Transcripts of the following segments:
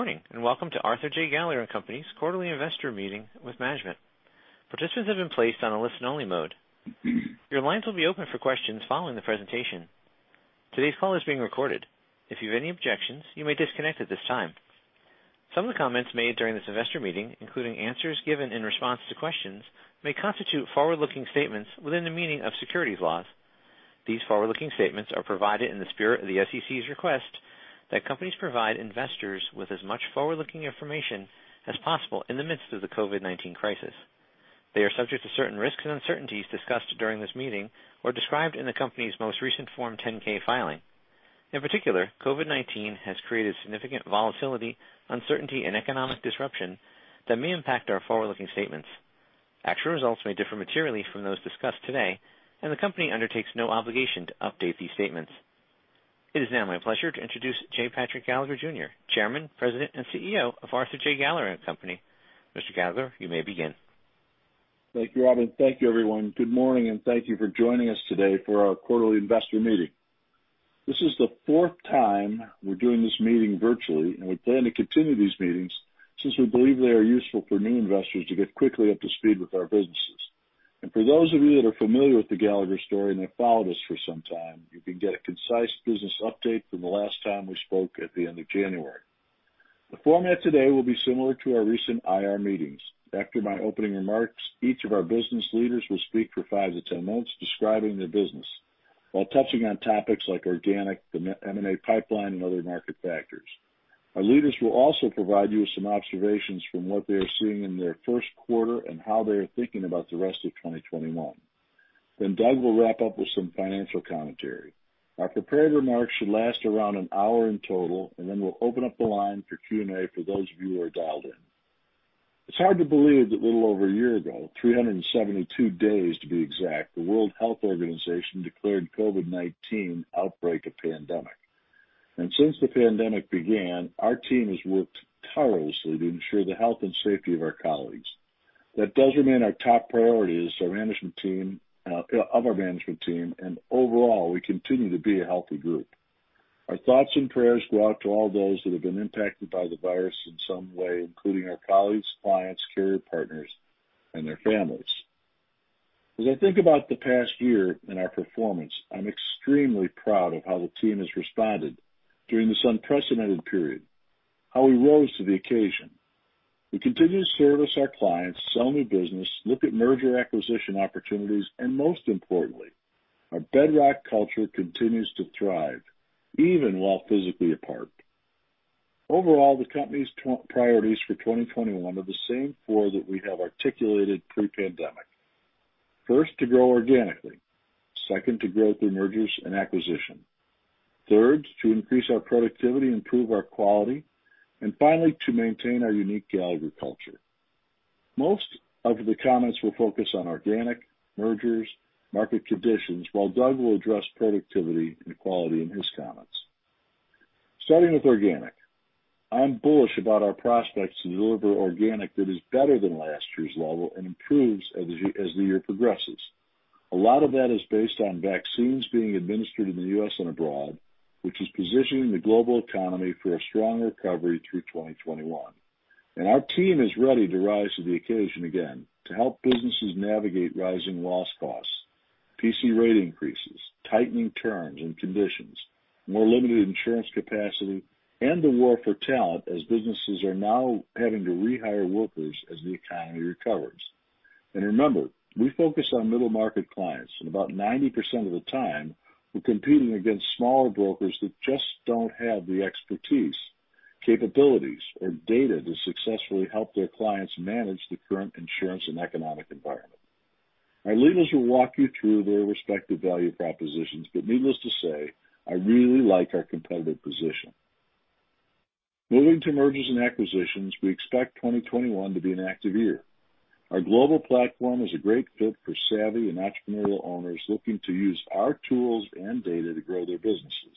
Good morning and welcome to Arthur J. Gallagher & Co.'s quarterly investor meeting with management. Participants have been placed on a listen-only mode. Your lines will be open for questions following the presentation. Today's call is being recorded. If you have any objections, you may disconnect at this time. Some of the comments made during this investor meeting, including answers given in response to questions, may constitute forward-looking statements within the meaning of securities laws. These forward-looking statements are provided in the spirit of the SEC's request that companies provide investors with as much forward-looking information as possible in the midst of the COVID-19 crisis. They are subject to certain risks and uncertainties discussed during this meeting or described in the company's most recent Form 10-K filing. In particular, COVID-19 has created significant volatility, uncertainty, and economic disruption that may impact our forward-looking statements. Actual results may differ materially from those discussed today, and the company undertakes no obligation to update these statements. It is now my pleasure to introduce J. Patrick Gallagher, Jr., Chairman, President, and CEO of Arthur J. Gallagher & Co. Mr. Gallagher, you may begin. Thank you, Robin. Thank you, everyone. Good morning and thank you for joining us today for our quarterly investor meeting. This is the fourth time we are doing this meeting virtually, and we plan to continue these meetings since we believe they are useful for new investors to get quickly up to speed with our businesses. For those of you that are familiar with the Gallagher story and have followed us for some time, you can get a concise business update from the last time we spoke at the end of January. The format today will be similar to our recent IR meetings. After my opening remarks, each of our business leaders will speak for five to ten minutes describing their business while touching on topics like organic, the M&A pipeline, and other market factors. Our leaders will also provide you with some observations from what they are seeing in their first quarter and how they are thinking about the rest of 2021. Doug will wrap up with some financial commentary. Our prepared remarks should last around an hour in total, and then we'll open up the line for Q&A for those of you who are dialed in. It's hard to believe that a little over a year ago, 372 days to be exact, the World Health Organization declared COVID-19 an outbreak of pandemic. Since the pandemic began, our team has worked tirelessly to ensure the health and safety of our colleagues. That does remain our top priority as a management team, and overall, we continue to be a healthy group. Our thoughts and prayers go out to all those that have been impacted by the virus in some way, including our colleagues, clients, carrier partners, and their families. As I think about the past year and our performance, I'm extremely proud of how the team has responded during this unprecedented period, how we rose to the occasion. We continue to service our clients, sell new business, look at merger acquisition opportunities, and most importantly, our bedrock culture continues to thrive even while physically apart. Overall, the company's priorities for 2021 are the same four that we have articulated pre-pandemic. First, to grow organically. Second, to grow through mergers and acquisitions. Third, to increase our productivity and improve our quality. Finally, to maintain our unique Gallagher culture. Most of the comments will focus on organic, mergers, market conditions, while Doug will address productivity and quality in his comments. Starting with organic, I'm bullish about our prospects to deliver organic that is better than last year's level and improves as the year progresses. A lot of that is based on vaccines being administered in the U.S. and abroad, which is positioning the global economy for a strong recovery through 2021. Our team is ready to rise to the occasion again to help businesses navigate rising loss costs, P&C rate increases, tightening terms and conditions, more limited insurance capacity, and the war for talent as businesses are now having to rehire workers as the economy recovers. Remember, we focus on middle market clients, and about 90% of the time, we're competing against smaller brokers that just don't have the expertise, capabilities, or data to successfully help their clients manage the current insurance and economic environment. Our leaders will walk you through their respective value propositions, but needless to say, I really like our competitive position. Moving to mergers and acquisitions, we expect 2021 to be an active year. Our global platform is a great fit for savvy and entrepreneurial owners looking to use our tools and data to grow their businesses,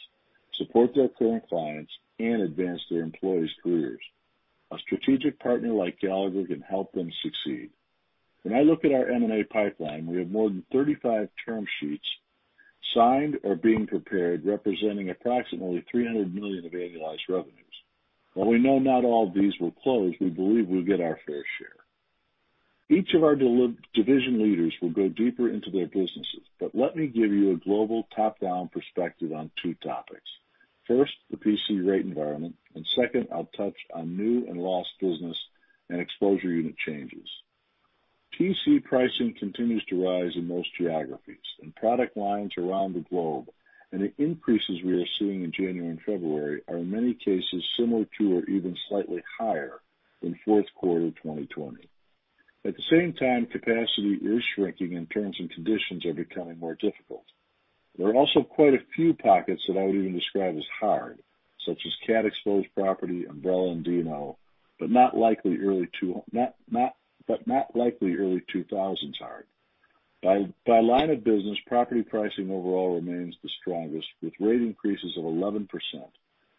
support their current clients, and advance their employees' careers. A strategic partner like Gallagher can help them succeed. When I look at our M&A pipeline, we have more than 35 term sheets signed or being prepared, representing approximately $300 million of annualized revenues. While we know not all of these will close, we believe we'll get our fair share. Each of our division leaders will go deeper into their businesses, but let me give you a global top-down perspective on two topics. First, the P&C rate environment, and second, I'll touch on new and lost business and exposure unit changes. P&C pricing continues to rise in most geographies, and product lines around the globe, and the increases we are seeing in January and February are in many cases similar to or even slightly higher than fourth quarter 2020. At the same time, capacity is shrinking and terms and conditions are becoming more difficult. There are also quite a few pockets that I would even describe as hard, such as Cat-exposed property, umbrella, and D&O, but not likely early 2000s hard. By line of business, property pricing overall remains the strongest, with rate increases of 11%,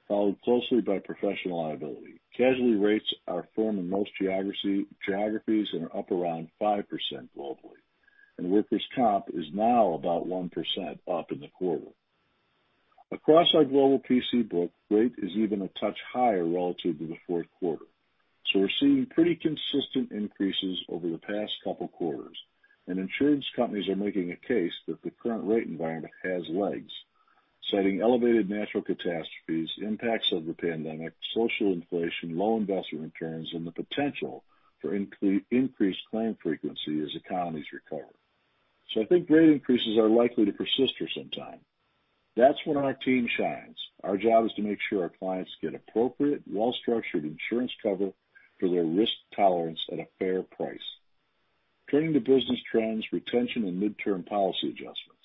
followed closely by professional liability. Casualty rates are firm in most geographies and are up around 5% globally, and workers' comp is now about 1% up in the quarter. Across our global P&C book, rate is even a touch higher relative to the fourth quarter. We are seeing pretty consistent increases over the past couple of quarters, and insurance companies are making a case that the current rate environment has legs, citing elevated natural catastrophes, impacts of the pandemic, social inflation, low investment returns, and the potential for increased claim frequency as economies recover. I think rate increases are likely to persist for some time. That is when our team shines. Our job is to make sure our clients get appropriate, well-structured insurance cover for their risk tolerance at a fair price, turning to business trends, retention, and midterm policy adjustments.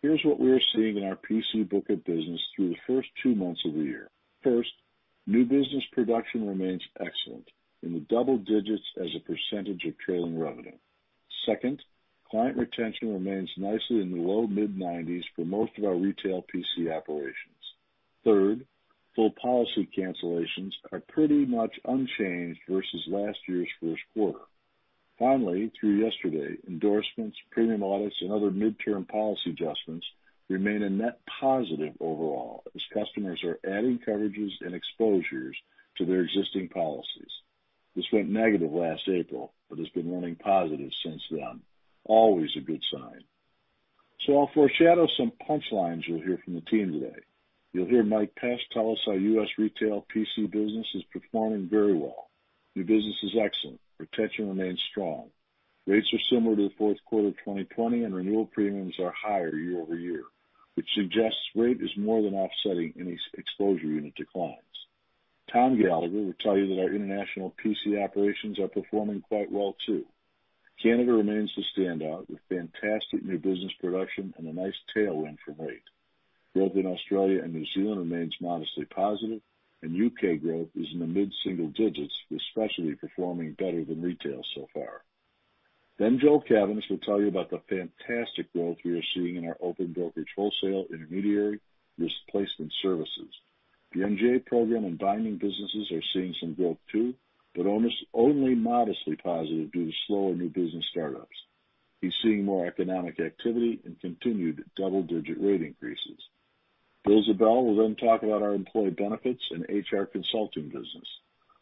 Here is what we are seeing in our P&C book of business through the first two months of the year. First, new business production remains excellent in the double digits as a percentage of trailing revenue. Second, client retention remains nicely in the low mid-90% for most of our retail P&C operations. Third, full policy cancellations are pretty much unchanged versus last year's first quarter. Finally, through yesterday, endorsements, premium audits, and other midterm policy adjustments remain a net positive overall as customers are adding coverages and exposures to their existing policies. This went negative last April, but it's been running positive since then. Always a good sign. I'll foreshadow some punchlines you'll hear from the team today. You'll hear Mike Pesch tell us our U.S. retail P&C business is performing very well. New business is excellent. Retention remains strong. Rates are similar to the fourth quarter of 2020, and renewal premiums are higher year-over-year, which suggests rate is more than offsetting any exposure unit declines. Tom Gallagher will tell you that our international P&C operations are performing quite well too. Canada remains the standout with fantastic new business production and a nice tailwind from rate. Growth in Australia and New Zealand remains modestly positive, and U.K. growth is in the mid-single digits, especially performing better than retail so far. Joel Cavaness will tell you about the fantastic growth we are seeing in our open Brokerage wholesale intermediary Risk Placement Services. The MGA program and binding businesses are seeing some growth too, but only modestly positive due to slower new business startups. He is seeing more economic activity and continued double-digit rate increases. Bill Ziebell will then talk about our employee benefits and HR consulting business.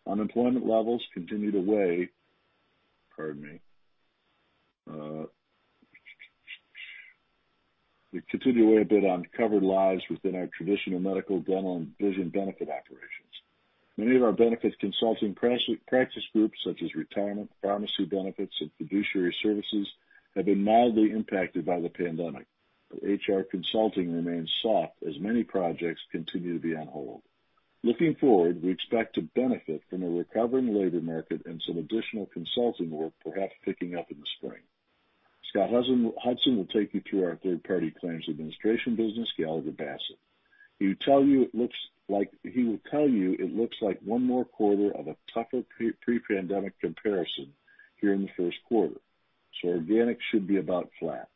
Unemployment levels continue to weigh—pardon me—continue to weigh a bit on covered lives within our traditional medical, dental, and vision benefit operations. Many of our benefits consulting practice groups, such as retirement, pharmacy benefits, and fiduciary services, have been mildly impacted by the pandemic, but HR consulting remains soft as many projects continue to be on hold. Looking forward, we expect to benefit from a recovering labor market and some additional consulting work, perhaps picking up in the spring. Scott Hudson will take you through our third-party claims administration business, Gallagher Bassett. He will tell you it looks like one more quarter of a tougher pre-pandemic comparison here in the first quarter. Organic should be about flat.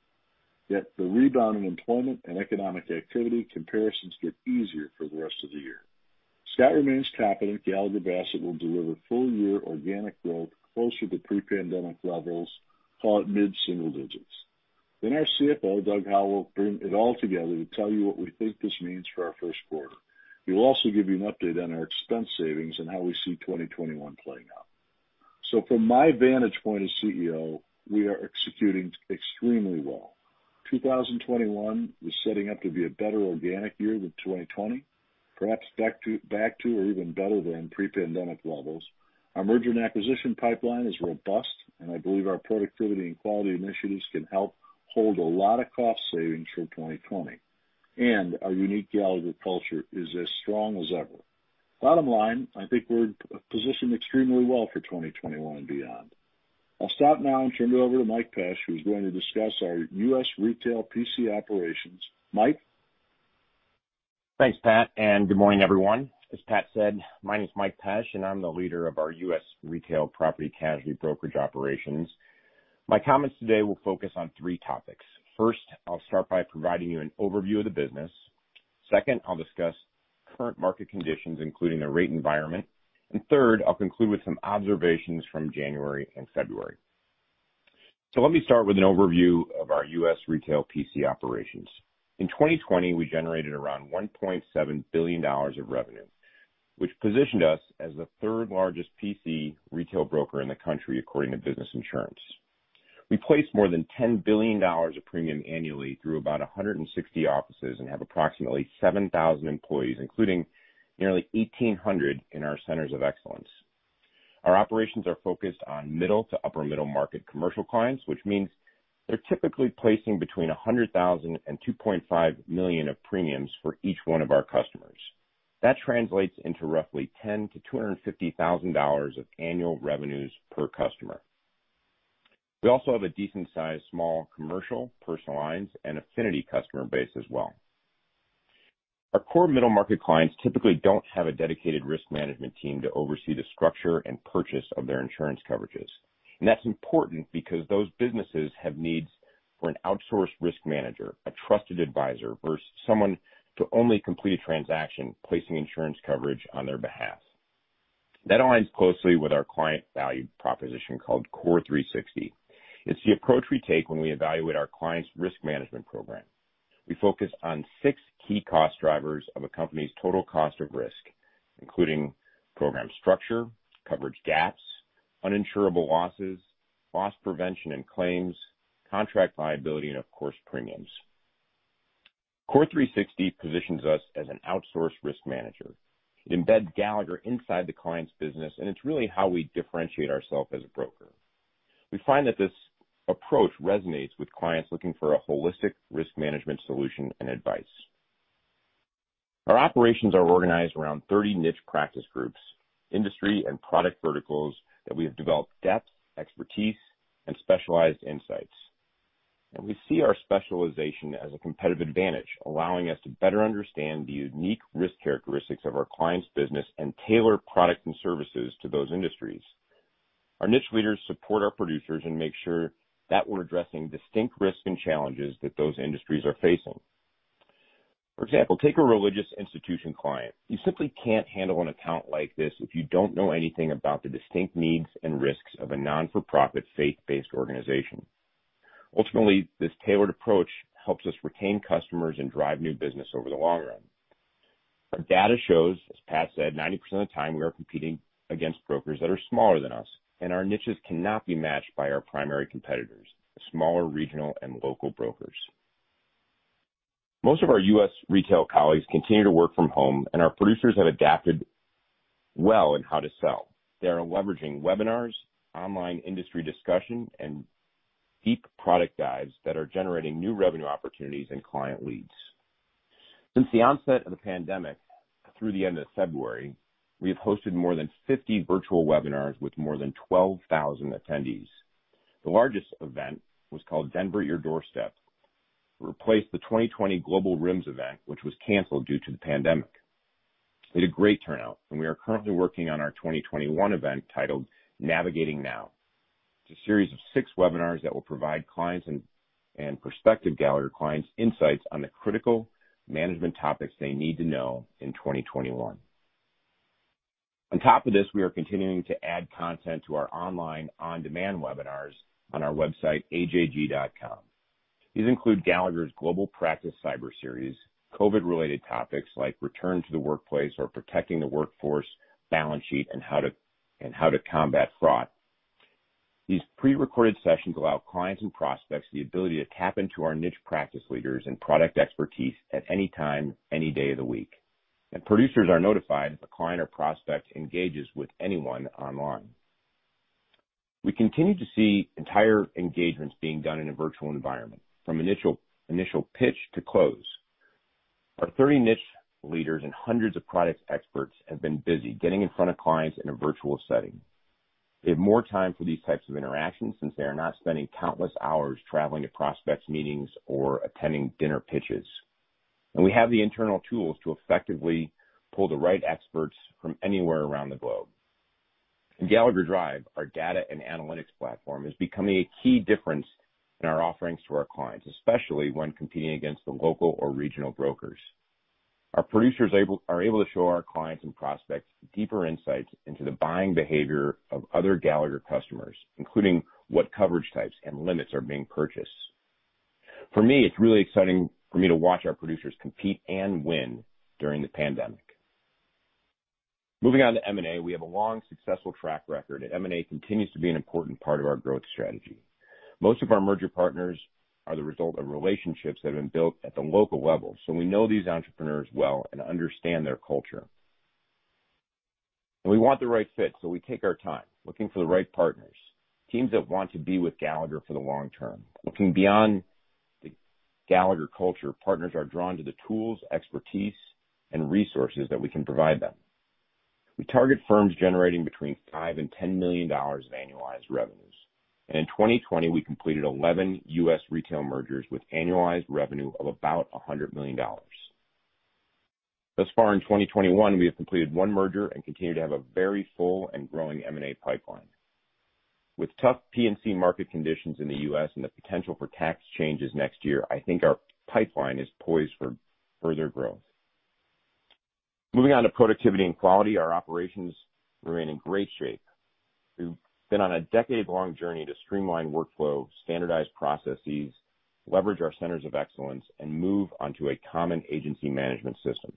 Yet the rebound in employment and economic activity comparisons get easier for the rest of the year. Scott remains confident Gallagher Bassett will deliver full-year organic growth closer to pre-pandemic levels, call it mid-single digits. Our CFO, Doug Howell, will bring it all together to tell you what we think this means for our first quarter. He will also give you an update on our expense savings and how we see 2021 playing out. From my vantage point as CEO, we are executing extremely well. 2021 is setting up to be a better organic year than 2020, perhaps back to or even better than pre-pandemic levels. Our merger and acquisition pipeline is robust, and I believe our productivity and quality initiatives can help hold a lot of cost savings for 2020. Our unique Gallagher culture is as strong as ever. Bottom line, I think we're positioned extremely well for 2021 and beyond. I'll stop now and turn it over to Mike Pesch, who's going to discuss our U.S. retail P&C operations. Mike. Thanks, Pat. Good morning, everyone. As Pat said, my name is Mike Pesch, and I'm the leader of our U.S. retail property casualty Brokerage operations. My comments today will focus on three topics. First, I'll start by providing you an overview of the business. Second, I'll discuss current market conditions, including the rate environment. Third, I'll conclude with some observations from January and February. Let me start with an overview of our U.S. retail P&C operations. In 2020, we generated around $1.7 billion of revenue, which positioned us as the third-largest P&C retail broker in the country according to Business Insurance. We place more than $10 billion of premium annually through about 160 offices and have approximately 7,000 employees, including nearly 1,800 in our Centers of Excellence. Our operations are focused on middle to upper-middle market commercial clients, which means they're typically placing between $100,000 and $2.5 million of premiums for each one of our customers. That translates into roughly $10,000 to $250,000 of annual revenues per customer. We also have a decent-sized small commercial, personal lines, and affinity customer base as well. Our core middle market clients typically don't have a dedicated Risk Management team to oversee the structure and purchase of their insurance coverages. That is important because those businesses have needs for an outsourced risk manager, a trusted advisor, versus someone to only complete a transaction placing insurance coverage on their behalf. That aligns closely with our client value proposition called CORE360. It's the approach we take when we evaluate our clients' Risk Management program. We focus on six key cost drivers of a company's total cost of risk, including program structure, coverage gaps, uninsurable losses, loss prevention and claims, contract liability, and of course, premiums. CORE360 positions us as an outsourced risk manager. It embeds Gallagher inside the client's business, and it's really how we differentiate ourself as a broker. We find that this approach resonates with clients looking for a holistic Risk Management solution and advice. Our operations are organized around 30 niche practice groups, industry, and product verticals that we have developed depth, expertise, and specialized insights. We see our specialization as a competitive advantage, allowing us to better understand the unique risk characteristics of our clients' business and tailor products and services to those industries. Our niche leaders support our producers and make sure that we're addressing distinct risks and challenges that those industries are facing. For example, take a religious institution client. You simply can't handle an account like this if you don't know anything about the distinct needs and risks of a not-for-profit faith-based organization. Ultimately, this tailored approach helps us retain customers and drive new business over the long run. Our data shows, as Pat said, 90% of the time we are competing against brokers that are smaller than us, and our niches cannot be matched by our primary competitors, smaller regional and local brokers. Most of our U.S. retail colleagues continue to work from home, and our producers have adapted well in how to sell. They are leveraging webinars, online industry discussion, and deep product dives that are generating new revenue opportunities and client leads. Since the onset of the pandemic through the end of February, we have hosted more than 50 virtual webinars with more than 12,000 attendees. The largest event was called Denver at Your Doorstep. It replaced the 2020 Global RIMS event, which was canceled due to the pandemic. We had a great turnout, and we are currently working on our 2021 event titled Navigating Now. It's a series of six webinars that will provide clients and prospective Gallagher clients insights on the critical management topics they need to know in 2021. On top of this, we are continuing to add content to our online on-demand webinars on our website, ajg.com. These include Gallagher's Global Practice Cyber Series, COVID-related topics like return to the workplace or protecting the workforce balance sheet and how to combat fraud. These pre-recorded sessions allow clients and prospects the ability to tap into our niche practice leaders and product expertise at any time, any day of the week. Producers are notified if a client or prospect engages with anyone online. We continue to see entire engagements being done in a virtual environment, from initial pitch to close. Our 30 niche leaders and hundreds of product experts have been busy getting in front of clients in a virtual setting. They have more time for these types of interactions since they are not spending countless hours traveling to prospect meetings or attending dinner pitches. We have the internal tools to effectively pull the right experts from anywhere around the globe. In Gallagher Drive, our data and analytics platform is becoming a key difference in our offerings to our clients, especially when competing against the local or regional brokers. Our producers are able to show our clients and prospects deeper insights into the buying behavior of other Gallagher customers, including what coverage types and limits are being purchased. For me, it's really exciting for me to watch our producers compete and win during the pandemic. Moving on to M&A, we have a long, successful track record, and M&A continues to be an important part of our growth strategy. Most of our merger partners are the result of relationships that have been built at the local level, so we know these entrepreneurs well and understand their culture. We want the right fit, so we take our time looking for the right partners, teams that want to be with Gallagher for the long term. Looking beyond the Gallagher culture, partners are drawn to the tools, expertise, and resources that we can provide them. We target firms generating between $5 million and $10 million of annualized revenues. In 2020, we completed 11 U.S. retail mergers with annualized revenue of about $100 million. Thus far in 2021, we have completed one merger and continue to have a very full and growing M&A pipeline. With tough P&C market conditions in the U.S. and the potential for tax changes next year, I think our pipeline is poised for further growth. Moving on to productivity and quality, our operations remain in great shape. We've been on a decade-long journey to streamline workflow, standardize processes, leverage our Centers of Excellence, and move on to a common agency management system.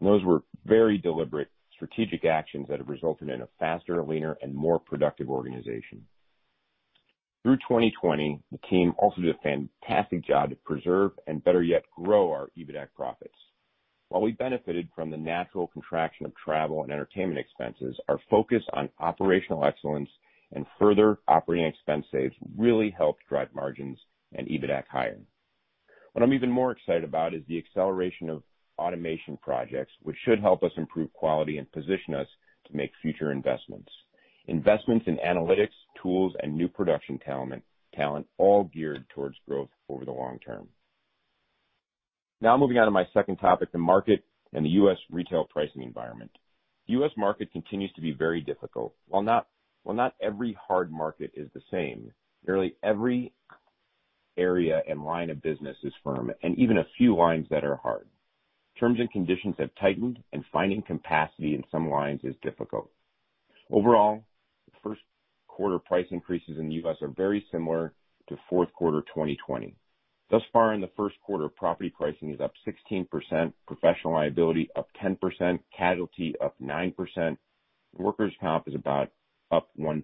Those were very deliberate strategic actions that have resulted in a faster, leaner, and more productive organization. Through 2020, the team also did a fantastic job to preserve and better yet grow our EBITDA profits. While we benefited from the natural contraction of travel and entertainment expenses, our focus on operational excellence and further operating expense savings really helped drive margins and EBITDA higher. What I'm even more excited about is the acceleration of automation projects, which should help us improve quality and position us to make future investments. Investments in analytics, tools, and new production talent all geared towards growth over the long term. Now moving on to my second topic, the market and the U.S. retail pricing environment. The U.S. market continues to be very difficult. While not every hard market is the same, nearly every area and line of business is firm, and even a few lines that are hard. Terms and conditions have tightened, and finding capacity in some lines is difficult. Overall, the first quarter price increases in the U.S. are very similar to fourth quarter 2020. Thus far in the first quarter, property pricing is up 16%, professional liability up 10%, casualty up 9%, and workers' comp is about up 1%.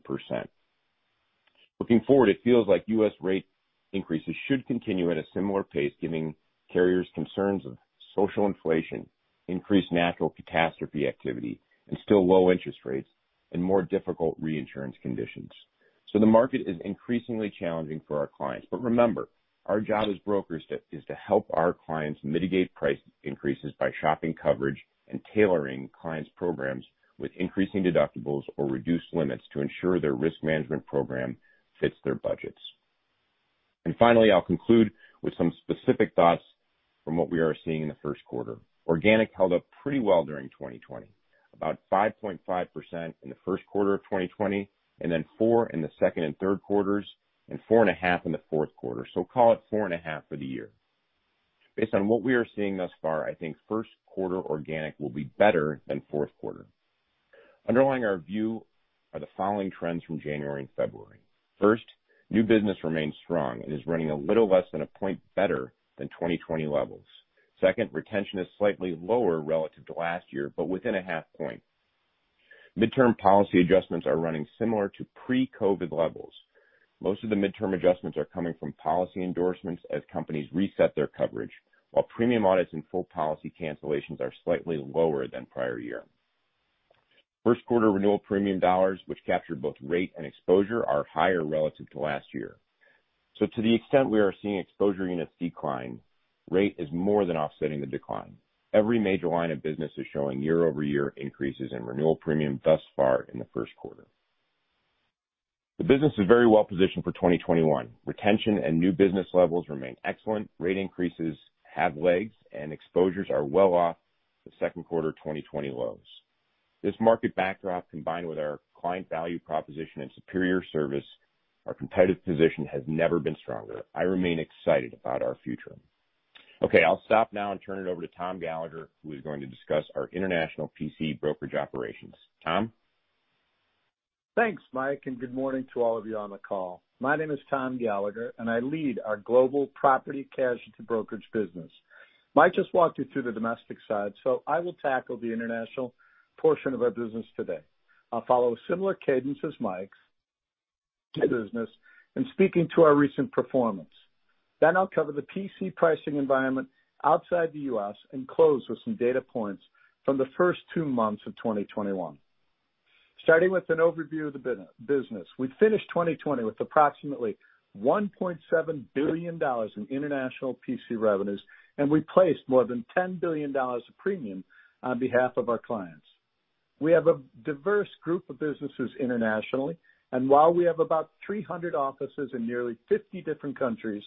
Looking forward, it feels like U.S. Rate increases should continue at a similar pace, giving carriers concerns of social inflation, increased natural catastrophe activity, and still low interest rates and more difficult reinsurance conditions. The market is increasingly challenging for our clients. Remember, our job as brokers is to help our clients mitigate price increases by shopping coverage and tailoring clients' programs with increasing deductibles or reduced limits to ensure their Risk Management program fits their budgets. Finally, I'll conclude with some specific thoughts from what we are seeing in the first quarter. Organic held up pretty well during 2020, about 5.5% in the first quarter of 2020, and then 4% in the second and third quarters, and 4.5% in the fourth quarter. Call it 4.5% for the year. Based on what we are seeing thus far, I think first quarter organic will be better than fourth quarter. Underlying our view are the following trends from January and February. First, new business remains strong and is running a little less than a point better than 2020 levels. Second, retention is slightly lower relative to last year, but within a half point. Midterm policy adjustments are running similar to pre-COVID levels. Most of the midterm adjustments are coming from policy endorsements as companies reset their coverage, while premium audits and full policy cancellations are slightly lower than prior year. First quarter renewal premium dollars, which captured both rate and exposure, are higher relative to last year. To the extent we are seeing exposure units decline, rate is more than offsetting the decline. Every major line of business is showing year-over-year increases in renewal premium thus far in the first quarter. The business is very well positioned for 2021. Retention and new business levels remain excellent. Rate increases have legs, and exposures are well off the second quarter 2020 lows. This market backdrop, combined with our client value proposition and superior service, our competitive position has never been stronger. I remain excited about our future. Okay, I'll stop now and turn it over to Tom Gallagher, who is going to discuss our international P&C Brokerage operations. Tom? Thanks, Mike, and good morning to all of you on the call. My name is Tom Gallagher, and I lead our global property casualty Brokerage business. Mike just walked you through the domestic side, so I will tackle the international portion of our business today. I'll follow a similar cadence as Mike's business in speaking to our recent performance. Then I'll cover the P&C pricing environment outside the U.S. and close with some data points from the first two months of 2021. Starting with an overview of the business, we finished 2020 with approximately $1.7 billion in international P&C revenues, and we placed more than $10 billion of premium on behalf of our clients. We have a diverse group of businesses internationally, and while we have about 300 offices in nearly 50 different countries,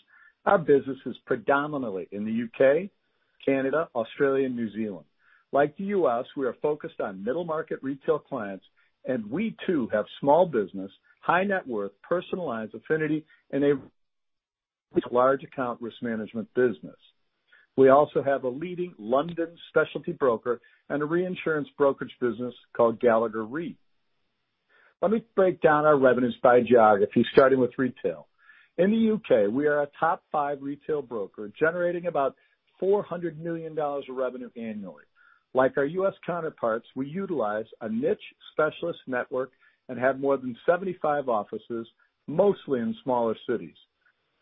our business is predominantly in the U.K., Canada, Australia, and New Zealand. Like the U.S., we are focused on middle market retail clients, and we too have small business, high net worth, personalized affinity, and a large account Risk Management business. We also have a leading London specialty broker and a reinsurance Brokerage business called Gallagher Re. Let me break down our revenues by geography, starting with retail. In the U.K., we are a top five retail broker generating about $400 million of revenue annually. Like our U.S. counterparts, we utilize a niche specialist network and have more than 75 offices, mostly in smaller cities.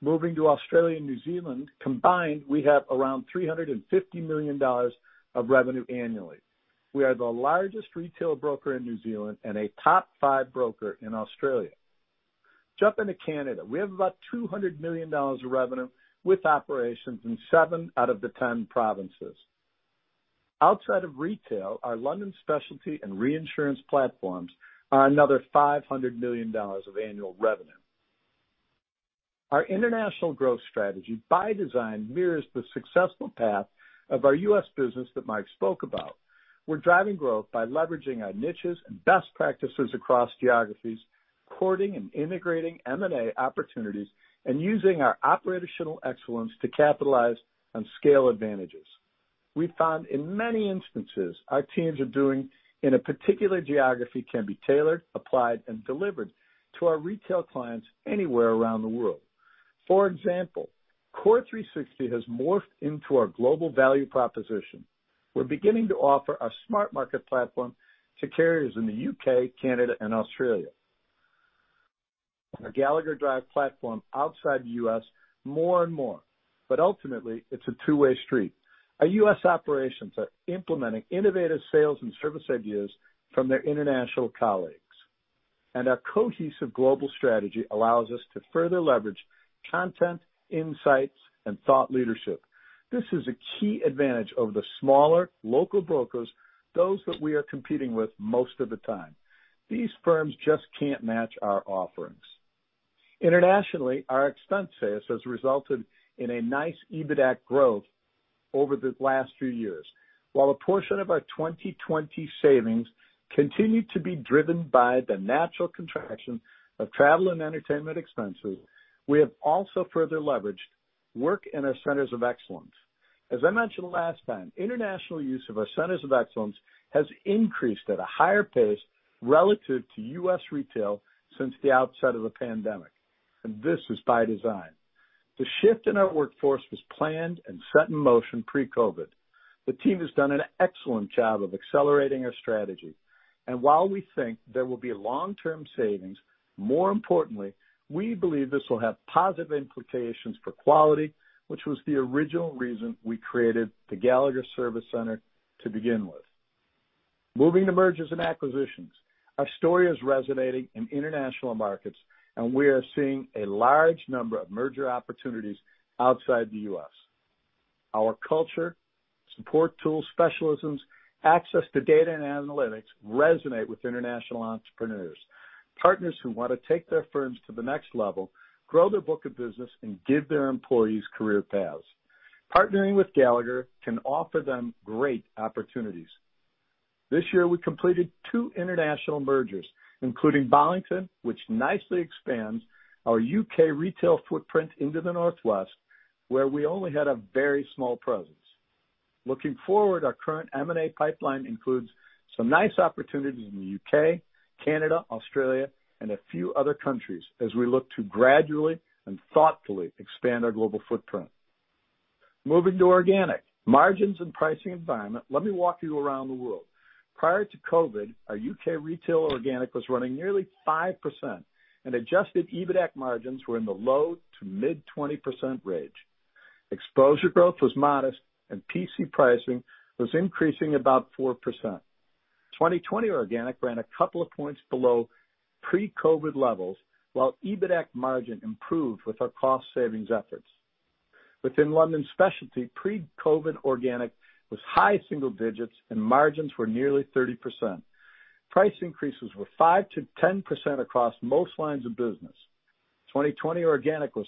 Moving to Australia and New Zealand, combined, we have around $350 million of revenue annually. We are the largest retail broker in New Zealand and a top five broker in Australia. Jump into Canada. We have about $200 million of revenue with operations in seven out of the 10 provinces. Outside of retail, our London specialty and reinsurance platforms are another $500 million of annual revenue. Our international growth strategy, by design, mirrors the successful path of our U.S. business that Mike spoke about. We're driving growth by leveraging our niches and best practices across geographies, courting and integrating M&A opportunities, and using our operational excellence to capitalize on scale advantages. We found in many instances, our teams are doing in a particular geography can be tailored, applied, and delivered to our retail clients anywhere around the world. For example, CORE360 has morphed into our global value proposition. We're beginning to offer our SmartMarket platform to carriers in the U.K., Canada, and Australia. Our Gallagher Drive platform outside the U.S., more and more. Ultimately, it's a two-way street. Our U.S. operations are implementing innovative sales and service ideas from their international colleagues. Our cohesive global strategy allows us to further leverage content, insights, and thought leadership. This is a key advantage over the smaller local brokers, those that we are competing with most of the time. These firms just can't match our offerings. Internationally, our expense savings has resulted in a nice EBITDA growth over the last few years. While a portion of our 2020 savings continued to be driven by the natural contraction of travel and entertainment expenses, we have also further leveraged work in our Centers of Excellence. As I mentioned last time, international use of our Centers of Excellence has increased at a higher pace relative to U.S. retail since the outset of the pandemic. This is by design. The shift in our workforce was planned and set in motion pre-COVID. The team has done an excellent job of accelerating our strategy. While we think there will be long-term savings, more importantly, we believe this will have positive implications for quality, which was the original reason we created the Gallagher Service Center to begin with. Moving to mergers and acquisitions, our story is resonating in international markets, and we are seeing a large number of merger opportunities outside the U.S. Our culture, support tools, specialisms, access to data, and analytics resonate with international entrepreneurs, partners who want to take their firms to the next level, grow their book of business, and give their employees career paths. Partnering with Gallagher can offer them great opportunities. This year, we completed two international mergers, including Bollington, which nicely expands our U.K. retail footprint into the Northwest, where we only had a very small presence. Looking forward, our current M&A pipeline includes some nice opportunities in the U.K., Canada, Australia, and a few other countries as we look to gradually and thoughtfully expand our global footprint. Moving to organic, margins and pricing environment, let me walk you around the world. Prior to COVID, our U.K. retail organic was running nearly 5%, and adjusted EBITDA margins were in the low to mid-20% range. Exposure growth was modest, and P&C pricing was increasing about 4%. 2020 organic ran a couple of points below pre-COVID levels, while EBITDA margin improved with our cost savings efforts. Within London specialty, pre-COVID organic was high single digits, and margins were nearly 30%. Price increases were 5%-10% across most lines of business. 2020 organic was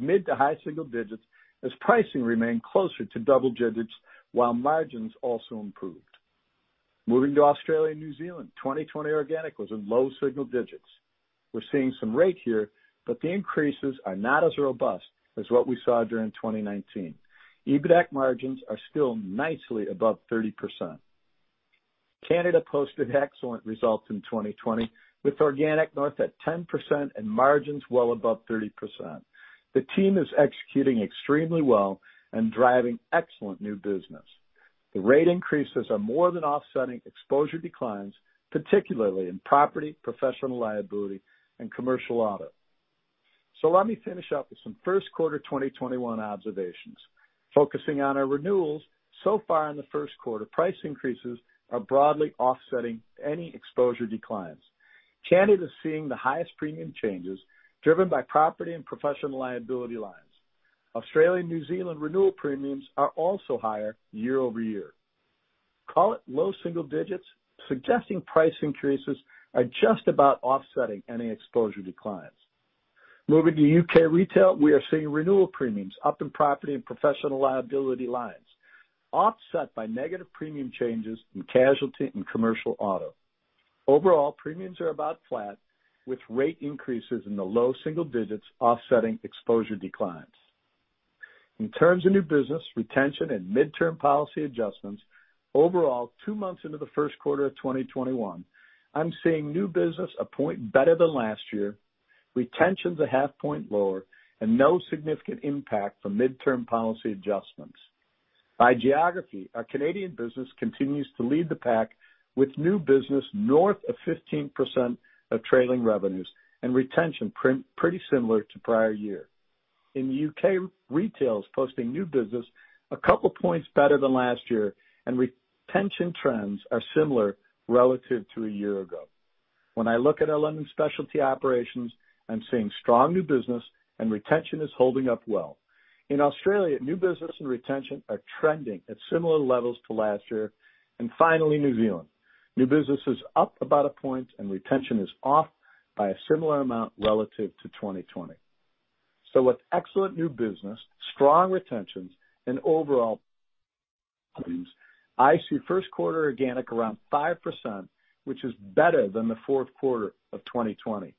mid to high single digits, as pricing remained closer to double digits, while margins also improved. Moving to Australia and New Zealand, 2020 organic was in low single digits. We're seeing some rate here, but the increases are not as robust as what we saw during 2019. EBITDA margins are still nicely above 30%. Canada posted excellent results in 2020, with organic north at 10% and margins well above 30%. The team is executing extremely well and driving excellent new business. The rate increases are more than offsetting exposure declines, particularly in property, professional liability, and commercial auto. Let me finish up with some first quarter 2021 observations. Focusing on our renewals, so far in the first quarter, price increases are broadly offsetting any exposure declines. Canada is seeing the highest premium changes driven by property and professional liability lines. Australia and New Zealand renewal premiums are also higher year-over-year. Call it low single digits, suggesting price increases are just about offsetting any exposure declines. Moving to U.K. retail, we are seeing renewal premiums up in property and professional liability lines, offset by negative premium changes in casualty and commercial auto. Overall, premiums are about flat, with rate increases in the low single digits offsetting exposure declines. In terms of new business, retention, and midterm policy adjustments, overall, two months into the first quarter of 2021, I'm seeing new business a point better than last year, retention's a half point lower, and no significant impact from midterm policy adjustments. By geography, our Canadian business continues to lead the pack with new business north of 15% of trailing revenues and retention pretty similar to prior year. In U.K. retails, posting new business a couple points better than last year, and retention trends are similar relative to a year ago. When I look at our London specialty operations, I'm seeing strong new business, and retention is holding up well. In Australia, new business and retention are trending at similar levels to last year. Finally, New Zealand, new business is up about a point, and retention is off by a similar amount relative to 2020. With excellent new business, strong retentions, and overall, I see first quarter organic around 5%, which is better than the fourth quarter of 2020.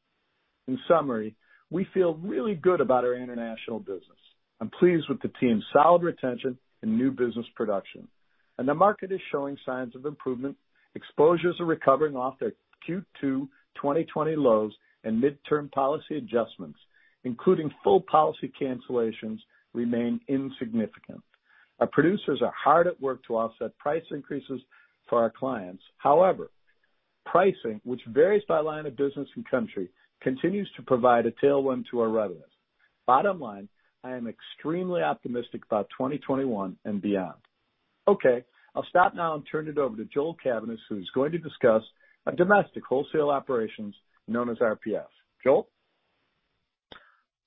In summary, we feel really good about our international business. I'm pleased with the team's solid retention and new business production. The market is showing signs of improvement. Exposures are recovering off their Q2 2020 lows, and midterm policy adjustments, including full policy cancellations, remain insignificant. Our producers are hard at work to offset price increases for our clients. However, pricing, which varies by line of business and country, continues to provide a tailwind to our revenues. Bottom line, I am extremely optimistic about 2021 and beyond. Okay, I'll stop now and turn it over to Joel Cavaness, who is going to discuss our domestic wholesale operations known as RPS. Joel?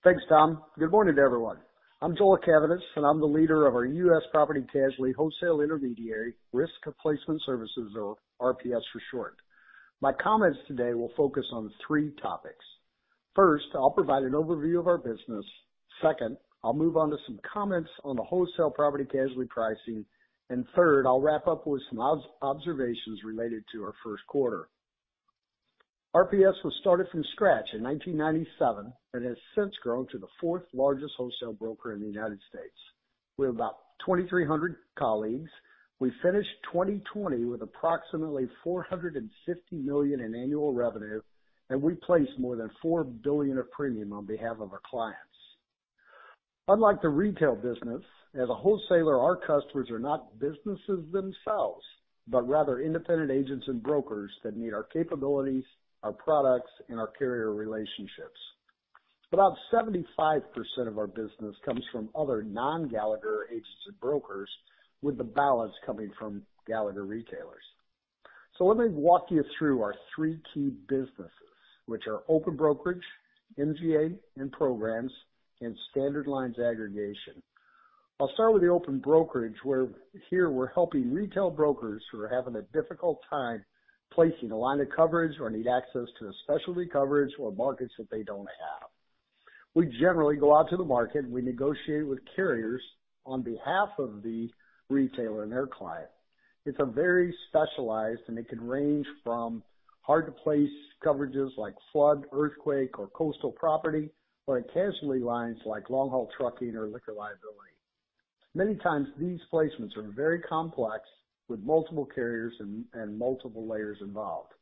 Thanks, Tom. Good morning to everyone. I'm Joel Cavaness, and I'm the leader of our U.S. property casualty wholesale intermediary, Risk Placement Services, or RPS for short. My comments today will focus on three topics. First, I'll provide an overview of our business. Second, I'll move on to some comments on the wholesale property casualty pricing. Third, I'll wrap up with some observations related to our first quarter. RPS was started from scratch in 1997 and has since grown to the fourth largest wholesale broker in the United States. We have about 2,300 colleagues. We finished 2020 with approximately $450 million in annual revenue, and we placed more than $4 billion of premium on behalf of our clients. Unlike the retail business, as a wholesaler, our customers are not businesses themselves, but rather independent agents and brokers that need our capabilities, our products, and our carrier relationships. About 75% of our business comes from other non-Gallagher agents and brokers, with the balance coming from Gallagher retailers. Let me walk you through our three key businesses, which are open Brokerage, MGA, and programs, and standard lines aggregation. I'll start with the open Brokerage, where here we're helping retail brokers who are having a difficult time placing a line of coverage or need access to a specialty coverage or markets that they don't have. We generally go out to the market, and we negotiate with carriers on behalf of the retailer and their client. It's very specialized, and it can range from hard-to-place coverages like flood, earthquake, or coastal property, or occasionally lines like long-haul trucking or liquor liability. Many times, these placements are very complex with multiple carriers and multiple layers involved.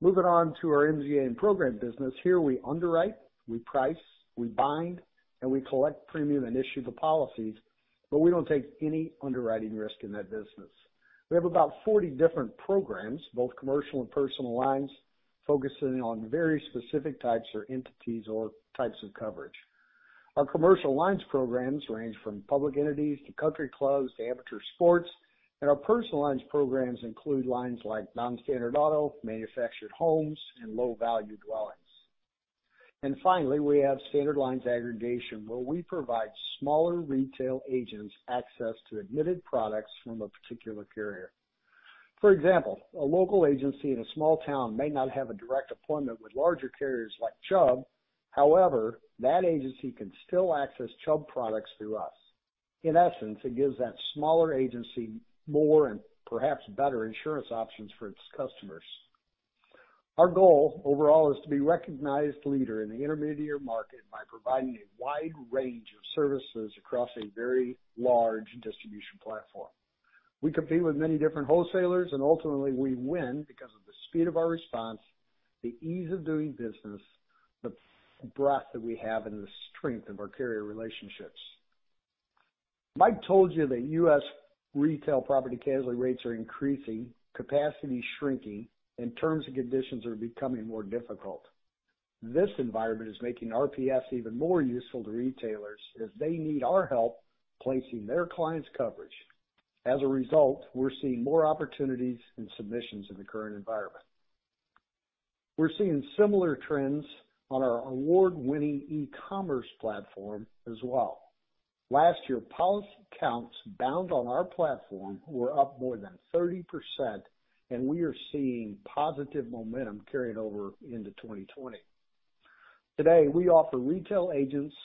Moving on to our MGA and program business, here we underwrite, we price, we bind, and we collect premium and issue the policies, but we do not take any underwriting risk in that business. We have about 40 different programs, both commercial and personal lines, focusing on very specific types or entities or types of coverage. Our commercial lines programs range from public entities to country clubs to amateur sports. Our personal lines programs include lines like non-standard auto, manufactured homes, and low-value dwellings. Finally, we have standard lines aggregation, where we provide smaller retail agents access to admitted products from a particular carrier. For example, a local agency in a small town may not have a direct appointment with larger carriers like Chubb. However, that agency can still access Chubb products through us. In essence, it gives that smaller agency more and perhaps better insurance options for its customers. Our goal overall is to be a recognized leader in the intermediary market by providing a wide range of services across a very large distribution platform. We compete with many different wholesalers, and ultimately, we win because of the speed of our response, the ease of doing business, the breadth that we have, and the strength of our carrier relationships. Mike told you that U.S. retail property casualty rates are increasing, capacity shrinking, and terms and conditions are becoming more difficult. This environment is making RPS even more useful to retailers as they need our help placing their clients' coverage. As a result, we're seeing more opportunities and submissions in the current environment. We're seeing similar trends on our award-winning e-commerce platform as well. Last year, policy counts bound on our platform were up more than 30%, and we are seeing positive momentum carrying over into 2020. Today, we offer retail agents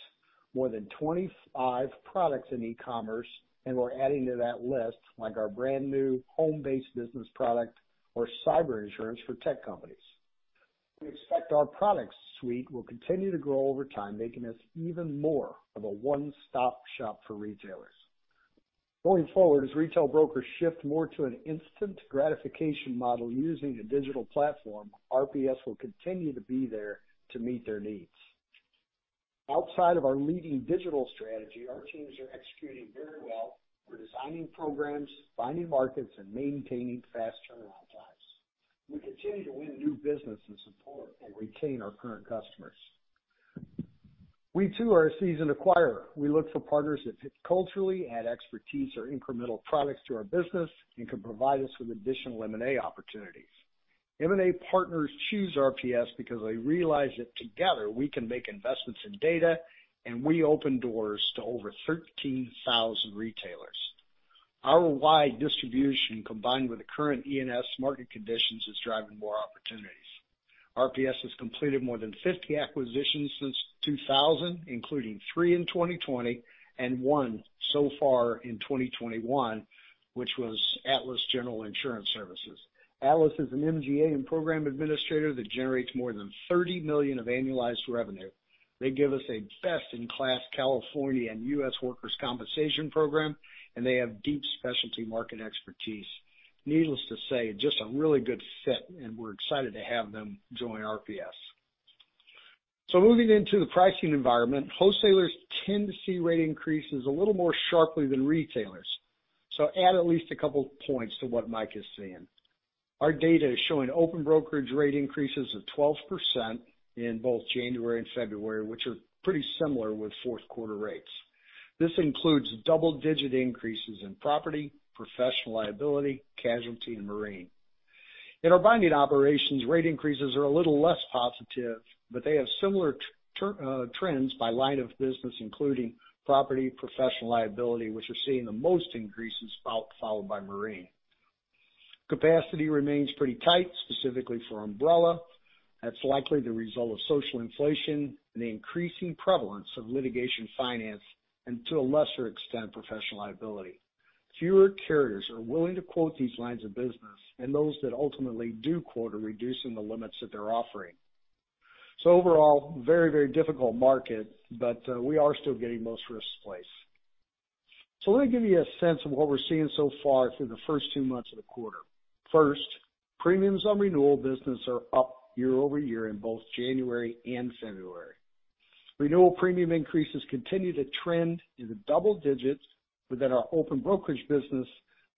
more than 25 products in e-commerce, and we're adding to that list like our brand new home-based business product or cyber insurance for tech companies. We expect our product suite will continue to grow over time, making us even more of a one-stop shop for retailers. Going forward, as retail brokers shift more to an instant gratification model using a digital platform, RPS will continue to be there to meet their needs. Outside of our leading digital strategy, our teams are executing very well for designing programs, finding markets, and maintaining fast turnaround times. We continue to win new business and support and retain our current customers. We too are a seasoned acquirer. We look for partners that fit culturally, add expertise, or incremental products to our business, and can provide us with additional M&A opportunities. M&A partners choose RPS because they realize that together we can make investments in data, and we open doors to over 13,000 retailers. Our wide distribution, combined with the current E&S market conditions, is driving more opportunities. RPS has completed more than 50 acquisitions since 2000, including three in 2020 and one so far in 2021, which was Atlas General Insurance Services. Atlas is an MGA and program administrator that generates more than $30 million of annualized revenue. They give us a best-in-class California and U.S. workers' compensation program, and they have deep specialty market expertise. Needless to say, just a really good fit, and we're excited to have them join RPS. Moving into the pricing environment, wholesalers tend to see rate increases a little more sharply than retailers. Add at least a couple points to what Mike is seeing. Our data is showing open Brokerage rate increases of 12% in both January and February, which are pretty similar with fourth quarter rates. This includes double-digit increases in property, professional liability, casualty, and marine. In our binding operations, rate increases are a little less positive, but they have similar trends by line of business, including property, professional liability, which are seeing the most increases, followed by marine. Capacity remains pretty tight, specifically for umbrella. That's likely the result of social inflation and the increasing prevalence of litigation finance, and to a lesser extent, professional liability. Fewer carriers are willing to quote these lines of business, and those that ultimately do quote are reducing the limits that they're offering. Overall, very, very difficult market, but we are still getting most risks placed. Let me give you a sense of what we're seeing so far through the first two months of the quarter. First, premiums on renewal business are up year-over-year in both January and February. Renewal premium increases continue to trend in the double digits within our open Brokerage business,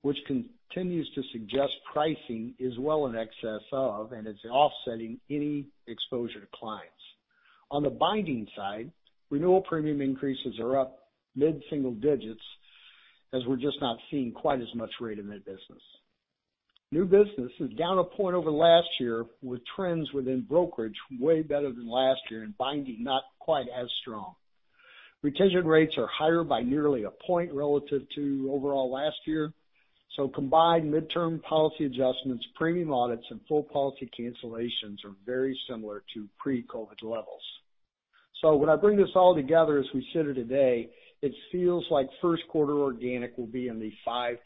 which continues to suggest pricing is well in excess of, and it's offsetting any exposure to clients. On the binding side, renewal premium increases are up mid-single digits, as we're just not seeing quite as much rate in that business. New business is down a point over last year, with trends within Brokerage way better than last year, and binding not quite as strong. Retention rates are higher by nearly a point relative to overall last year. Combined midterm policy adjustments, premium audits, and full policy cancellations are very similar to pre-COVID levels. When I bring this all together as we sit here today, it feels like first quarter organic will be in the 5-6%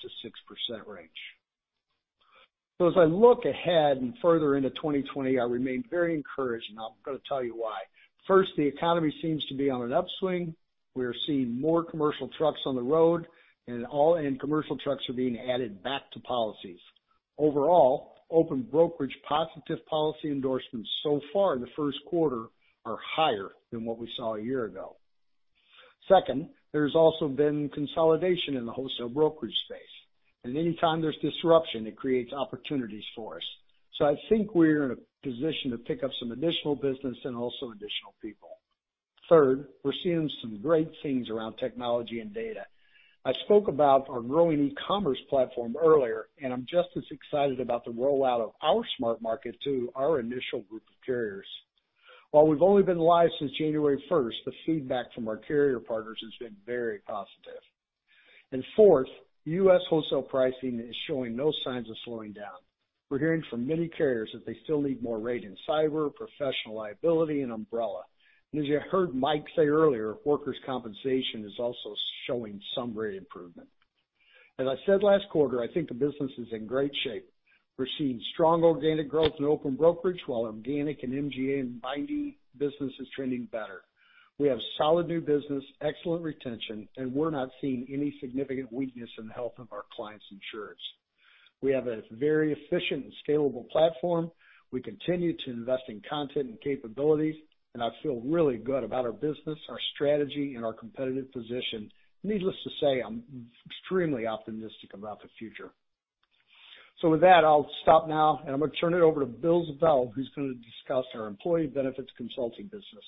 range. As I look ahead and further into 2020, I remain very encouraged, and I'm going to tell you why. First, the economy seems to be on an upswing. We are seeing more commercial trucks on the road, and commercial trucks are being added back to policies. Overall, open Brokerage positive policy endorsements so far in the first quarter are higher than what we saw a year ago. Second, there's also been consolidation in the wholesale Brokerage space. Anytime there's disruption, it creates opportunities for us. I think we're in a position to pick up some additional business and also additional people. Third, we're seeing some great things around technology and data. I spoke about our growing e-commerce platform earlier, and I'm just as excited about the rollout of our SmartMarket to our initial group of carriers. While we've only been live since January 1, the feedback from our carrier partners has been very positive. Fourth, U.S. wholesale pricing is showing no signs of slowing down. We're hearing from many carriers that they still need more rate in cyber, professional liability, and umbrella. As you heard Mike say earlier, workers' compensation is also showing some rate improvement. As I said last quarter, I think the business is in great shape. We're seeing strong organic growth in open Brokerage, while organic and MGA and binding business is trending better. We have solid new business, excellent retention, and we're not seeing any significant weakness in the health of our clients' insurance. We have a very efficient and scalable platform. We continue to invest in content and capabilities, and I feel really good about our business, our strategy, and our competitive position. Needless to say, I'm extremely optimistic about the future. With that, I'll stop now, and I'm going to turn it over to Bill Ziebell, who's going to discuss our employee benefits consulting business.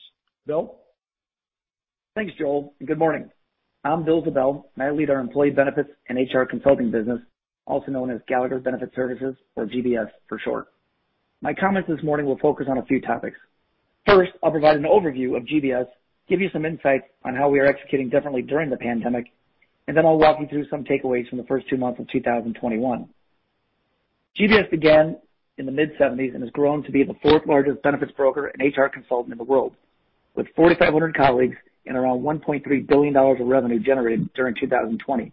Bill? Thanks, Joel. Good morning. I'm Bill Ziebell, and I lead our employee benefits and HR consulting business, also known as Gallagher Benefit Services, or GBS for short. My comments this morning will focus on a few topics. First, I'll provide an overview of GBS, give you some insights on how we are executing differently during the pandemic, and then I'll walk you through some takeaways from the first two months of 2021. GBS began in the mid-1970s and has grown to be the fourth largest benefits broker and HR consultant in the world, with 4,500 colleagues and around $1.3 billion of revenue generated during 2020.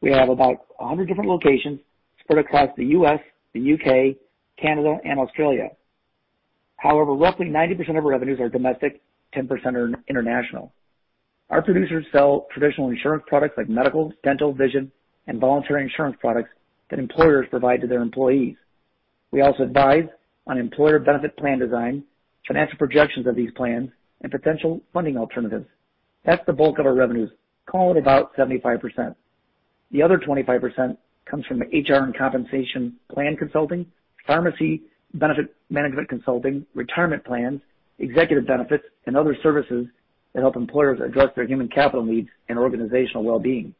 We have about 100 different locations spread across the U.S., the U.K., Canada, and Australia. However, roughly 90% of our revenues are domestic, 10% are international. Our producers sell traditional insurance products like medical, dental, vision, and voluntary insurance products that employers provide to their employees. We also advise on employer benefit plan design, financial projections of these plans, and potential funding alternatives. That's the bulk of our revenues, call it about 75%. The other 25% comes from HR and compensation plan consulting, pharmacy benefit management consulting, retirement plans, executive benefits, and other services that help employers address their human capital needs and organizational well-being.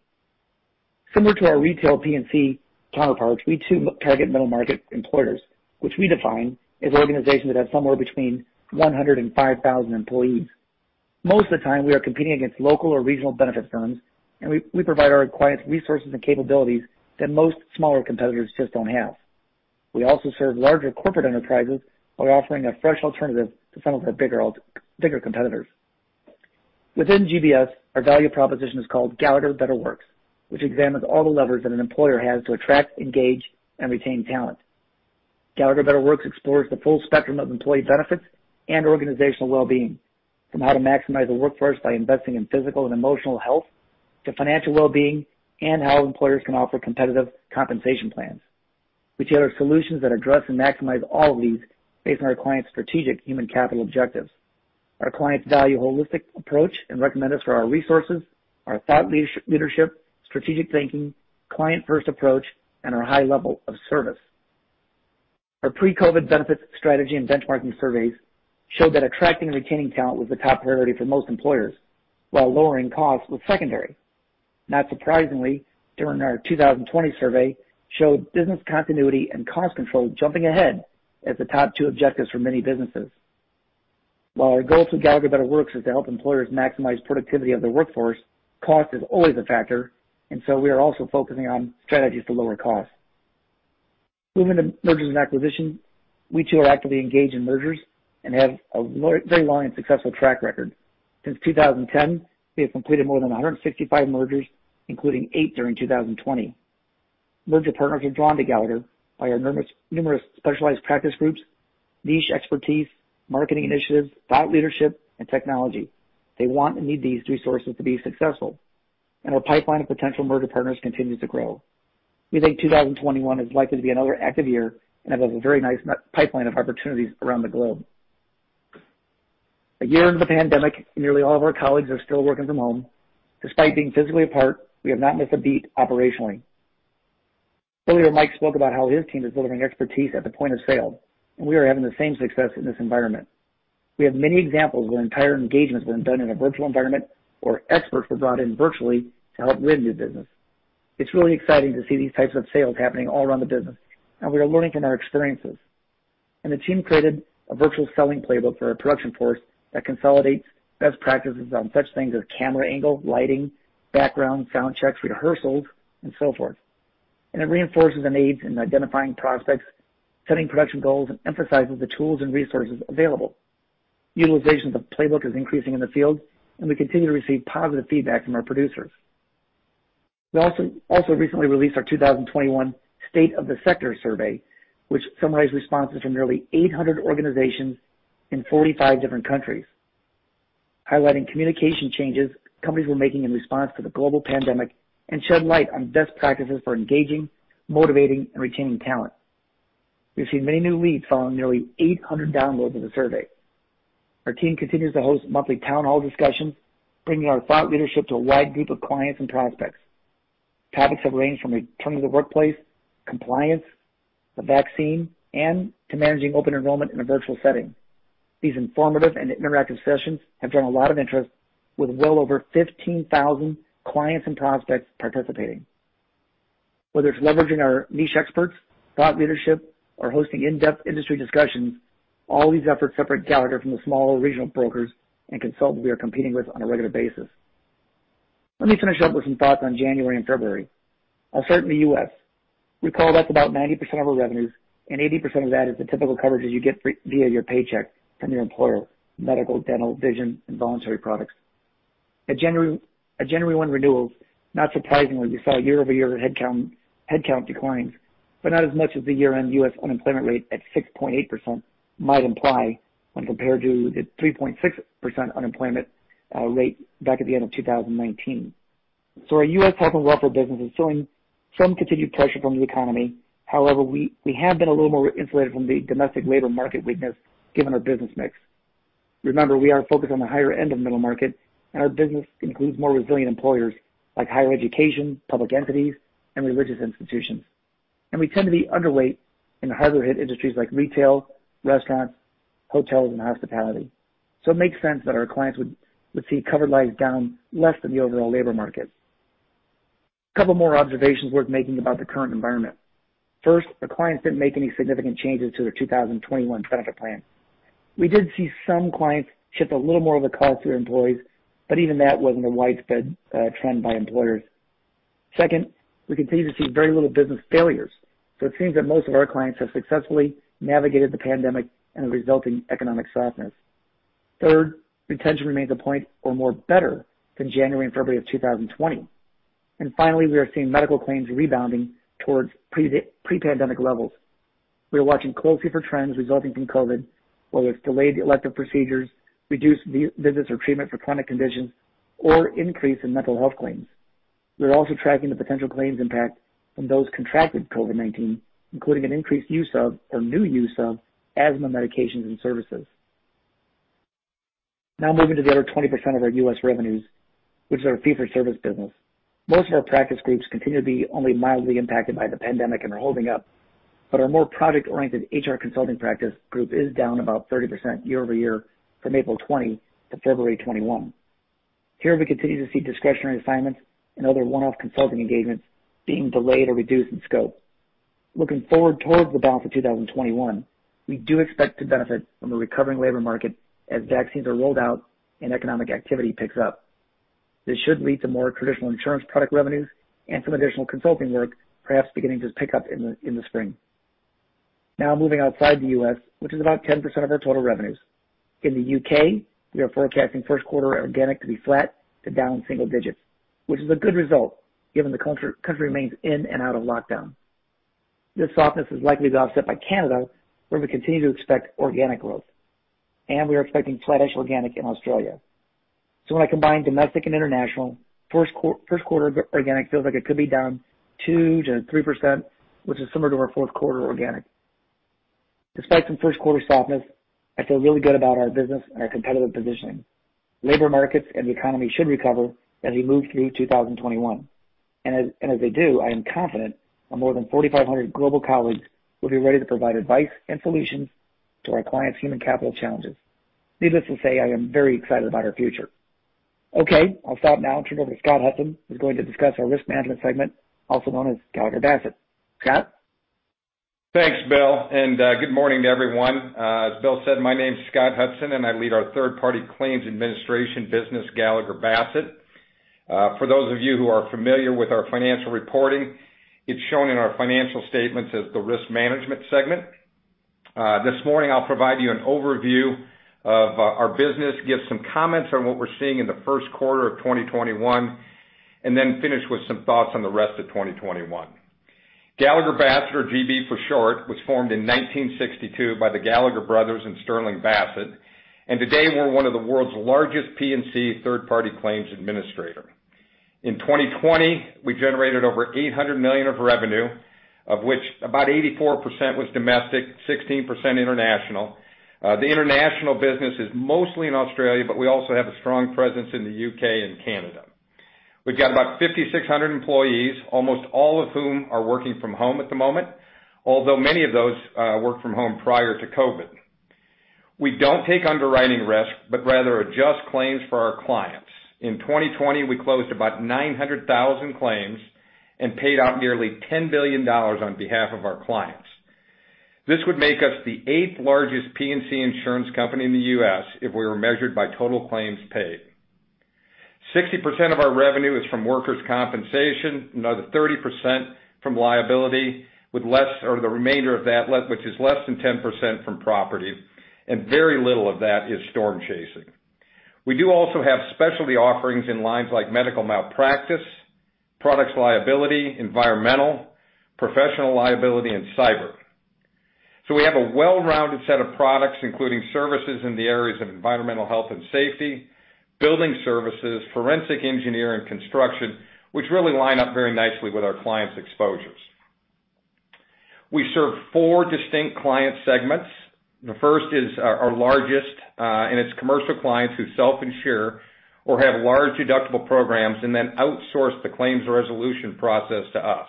Similar to our retail P&C counterparts, we too target middle market employers, which we define as organizations that have somewhere between 100 and 5,000 employees. Most of the time, we are competing against local or regional benefit firms, and we provide our clients resources and capabilities that most smaller competitors just don't have. We also serve larger corporate enterprises by offering a fresh alternative to some of our bigger competitors. Within GBS, our value proposition is called Gallagher Better Works, which examines all the levers that an employer has to attract, engage, and retain talent. Gallagher Better Works explores the full spectrum of employee benefits and organizational well-being, from how to maximize the workforce by investing in physical and emotional health to financial well-being and how employers can offer competitive compensation plans. We tailor solutions that address and maximize all of these based on our clients' strategic human capital objectives. Our clients value a holistic approach and recommend us for our resources, our thought leadership, strategic thinking, client-first approach, and our high level of service. Our pre-COVID benefits strategy and benchmarking surveys showed that attracting and retaining talent was the top priority for most employers, while lowering costs was secondary. Not surprisingly, during our 2020 survey, we showed business continuity and cost control jumping ahead as the top two objectives for many businesses. While our goal through Gallagher Better Works is to help employers maximize productivity of their workforce, cost is always a factor, and so we are also focusing on strategies to lower costs. Moving to mergers and acquisitions, we too are actively engaged in mergers and have a very long and successful track record. Since 2010, we have completed more than 165 mergers, including eight during 2020. Merger partners are drawn to Gallagher by our numerous specialized practice groups, niche expertise, marketing initiatives, thought leadership, and technology. They want and need these resources to be successful, and our pipeline of potential merger partners continues to grow. We think 2021 is likely to be another active year and have a very nice pipeline of opportunities around the globe. A year into the pandemic, nearly all of our colleagues are still working from home. Despite being physically apart, we have not missed a beat operationally. Earlier, Mike spoke about how his team is delivering expertise at the point of sale, and we are having the same success in this environment. We have many examples where entire engagements were done in a virtual environment, or experts were brought in virtually to help win new business. It's really exciting to see these types of sales happening all around the business, and we are learning from our experiences. The team created a virtual selling playbook for our production force that consolidates best practices on such things as camera angle, lighting, background, sound checks, rehearsals, and so forth. It reinforces and aids in identifying prospects, setting production goals, and emphasizes the tools and resources available. Utilization of the playbook is increasing in the field, and we continue to receive positive feedback from our producers. We also recently released our 2021 State of the Sector survey, which summarized responses from nearly 800 organizations in 45 different countries, highlighting communication changes companies were making in response to the global pandemic and shed light on best practices for engaging, motivating, and retaining talent. We've seen many new leads following nearly 800 downloads of the survey. Our team continues to host monthly town hall discussions, bringing our thought leadership to a wide group of clients and prospects. Topics have ranged from returning to the workplace, compliance, the vaccine, and to managing open enrollment in a virtual setting. These informative and interactive sessions have drawn a lot of interest, with well over 15,000 clients and prospects participating. Whether it's leveraging our niche experts, thought leadership, or hosting in-depth industry discussions, all these efforts separate Gallagher from the small regional brokers and consultants we are competing with on a regular basis. Let me finish up with some thoughts on January and February. I'll start in the U.S. Recall that's about 90% of our revenues, and 80% of that is the typical coverages you get via your paycheck from your employer: medical, dental, vision, and voluntary products. At January 1 renewals, not surprisingly, we saw year-over-year headcount declines, but not as much as the year-end U.S. unemployment rate at 6.8% might imply when compared to the 3.6% unemployment rate back at the end of 2019. Our U.S. health and welfare business is feeling some continued pressure from the economy. However, we have been a little more insulated from the domestic labor market weakness given our business mix. Remember, we are focused on the higher end of the middle market, and our business includes more resilient employers like higher education, public entities, and religious institutions. We tend to be underweight in harder-hit industries like retail, restaurants, hotels, and hospitality. It makes sense that our clients would see covered lives down less than the overall labor market. A couple more observations worth making about the current environment. First, our clients did not make any significant changes to their 2021 benefit plan. We did see some clients shift a little more of the cost to their employees, but even that was not a widespread trend by employers. Second, we continue to see very little business failures. It seems that most of our clients have successfully navigated the pandemic and the resulting economic softness. Third, retention remains a point or more better than January and February of 2020. We are seeing medical claims rebounding towards pre-pandemic levels. We are watching closely for trends resulting from COVID, whether it's delayed elective procedures, reduced visits or treatment for chronic conditions, or increase in mental health claims. We are also tracking the potential claims impact from those contracting COVID-19, including an increased use of or new use of asthma medications and services. Now moving to the other 20% of our U.S. revenues, which is our fee-for-service business. Most of our practice groups continue to be only mildly impacted by the pandemic and are holding up, but our more project-oriented HR consulting practice group is down about 30% year-over-year from April 2020 to February 2021. Here, we continue to see discretionary assignments and other one-off consulting engagements being delayed or reduced in scope. Looking forward towards the balance of 2021, we do expect to benefit from a recovering labor market as vaccines are rolled out and economic activity picks up. This should lead to more traditional insurance product revenues and some additional consulting work perhaps beginning to pick up in the spring. Now moving outside the U.S., which is about 10% of our total revenues. In the U.K., we are forecasting first quarter organic to be flat to down single digits, which is a good result given the country remains in and out of lockdown. This softness is likely to be offset by Canada, where we continue to expect organic growth, and we are expecting flat-ish organic in Australia. When I combine domestic and international, first quarter organic feels like it could be down 2%-3%, which is similar to our fourth quarter organic. Despite some first quarter softness, I feel really good about our business and our competitive positioning. Labor markets and the economy should recover as we move through 2021. As they do, I am confident that more than 4,500 global colleagues will be ready to provide advice and solutions to our clients' human capital challenges. Needless to say, I am very excited about our future. Okay, I'll stop now and turn it over to Scott Hudson, who's going to discuss our Risk Management segment, also known as Gallagher Bassett. Scott? Thanks, Bill. Good morning to everyone. As Bill said, my name is Scott Hudson, and I lead our third-party claims administration business, Gallagher Bassett. For those of you who are familiar with our financial reporting, it is shown in our financial statements as the Risk Management segment. This morning, I will provide you an overview of our business, give some comments on what we are seeing in the first quarter of 2021, and then finish with some thoughts on the rest of 2021. Gallagher Bassett, or GB for short, was formed in 1962 by the Gallagher brothers and Sterling Bassett. Today, we are one of the world's largest P&C third-party claims administrators. In 2020, we generated over $800 million of revenue, of which about 84% was domestic, 16% international. The international business is mostly in Australia, but we also have a strong presence in the U.K. and Canada. We've got about 5,600 employees, almost all of whom are working from home at the moment, although many of those worked from home prior to COVID. We don't take underwriting risk, but rather adjust claims for our clients. In 2020, we closed about 900,000 claims and paid out nearly $10 billion on behalf of our clients. This would make us the eighth-largest P&C insurance company in the U.S. if we were measured by total claims paid. 60% of our revenue is from workers' compensation, another 30% from liability, with less or the remainder of that, which is less than 10% from property, and very little of that is storm chasing. We do also have specialty offerings in lines like medical malpractice, products liability, environmental, professional liability, and cyber. We have a well-rounded set of products, including services in the areas of environmental health and safety, building services, forensic engineering, and construction, which really line up very nicely with our clients' exposures. We serve four distinct client segments. The first is our largest, and it is commercial clients who self-insure or have large deductible programs and then outsource the claims resolution process to us.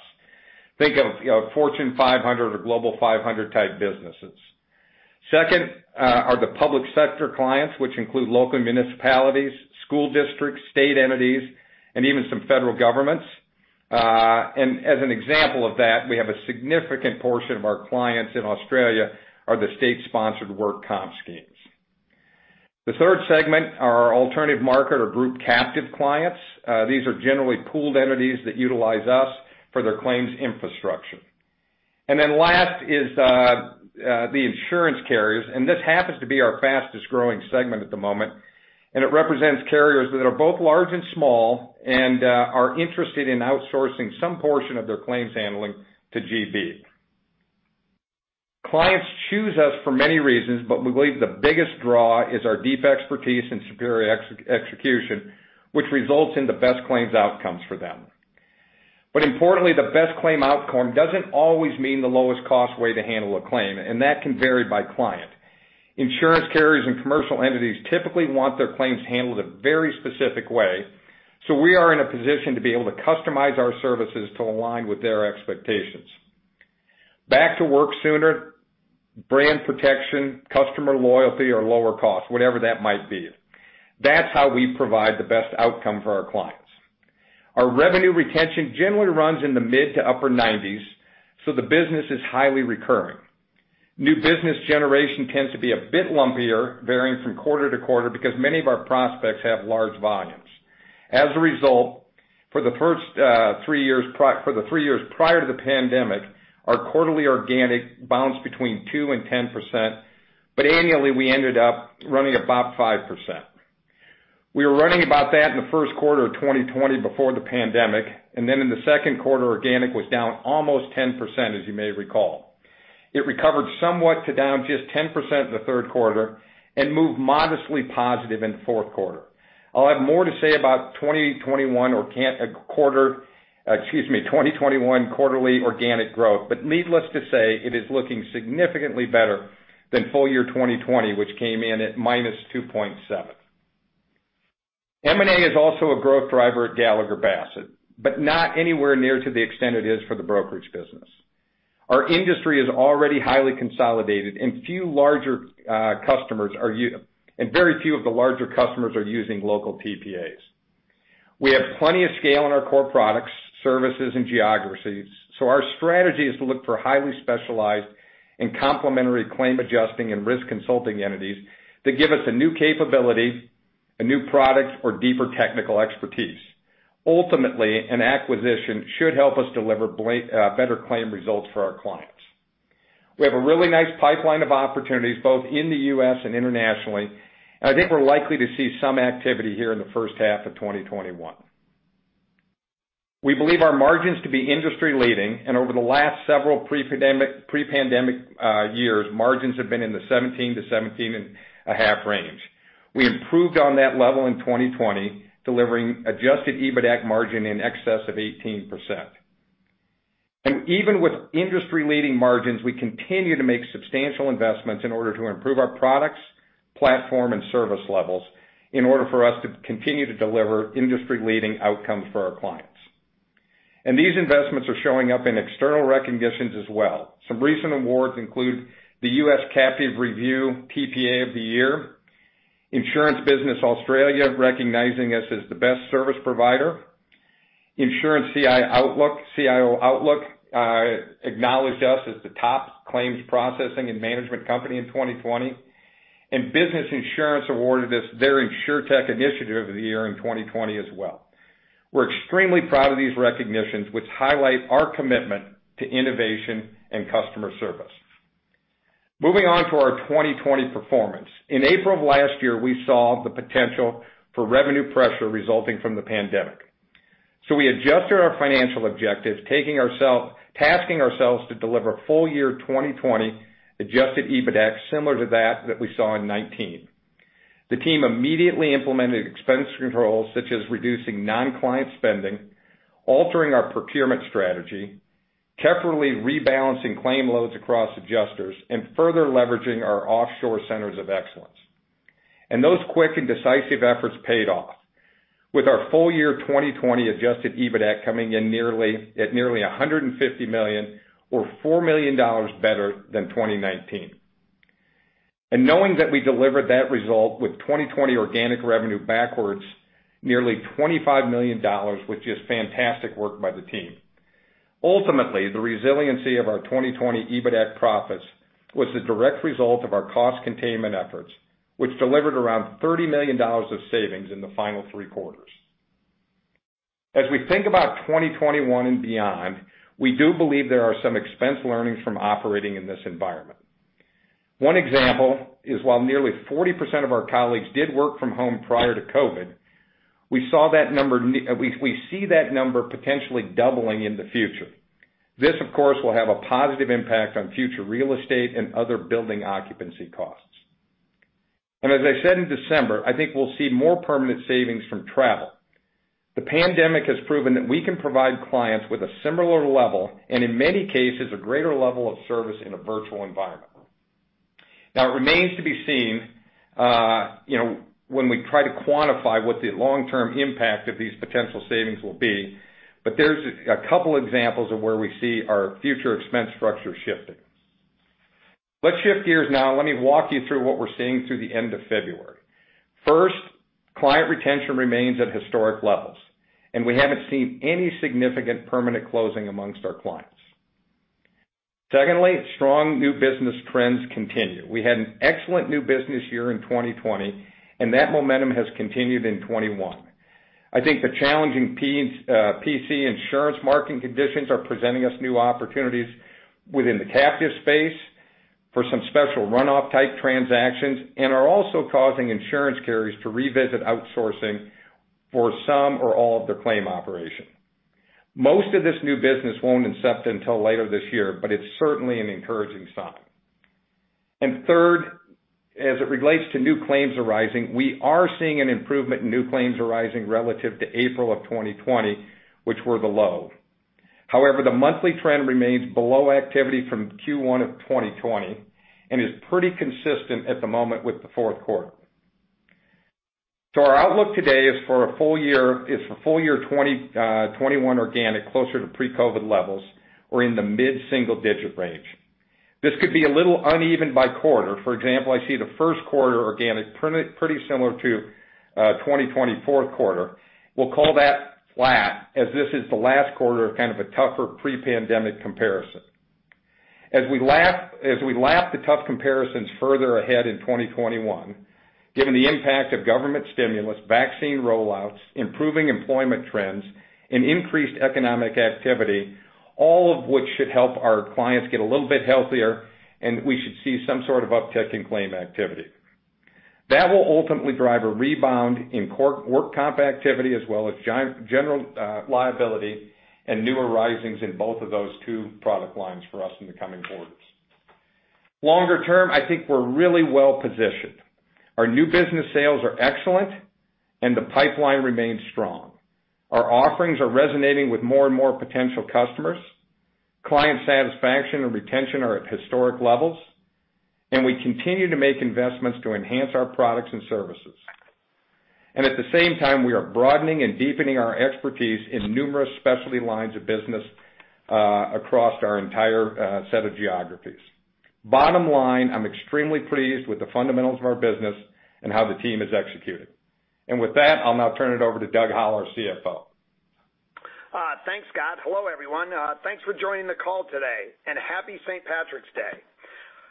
Think of Fortune 500 or Global 500 type businesses. Second are the public sector clients, which include local municipalities, school districts, state entities, and even some federal governments. As an example of that, we have a significant portion of our clients in Australia that are the state-sponsored work comp schemes. The third segment are our alternative market or group captive clients. These are generally pooled entities that utilize us for their claims infrastructure. Last is the insurance carriers, and this happens to be our fastest-growing segment at the moment. It represents carriers that are both large and small and are interested in outsourcing some portion of their claims handling to GB. Clients choose us for many reasons, but we believe the biggest draw is our deep expertise and superior execution, which results in the best claims outcomes for them. Importantly, the best claim outcome does not always mean the lowest-cost way to handle a claim, and that can vary by client. Insurance carriers and commercial entities typically want their claims handled a very specific way, so we are in a position to be able to customize our services to align with their expectations. Back-to-work sooner, brand protection, customer loyalty, or lower cost, whatever that might be. That is how we provide the best outcome for our clients. Our revenue retention generally runs in the mid to upper 90s, so the business is highly recurring. New business generation tends to be a bit lumpier, varying from quarter to quarter because many of our prospects have large volumes. As a result, for the three years prior to the pandemic, our quarterly organic bounced between 2% and 10%, but annually, we ended up running about 5%. We were running about that in the first quarter of 2020 before the pandemic, and then in the second quarter, organic was down almost 10%, as you may recall. It recovered somewhat to down just 10% in the third quarter and moved modestly positive in the fourth quarter. I'll have more to say about 2021 quarterly organic growth, but needless to say, it is looking significantly better than full year 2020, which came in at minus 2.7%. M&A is also a growth driver at Gallagher Bassett, but not anywhere near to the extent it is for the Brokerage business. Our industry is already highly consolidated, and very few of the larger customers are using local TPAs. We have plenty of scale in our core products, services, and geographies, so our strategy is to look for highly specialized and complementary claim adjusting and risk consulting entities that give us a new capability, a new product, or deeper technical expertise. Ultimately, an acquisition should help us deliver better claim results for our clients. We have a really nice pipeline of opportunities both in the U.S. and internationally, and I think we're likely to see some activity here in the first half of 2021. We believe our margins to be industry-leading, and over the last several pre-pandemic years, margins have been in the 17-17.5% range. We improved on that level in 2020, delivering adjusted EBITDA margin in excess of 18%. Even with industry-leading margins, we continue to make substantial investments in order to improve our products, platform, and service levels in order for us to continue to deliver industry-leading outcomes for our clients. These investments are showing up in external recognitions as well. Some recent awards include the U.S. Captive Review TPA of the Year, Insurance Business Australia recognizing us as the best service provider, Insurance CIO Outlook acknowledged us as the top claims processing and management company in 2020, and Business Insurance awarded us their Insurtech Initiative of the Year in 2020 as well. We're extremely proud of these recognitions, which highlight our commitment to innovation and customer service. Moving on to our 2020 performance. In April of last year, we saw the potential for revenue pressure resulting from the pandemic. We adjusted our financial objectives, tasking ourselves to deliver full year 2020 adjusted EBITDA similar to that that we saw in 2019. The team immediately implemented expense controls such as reducing non-client spending, altering our procurement strategy, carefully rebalancing claim loads across adjusters, and further leveraging our offshore Centers of Excellence. Those quick and decisive efforts paid off, with our full year 2020 adjusted EBITDA coming in at nearly $150 million or $4 million better than 2019. Knowing that we delivered that result with 2020 organic revenue backwards, nearly $25 million, which is fantastic work by the team. Ultimately, the resiliency of our 2020 EBITDA profits was the direct result of our cost containment efforts, which delivered around $30 million of savings in the final three quarters. As we think about 2021 and beyond, we do believe there are some expense learnings from operating in this environment. One example is while nearly 40% of our colleagues did work from home prior to COVID, we see that number potentially doubling in the future. This, of course, will have a positive impact on future real estate and other building occupancy costs. As I said in December, I think we'll see more permanent savings from travel. The pandemic has proven that we can provide clients with a similar level and, in many cases, a greater level of service in a virtual environment. Now, it remains to be seen when we try to quantify what the long-term impact of these potential savings will be, but there's a couple of examples of where we see our future expense structure shifting. Let's shift gears now, and let me walk you through what we're seeing through the end of February. First, client retention remains at historic levels, and we haven't seen any significant permanent closing amongst our clients. Secondly, strong new business trends continue. We had an excellent new business year in 2020, and that momentum has continued in 2021. I think the challenging P&C insurance marketing conditions are presenting us new opportunities within the captive space for some special runoff-type transactions and are also causing insurance carriers to revisit outsourcing for some or all of their claim operation. Most of this new business won't incept until later this year, but it's certainly an encouraging sign. Third, as it relates to new claims arising, we are seeing an improvement in new claims arising relative to April of 2020, which were the low. However, the monthly trend remains below activity from Q1 of 2020 and is pretty consistent at the moment with the fourth quarter. Our outlook today is for full year 2021 organic closer to pre-COVID levels or in the mid-single-digit range. This could be a little uneven by quarter. For example, I see the first quarter organic pretty similar to 2020 fourth quarter. We'll call that flat, as this is the last quarter of kind of a tougher pre-pandemic comparison. As we lap the tough comparisons further ahead in 2021, given the impact of government stimulus, vaccine rollouts, improving employment trends, and increased economic activity, all of which should help our clients get a little bit healthier, and we should see some sort of uptick in claim activity. That will ultimately drive a rebound in work comp activity as well as general liability and new arisings in both of those two product lines for us in the coming quarters. Longer term, I think we're really well positioned. Our new business sales are excellent, and the pipeline remains strong. Our offerings are resonating with more and more potential customers. Client satisfaction and retention are at historic levels, and we continue to make investments to enhance our products and services. At the same time, we are broadening and deepening our expertise in numerous specialty lines of business across our entire set of geographies. Bottom line, I'm extremely pleased with the fundamentals of our business and how the team has executed. With that, I'll now turn it over to Doug Howell, CFO. Thanks, Scott. Hello, everyone. Thanks for joining the call today, and happy St. Patrick's Day.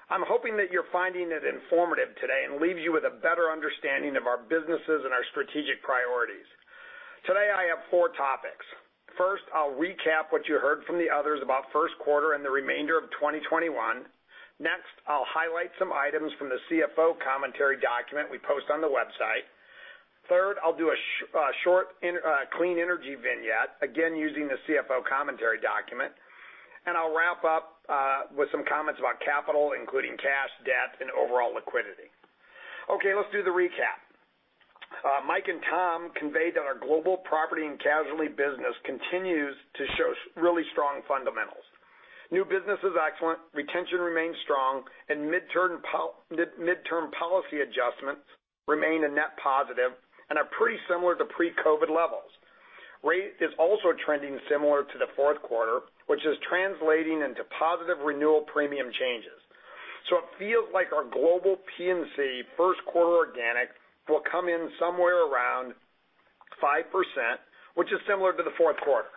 I'm hoping that you're finding it informative today and leaves you with a better understanding of our businesses and our strategic priorities. Today, I have four topics. First, I'll recap what you heard from the others about first quarter and the remainder of 2021. Next, I'll highlight some items from the CFO commentary document we post on the website. Third, I'll do a short clean energy vignette, again using the CFO commentary document. I'll wrap up with some comments about capital, including cash, debt, and overall liquidity. Okay, let's do the recap. Mike and Tom conveyed that our global property and casualty business continues to show really strong fundamentals. New business is excellent, retention remains strong, and mid-term policy adjustments remain a net positive and are pretty similar to pre-COVID levels. Rate is also trending similar to the fourth quarter, which is translating into positive renewal premium changes. It feels like our global P&C first quarter organic will come in somewhere around 5%, which is similar to the fourth quarter.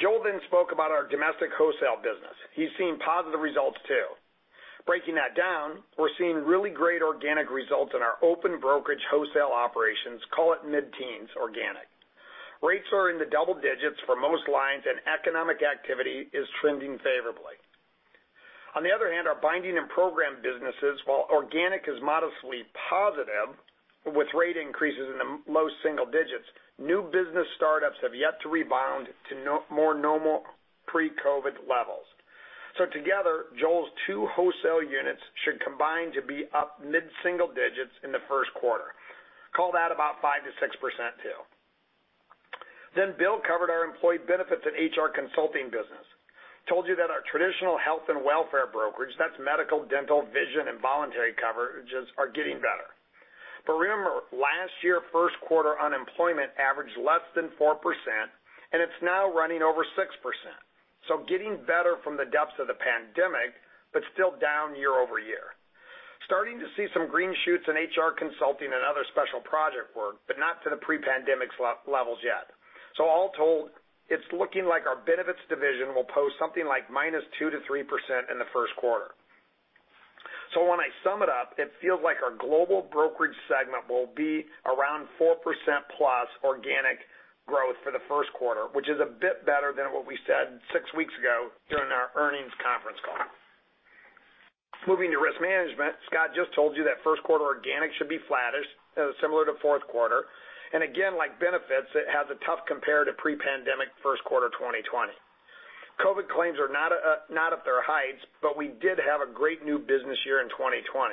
Joel then spoke about our domestic wholesale business. He's seen positive results too. Breaking that down, we're seeing really great organic results in our open Brokerage wholesale operations, call it mid-teens organic. Rates are in the double digits for most lines, and economic activity is trending favorably. On the other hand, our binding and program businesses, while organic is modestly positive with rate increases in the low single digits, new business startups have yet to rebound to more normal pre-COVID levels. Together, Joel's two wholesale units should combine to be up mid-single digits in the first quarter. Call that about 5%-6% too. Bill covered our employee benefits and HR consulting business. Told you that our traditional health and welfare Brokerage, that's medical, dental, vision, and voluntary coverages, are getting better. Remember, last year's first quarter unemployment averaged less than 4%, and it's now running over 6%. Getting better from the depths of the pandemic, but still down year-over-year. Starting to see some green shoots in HR consulting and other special project work, but not to the pre-pandemic levels yet. All told, it's looking like our benefits division will post something like -2% to -3% in the first quarter. When I sum it up, it feels like our global Brokerage segment will be around 4%+ organic growth for the first quarter, which is a bit better than what we said six weeks ago during our earnings conference call. Moving to Risk Management, Scott just told you that first quarter organic should be flattish, similar to fourth quarter. Again, like benefits, it has a tough compare to pre-pandemic first quarter 2020. COVID claims are not at their heights, but we did have a great new business year in 2020.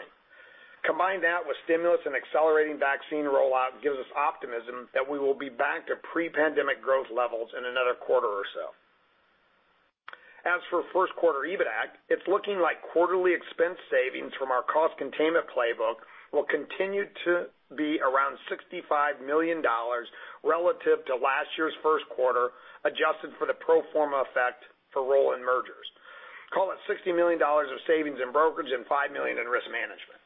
Combine that with stimulus and accelerating vaccine rollout gives us optimism that we will be back to pre-pandemic growth levels in another quarter or so. As for first quarter EBITDA, it's looking like quarterly expense savings from our cost containment playbook will continue to be around $65 million relative to last year's first quarter, adjusted for the pro forma effect for roll-in mergers. Call it $60 million of savings in Brokerage and $5 million in Risk Management.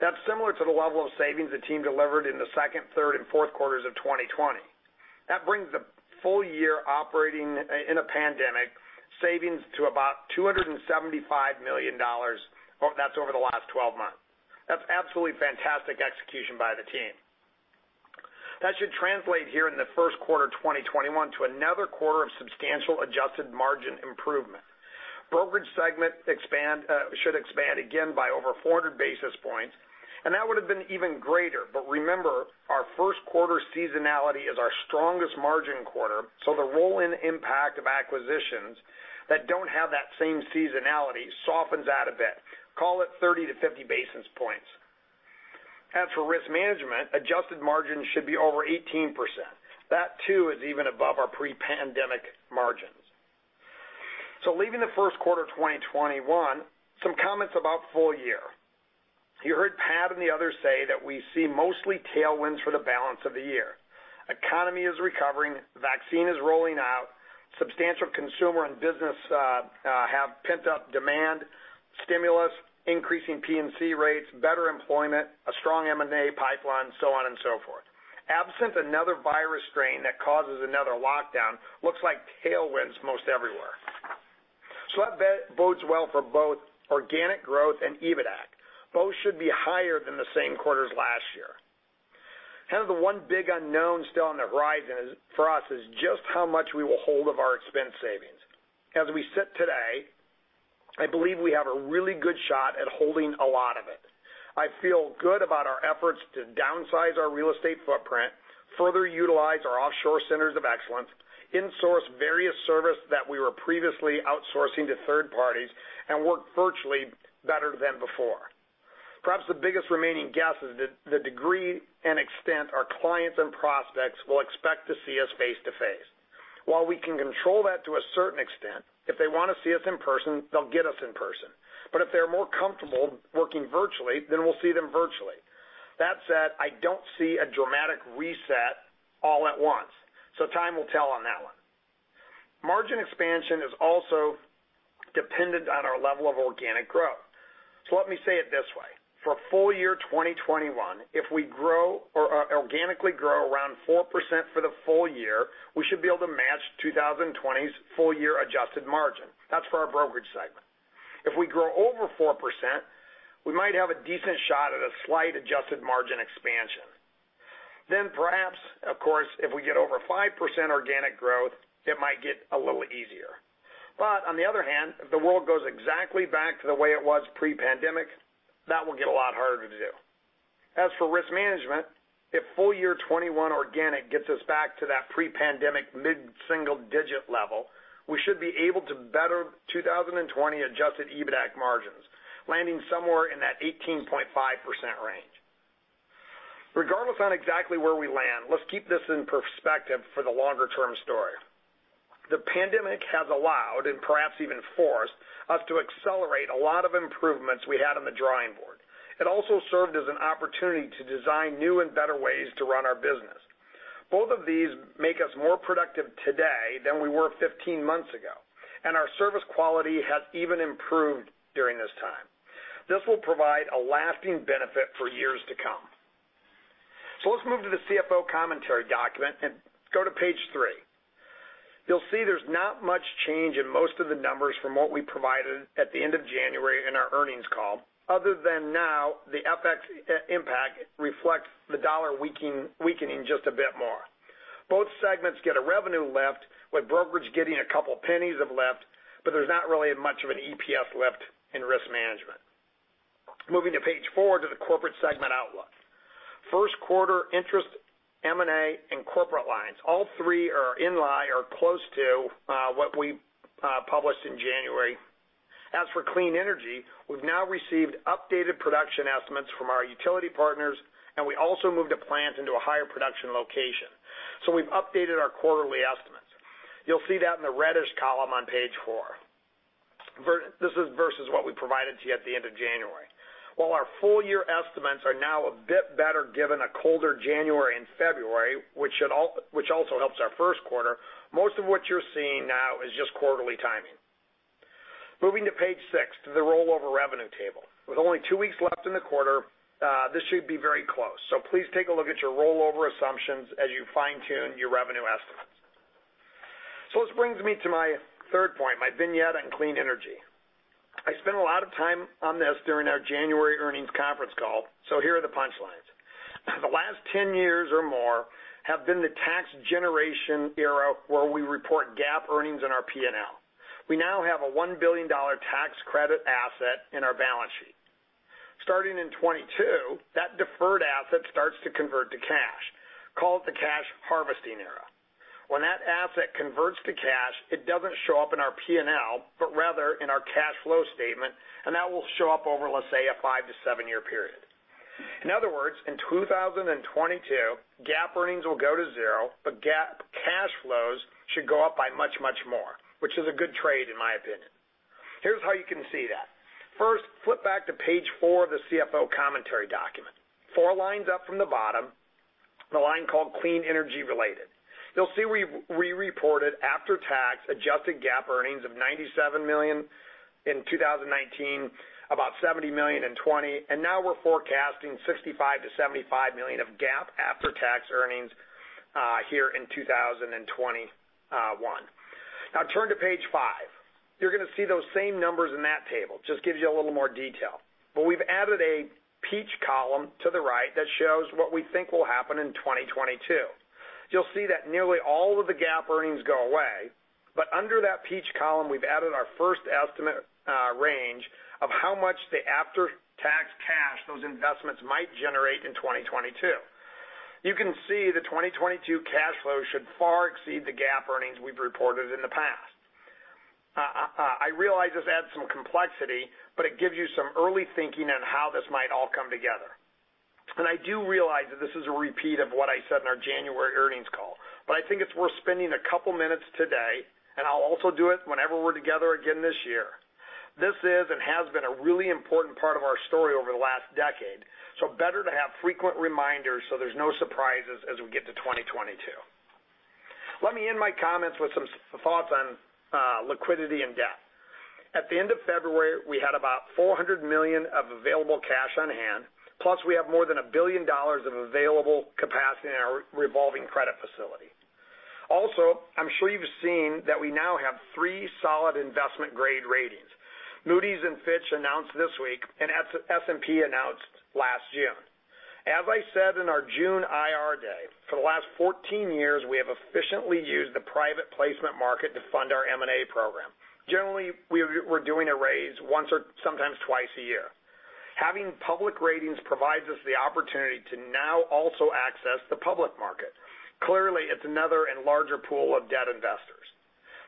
That's similar to the level of savings the team delivered in the second, third, and fourth quarters of 2020. That brings the full year operating in a pandemic savings to about $275 million. That's over the last 12 months. That's absolutely fantastic execution by the team. That should translate here in the first quarter 2021 to another quarter of substantial adjusted margin improvement. Brokerage segment should expand again by over 400 basis points, and that would have been even greater. Remember, our first quarter seasonality is our strongest margin quarter, so the roll-in impact of acquisitions that do not have that same seasonality softens out a bit. Call it 30-50 basis points. As for Risk Management, adjusted margin should be over 18%. That too is even above our pre-pandemic margins. Leaving the first quarter 2021, some comments about full year. You heard Pat and the others say that we see mostly tailwinds for the balance of the year. Economy is recovering, vaccine is rolling out, substantial consumer and business have pent-up demand, stimulus, increasing P&C rates, better employment, a strong M&A pipeline, so on and so forth. Absent another virus strain that causes another lockdown, looks like tailwinds most everywhere. That bodes well for both organic growth and EBITDA. Both should be higher than the same quarters last year. Kind of the one big unknown still on the horizon for us is just how much we will hold of our expense savings. As we sit today, I believe we have a really good shot at holding a lot of it. I feel good about our efforts to downsize our real estate footprint, further utilize our offshore Centers of Excellence, insource various services that we were previously outsourcing to third parties, and work virtually better than before. Perhaps the biggest remaining guess is the degree and extent our clients and prospects will expect to see us face-to-face. While we can control that to a certain extent, if they want to see us in person, they'll get us in person. If they're more comfortable working virtually, then we'll see them virtually. That said, I don't see a dramatic reset all at once, so time will tell on that one. Margin expansion is also dependent on our level of organic growth. Let me say it this way. For full year 2021, if we organically grow around 4% for the full year, we should be able to match 2020's full year adjusted margin. That's for our Brokerage segment. If we grow over 4%, we might have a decent shot at a slight adjusted margin expansion. Perhaps, of course, if we get over 5% organic growth, it might get a little easier. On the other hand, if the world goes exactly back to the way it was pre-pandemic, that will get a lot harder to do. As for Risk Management, if full year 2021 organic gets us back to that pre-pandemic mid-single digit level, we should be able to better 2020 adjusted EBITDA margins, landing somewhere in that 18.5% range. Regardless on exactly where we land, let's keep this in perspective for the longer-term story. The pandemic has allowed, and perhaps even forced, us to accelerate a lot of improvements we had on the drawing board. It also served as an opportunity to design new and better ways to run our business. Both of these make us more productive today than we were 15 months ago, and our service quality has even improved during this time. This will provide a lasting benefit for years to come. Let's move to the CFO commentary document and go to page three. You'll see there's not much change in most of the numbers from what we provided at the end of January in our earnings call, other than now the FX impact reflects the dollar weakening just a bit more. Both segments get a revenue lift, with Brokerage getting a couple pennies of lift, but there's not really much of an EPS lift in Risk Management. Moving to page four to the Corporate segment outlook. First quarter interest, M&A, and corporate lines. All three are in line or close to what we published in January. As for clean energy, we've now received updated production estimates from our utility partners, and we also moved a plant into a higher production location. We have updated our quarterly estimates. You'll see that in the reddish column on page four. This is versus what we provided to you at the end of January. While our full year estimates are now a bit better given a colder January and February, which also helps our first quarter, most of what you're seeing now is just quarterly timing. Moving to page six to the rollover revenue table. With only two weeks left in the quarter, this should be very close. Please take a look at your rollover assumptions as you fine-tune your revenue estimates. This brings me to my third point, my vignette on clean energy. I spent a lot of time on this during our January earnings conference call, so here are the punchlines. The last 10 years or more have been the tax generation era where we report GAAP earnings in our P&L. We now have a $1 billion tax credit asset in our balance sheet. Starting in 2022, that deferred asset starts to convert to cash. Call it the cash harvesting era. When that asset converts to cash, it does not show up in our P&L, but rather in our cash flow statement, and that will show up over, let's say, a five- to seven-year period. In other words, in 2022, GAAP earnings will go to zero, but cash flows should go up by much, much more, which is a good trade, in my opinion. Here's how you can see that. First, flip back to page four of the CFO commentary document. Four lines up from the bottom, the line called Clean Energy Related. You'll see we reported after-tax adjusted GAAP earnings of $97 million in 2019, about $70 million in 2020, and now we're forecasting $65 million-$75 million of GAAP after-tax earnings here in 2021. Now turn to page five. You're going to see those same numbers in that table. Just gives you a little more detail. We've added a peach column to the right that shows what we think will happen in 2022. You'll see that nearly all of the GAAP earnings go away, but under that peach column, we've added our first estimate range of how much the after-tax cash those investments might generate in 2022. You can see the 2022 cash flow should far exceed the GAAP earnings we've reported in the past. I realize this adds some complexity, but it gives you some early thinking on how this might all come together. I do realize that this is a repeat of what I said in our January earnings call, but I think it's worth spending a couple minutes today, and I'll also do it whenever we're together again this year. This is and has been a really important part of our story over the last decade, so better to have frequent reminders so there's no surprises as we get to 2022. Let me end my comments with some thoughts on liquidity and debt. At the end of February, we had about $400 million of available cash on hand, plus we have more than $1 billion of available capacity in our revolving credit facility. Also, I'm sure you've seen that we now have three solid investment-grade ratings. Moody's and Fitch announced this week, and S&P announced last June. As I said in our June IR day, for the last 14 years, we have efficiently used the private placement market to fund our M&A program. Generally, we were doing a raise once or sometimes twice a year. Having public ratings provides us the opportunity to now also access the public market. Clearly, it's another and larger pool of debt investors.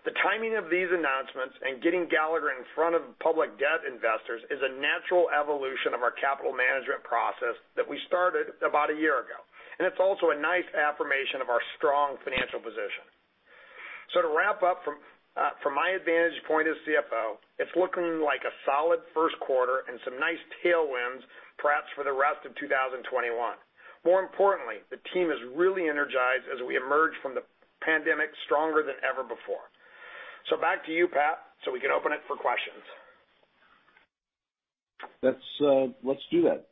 The timing of these announcements and getting Gallagher in front of public debt investors is a natural evolution of our capital management process that we started about a year ago, and it's also a nice affirmation of our strong financial position. To wrap up from my advantage point as CFO, it's looking like a solid first quarter and some nice tailwinds, perhaps for the rest of 2021. More importantly, the team is really energized as we emerge from the pandemic stronger than ever before. Back to you, Pat, so we can open it for questions. Let's do that.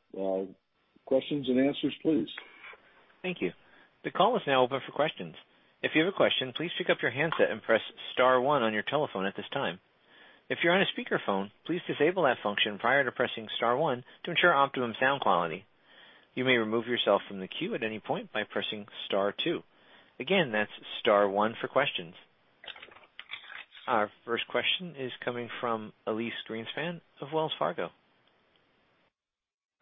Questions and answers, please. Thank you. The call is now open for questions. If you have a question, please pick up your handset and press star one on your telephone at this time. If you're on a speakerphone, please disable that function prior to pressing star one to ensure optimum sound quality. You may remove yourself from the queue at any point by pressing star two. Again, that's star one for questions. Our first question is coming from Elyse Greenspan of Wells Fargo.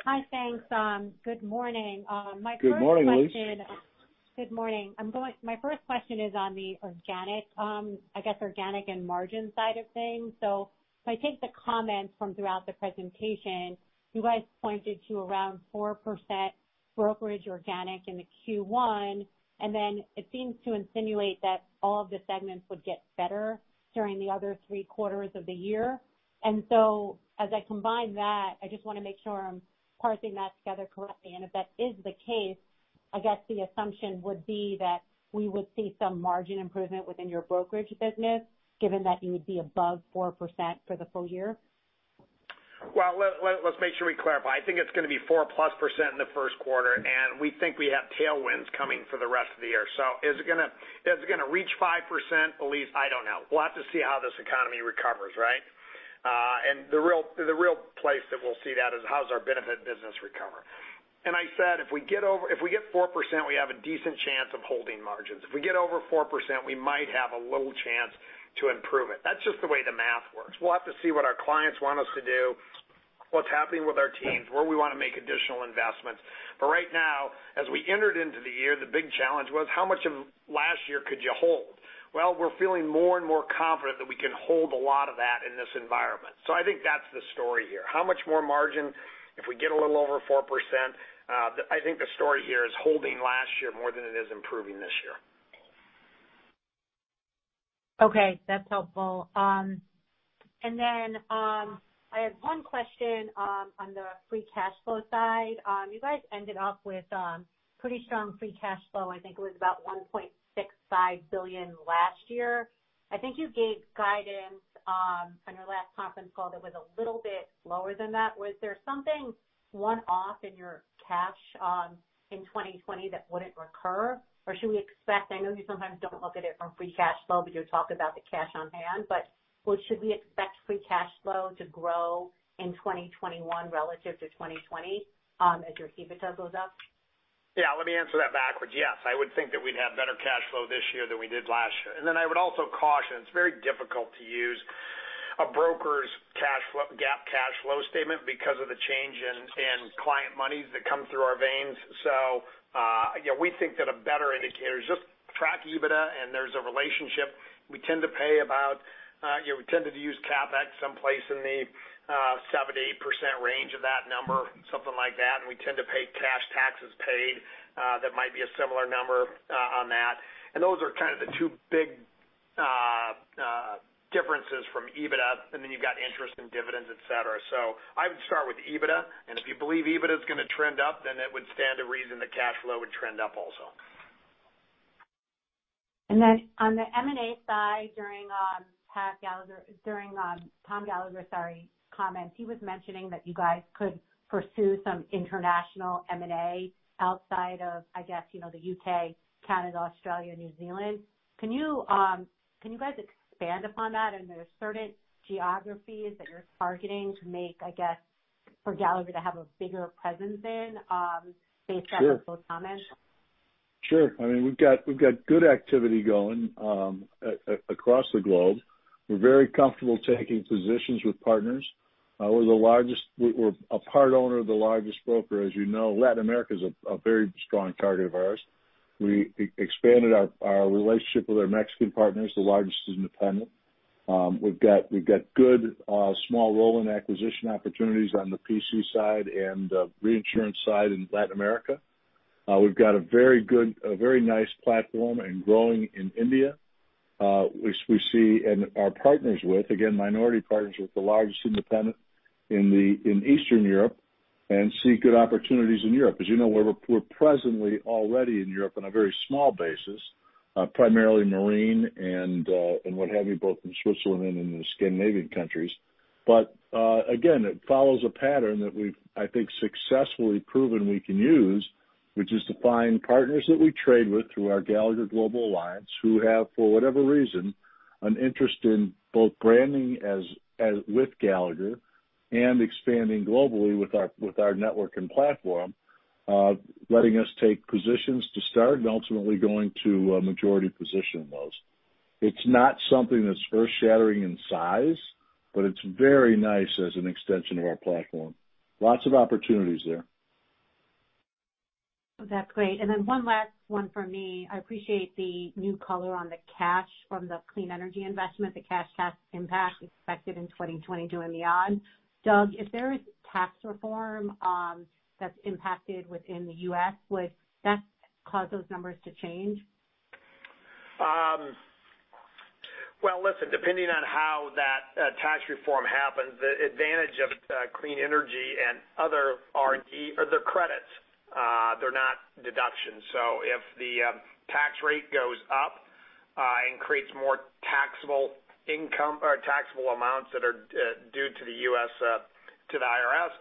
Hi, thanks. Good morning. Good morning, Elyse. My first question is on the organic, I guess organic and margin side of things. If I take the comments from throughout the presentation, you guys pointed to around 4% Brokerage organic in the Q1, and it seems to insinuate that all of the segments would get better during the other three quarters of the year. As I combine that, I just want to make sure I'm parsing that together correctly. If that is the case, I guess the assumption would be that we would see some margin improvement within your Brokerage business, given that you would be above 4% for the full year. Let's make sure we clarify. I think it's going to be 4%+ in the first quarter, and we think we have tailwinds coming for the rest of the year. Is it going to reach 5%, Elyse? I don't know. We'll have to see how this economy recovers, right? The real place that we'll see that is how does our benefit business recover? I said if we get 4%, we have a decent chance of holding margins. If we get over 4%, we might have a little chance to improve it. That's just the way the math works. We'll have to see what our clients want us to do, what's happening with our teams, where we want to make additional investments. Right now, as we entered into the year, the big challenge was how much of last year could you hold? We're feeling more and more confident that we can hold a lot of that in this environment. I think that's the story here. How much more margin if we get a little over 4%? I think the story here is holding last year more than it is improving this year. Okay. That's helpful. I had one question on the free cash flow side. You guys ended up with pretty strong free cash flow. I think it was about $1.65 billion last year. I think you gave guidance on your last conference call that was a little bit lower than that. Was there something one-off in your cash in 2020 that would not recur? Should we expect, I know you sometimes do not look at it from free cash flow, but you talk about the cash on hand, should we expect free cash flow to grow in 2021 relative to 2020 as your EBITDA goes up? Yeah. Let me answer that backwards. Yes. I would think that we'd have better cash flow this year than we did last year. I would also caution, it's very difficult to use a broker's GAAP cash flow statement because of the change in client monies that come through our veins. We think that a better indicator is just track EBITDA, and there's a relationship. We tend to pay about, we tended to use CapEx someplace in the 7%-8% range of that number, something like that. We tend to pay cash taxes paid that might be a similar number on that. Those are kind of the two big differences from EBITDA, and then you've got interest and dividends, etc. I would start with EBITDA, and if you believe EBITDA is going to trend up, then it would stand to reason the cash flow would trend up also. On the M&A side during Tom Gallagher, sorry, comments, he was mentioning that you guys could pursue some international M&A outside of, I guess, the U.K., Canada, Australia, New Zealand. Can you guys expand upon that? Are there certain geographies that you're targeting to make, I guess, for Gallagher to have a bigger presence in based on those comments? Sure. I mean, we've got good activity going across the globe. We're very comfortable taking positions with partners. We're a part owner of the largest broker, as you know. Latin America is a very strong target of ours. We expanded our relationship with our Mexican partners. The largest is independent. We've got good small rolling acquisition opportunities on the P&C side and reinsurance side in Latin America. We've got a very good, a very nice platform and growing in India. We see our partners with, again, minority partners with the largest independent in Eastern Europe and see good opportunities in Europe. As you know, we're presently already in Europe on a very small basis, primarily marine and what have you, both in Switzerland and in the Scandinavian countries. Again, it follows a pattern that we've, I think, successfully proven we can use, which is to find partners that we trade with through our Gallagher Global Alliance, who have, for whatever reason, an interest in both branding with Gallagher and expanding globally with our network and platform, letting us take positions to start and ultimately going to a majority position in those. It's not something that's earth-shattering in size, but it's very nice as an extension of our platform. Lots of opportunities there. That's great. One last one for me. I appreciate the new color on the cash from the clean energy investment, the cash tax impact expected in 2022 and beyond. Doug, if there is tax reform that's impacted within the U.S., would that cause those numbers to change? Listen, depending on how that tax reform happens, the advantage of clean energy and other R&D are the credits. They're not deductions. If the tax rate goes up and creates more taxable amounts that are due to the U.S. to the IRS,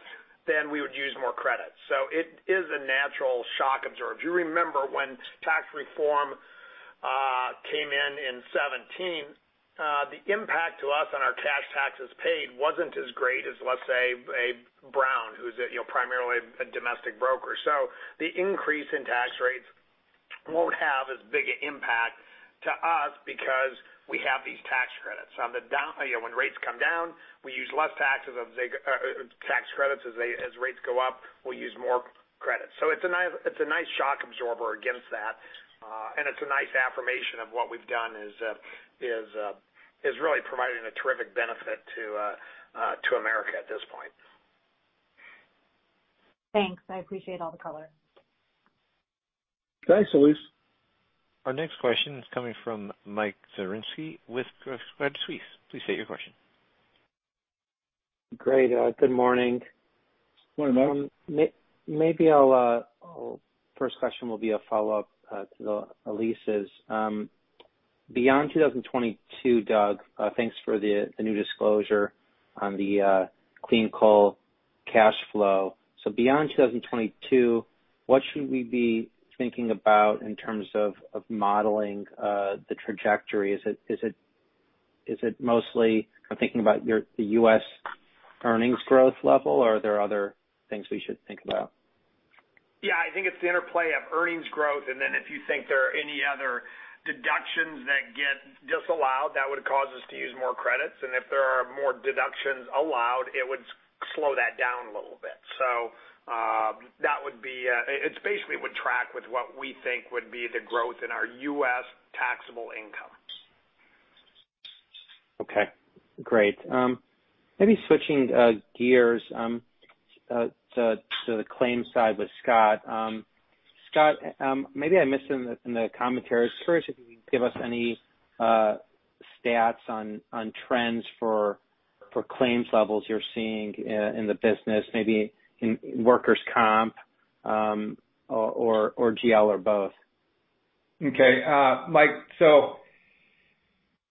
then we would use more credits. It is a natural shock absorber. You remember when tax reform came in in 2017, the impact to us on our cash taxes paid was not as great as, let's say, a Brown, who's primarily a domestic broker. The increase in tax rates will not have as big an impact to us because we have these tax credits. When rates come down, we use less taxes of tax credits. As rates go up, we will use more credits. It is a nice shock absorber against that, and it is a nice affirmation of what we have done is really providing a terrific benefit to America at this point. Thanks. I appreciate all the color. Thanks, Elise. Our next question is coming from Mike Zaremski with Credit Suisse. Please state your question. Great. Good morning. Morning, Mike. Maybe our first question will be a follow-up to Elyse's. Beyond 2022, Doug, thanks for the new disclosure on the clean coal cash flow. Beyond 2022, what should we be thinking about in terms of modeling the trajectory? Is it mostly thinking about the U.S. earnings growth level, or are there other things we should think about? Yeah. I think it's the interplay of earnings growth, and then if you think there are any other deductions that get disallowed, that would cause us to use more credits. If there are more deductions allowed, it would slow that down a little bit. That would be it basically would track with what we think would be the growth in our U.S. taxable income. Okay. Great. Maybe switching gears to the claims side with Scott. Scott, maybe I missed it in the commentary. I was curious if you could give us any stats on trends for claims levels you're seeing in the business, maybe in workers' comp or GL or both. Okay. Mike, so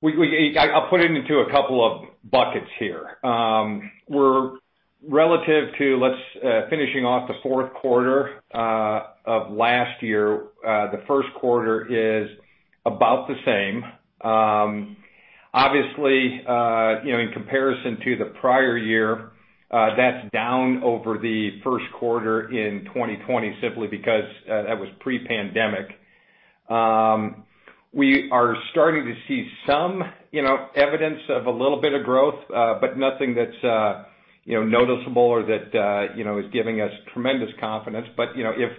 I'll put it into a couple of buckets here. Relative to finishing off the fourth quarter of last year, the first quarter is about the same. Obviously, in comparison to the prior year, that's down over the first quarter in 2020 simply because that was pre-pandemic. We are starting to see some evidence of a little bit of growth, but nothing that's noticeable or that is giving us tremendous confidence. If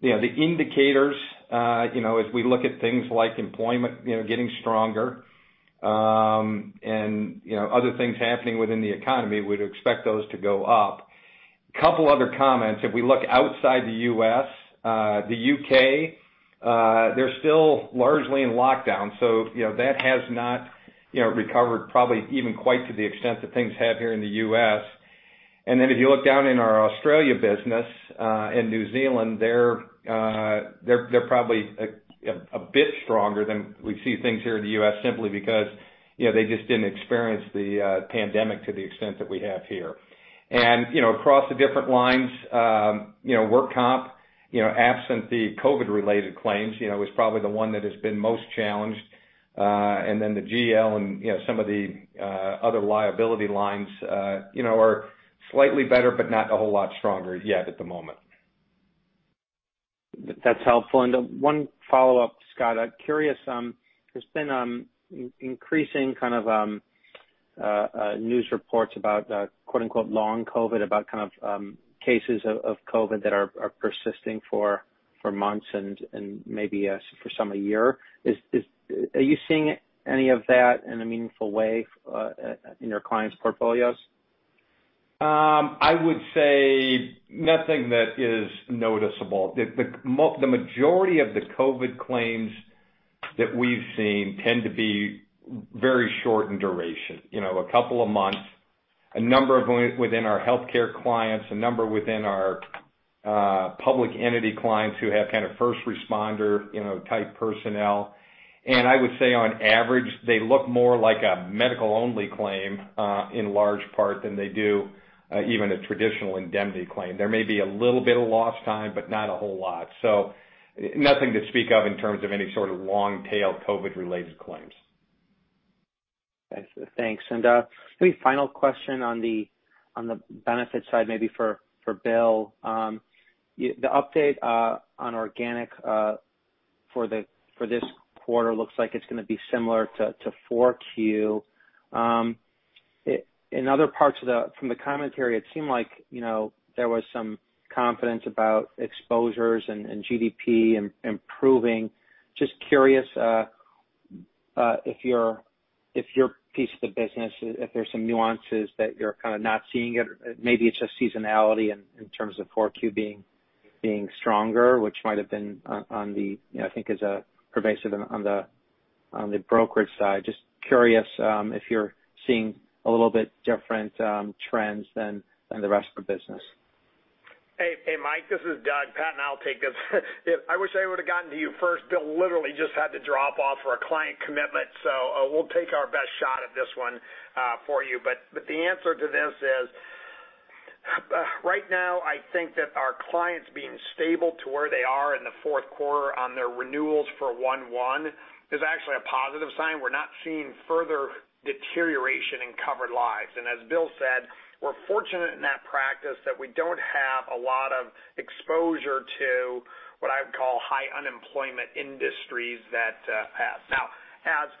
the indicators, as we look at things like employment getting stronger and other things happening within the economy, we'd expect those to go up. A couple of other comments. If we look outside the U.S., the U.K., they're still largely in lockdown. That has not recovered probably even quite to the extent that things have here in the U.S. If you look down in our Australia business and New Zealand, they're probably a bit stronger than we see things here in the U.S. simply because they just didn't experience the pandemic to the extent that we have here. Across the different lines, work comp absent the COVID-related claims is probably the one that has been most challenged. The GL and some of the other liability lines are slightly better, but not a whole lot stronger yet at the moment. That's helpful. One follow-up, Scott. I'm curious. There's been increasing kind of news reports about "Long COVID," about kind of cases of COVID that are persisting for months and maybe for some a year. Are you seeing any of that in a meaningful way in your clients' portfolios? I would say nothing that is noticeable. The majority of the COVID claims that we've seen tend to be very short in duration, a couple of months, a number of them within our healthcare clients, a number within our public entity clients who have kind of first responder-type personnel. I would say on average, they look more like a medical-only claim in large part than they do even a traditional indemnity claim. There may be a little bit of lost time, but not a whole lot. Nothing to speak of in terms of any sort of long-tail COVID-related claims. Thanks. Maybe final question on the benefit side, maybe for Bill. The update on organic for this quarter looks like it's going to be similar to 4Q. In other parts from the commentary, it seemed like there was some confidence about exposures and GDP improving. Just curious if your piece of the business, if there's some nuances that you're kind of not seeing it, maybe it's just seasonality in terms of 4Q being stronger, which might have been on the, I think is pervasive on the Brokerage side. Just curious if you're seeing a little bit different trends than the rest of the business. Hey, Mike. This is Doug. Pat and I'll take this. I wish I would have gotten to you first. Bill literally just had to drop off for a client commitment. We'll take our best shot at this one for you. The answer to this is right now, I think that our clients being stable to where they are in the fourth quarter on their renewals for 1/1 is actually a positive sign. We're not seeing further deterioration in covered lives. As Bill said, we're fortunate in that practice that we don't have a lot of exposure to what I would call high unemployment industries that have. Now, as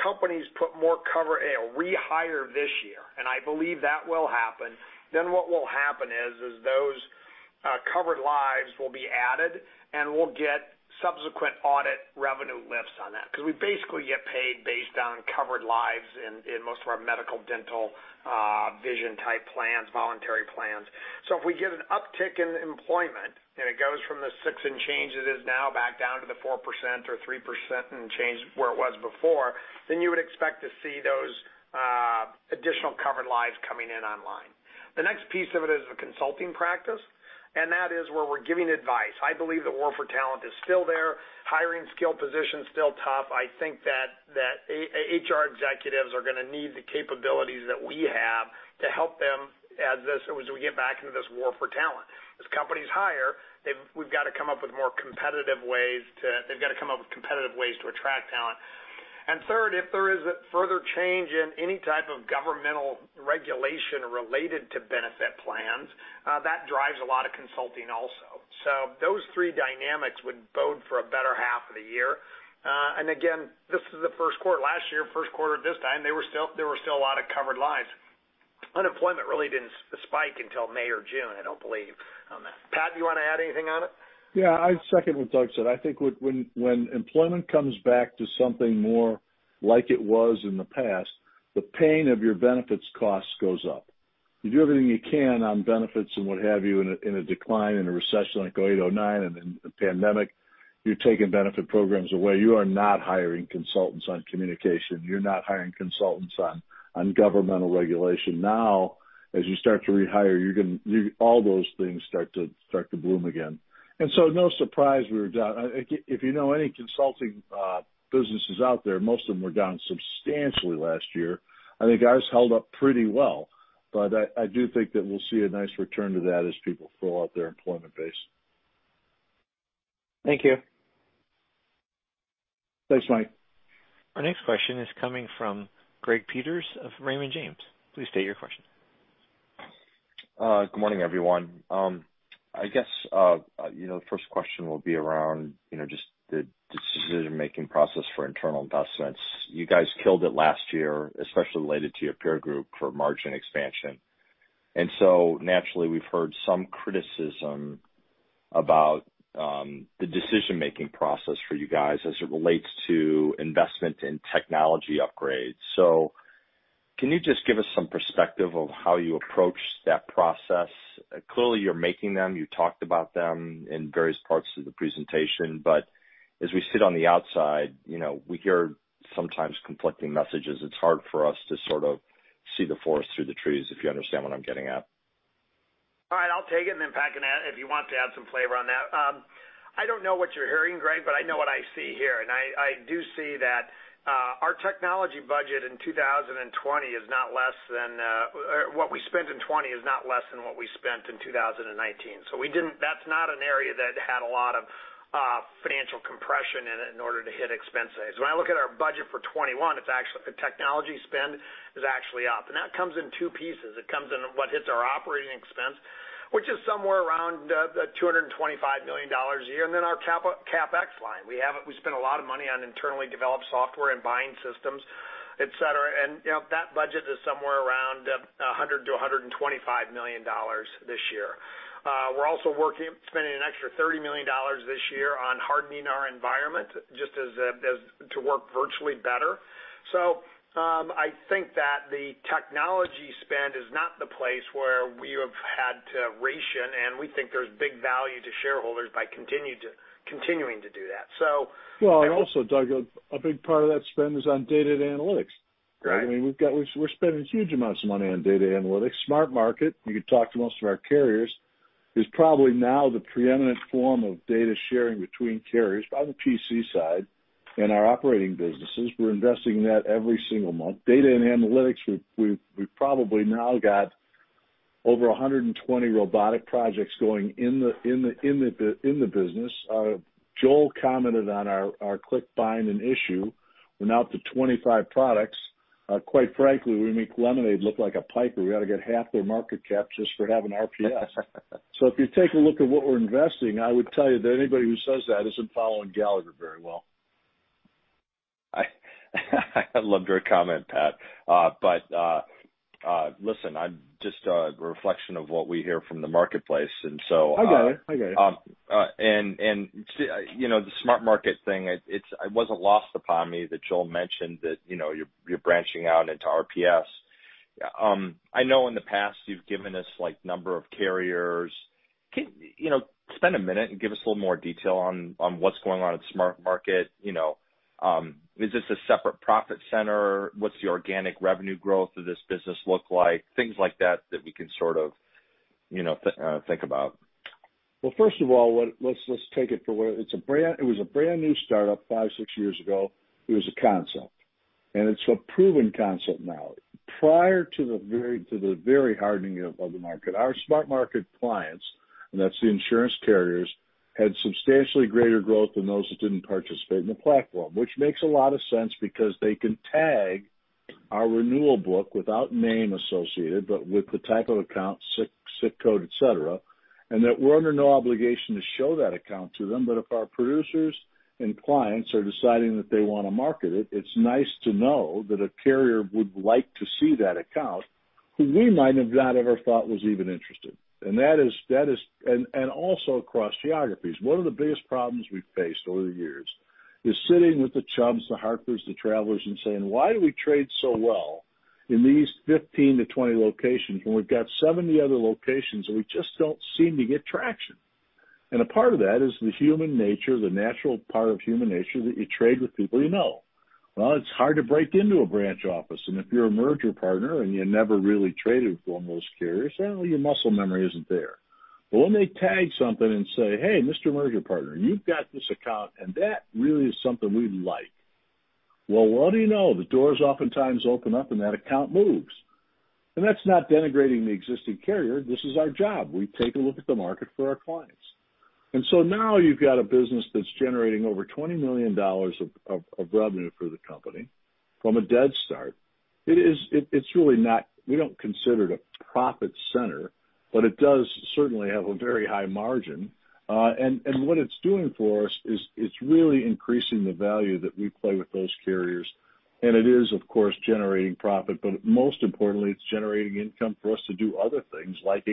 companies put more cover rehire this year, and I believe that will happen, what will happen is those covered lives will be added, and we'll get subsequent audit revenue lifts on that because we basically get paid based on covered lives in most of our medical, dental, vision-type plans, voluntary plans. If we get an uptick in employment and it goes from the 6 and change it is now back down to the 4% or 3% and change where it was before, you would expect to see those additional covered lives coming in online. The next piece of it is the consulting practice, and that is where we're giving advice. I believe the war for talent is still there. Hiring skill positions is still tough. I think that HR executives are going to need the capabilities that we have to help them as we get back into this war for talent. As companies hire, we've got to come up with more competitive ways to, they've got to come up with competitive ways to attract talent. Third, if there is further change in any type of governmental regulation related to benefit plans, that drives a lot of consulting also. Those three dynamics would bode for a better half of the year. Again, this is the first quarter last year, first quarter at this time, there were still a lot of covered lives. Unemployment really did not spike until May or June, I do not believe. Pat, do you want to add anything on it? Yeah. I second what Doug said. I think when employment comes back to something more like it was in the past, the pain of your benefits costs goes up. You do everything you can on benefits and what have you in a decline and a recession like 2008, 2009, and then the pandemic, you're taking benefit programs away. You are not hiring consultants on communication. You're not hiring consultants on governmental regulation. Now, as you start to rehire, all those things start to bloom again. No surprise we were down. If you know any consulting businesses out there, most of them were down substantially last year. I think ours held up pretty well. I do think that we'll see a nice return to that as people fill out their employment base. Thank you. Thanks, Mike. Our next question is coming from Greg Peters of Raymond James. Please state your question. Good morning, everyone. I guess the first question will be around just the decision-making process for internal investments. You guys killed it last year, especially related to your peer group for margin expansion. Naturally, we've heard some criticism about the decision-making process for you guys as it relates to investment in technology upgrades. Can you just give us some perspective of how you approach that process? Clearly, you're making them. You talked about them in various parts of the presentation. As we sit on the outside, we hear sometimes conflicting messages. It's hard for us to sort of see the forest through the trees, if you understand what I'm getting at. All right. I'll take it and then Pat can add if you want to add some flavor on that. I don't know what you're hearing, Greg, but I know what I see here. I do see that our technology budget in 2020 is not less than what we spent in 2020, is not less than what we spent in 2019. That's not an area that had a lot of financial compression in order to hit expense savings. When I look at our budget for 2021, the technology spend is actually up. That comes in two pieces. It comes in what hits our operating expense, which is somewhere around $225 million a year. Then our CapEx line. We spend a lot of money on internally developed software and buying systems, etc. That budget is somewhere around $100 million-$125 million this year. We're also spending an extra $30 million this year on hardening our environment just to work virtually better. I think that the technology spend is not the place where we have had to ration, and we think there's big value to shareholders by continuing to do that. Doug, a big part of that spend is on data and analytics. I mean, we're spending huge amounts of money on data and analytics. SmartMarket, you could talk to most of our carriers, is probably now the preeminent form of data sharing between carriers on the P&C side and our operating businesses. We're investing in that every single month. Data and analytics, we've probably now got over 120 robotic projects going in the business. Joel commented on our ClickBind and Issue. We're now up to 25 products. Quite frankly, we make Lemonade look like a piker. We got to get half their market cap just for having RPS. If you take a look at what we're investing, I would tell you that anybody who says that isn't following Gallagher very well. I loved your comment, Pat. Listen, I'm just a reflection of what we hear from the marketplace. And so. I got it. I got it. The SmartMarket thing, it wasn't lost upon me that Joel mentioned that you're branching out into RPS. I know in the past you've given us a number of carriers. Spend a minute and give us a little more detail on what's going on at SmartMarket. Is this a separate profit center? What's the organic revenue growth of this business look like? Things like that that we can sort of think about. First of all, let's take it for what it was, a brand new startup five, six years ago. It was a concept. And it's a proven concept now. Prior to the very hardening of the market, our SmartMarket clients, and that's the insurance carriers, had substantially greater growth than those that didn't participate in the platform, which makes a lot of sense because they can tag our renewal book without name associated, but with the type of account, ZIP code, etc., and that we're under no obligation to show that account to them. If our producers and clients are deciding that they want to market it, it's nice to know that a carrier would like to see that account who we might have not ever thought was even interested. That is also across geographies. One of the biggest problems we've faced over the years is sitting with the Chubb, the Hartford, the Travelers, and saying, "Why do we trade so well in these 15-20 locations when we've got 70 other locations that we just don't seem to get traction?" A part of that is the human nature, the natural part of human nature that you trade with people you know. It's hard to break into a branch office. If you're a merger partner and you never really traded with one of those carriers, your muscle memory isn't there. When they tag something and say, "Hey, Mr. Merger Partner, you've got this account, and that really is something we'd like." What do you know? The doors oftentimes open up, and that account moves. That's not denigrating the existing carrier. This is our job. We take a look at the market for our clients. Now you've got a business that's generating over $20 million of revenue for the company from a dead start. It's really not, we don't consider it a profit center, but it does certainly have a very high margin. What it's doing for us is it's really increasing the value that we play with those carriers. It is, of course, generating profit. Most importantly, it's generating income for us to do other things like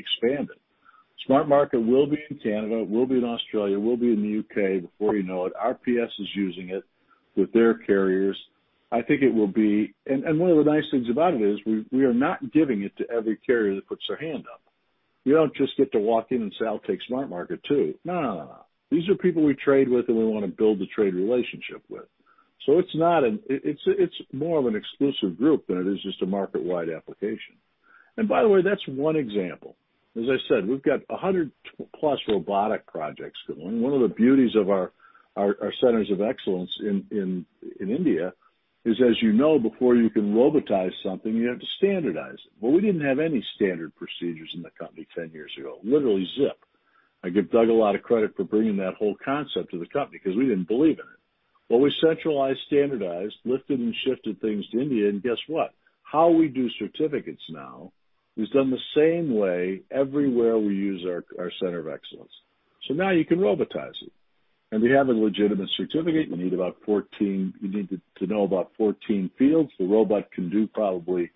expanding. SmartMarket will be in Canada. It will be in Australia. It will be in the U.K. before you know it. RPS is using it with their carriers. I think it will be, and one of the nice things about it is we are not giving it to every carrier that puts their hand up. You don't just get to walk in and say, "I'll take SmartMarket too." No, no, no, no. These are people we trade with and we want to build the trade relationship with. It's more of an exclusive group than it is just a market-wide application. By the way, that's one example. As I said, we've got 100+ robotic projects going. One of the beauties of our Centers of Excellence in India is, as you know, before you can robotize something, you have to standardize it. We didn't have any standard procedures in the company 10 years ago, literally ZIP. I give Doug a lot of credit for bringing that whole concept to the company because we didn't believe in it. We centralized, standardized, lifted and shifted things to India. And guess what? How we do certificates now is done the same way everywhere we use our center of excellence. You can robotize it. To have a legitimate certificate, you need about 14, you need to know about 14 fields. The robot can do probably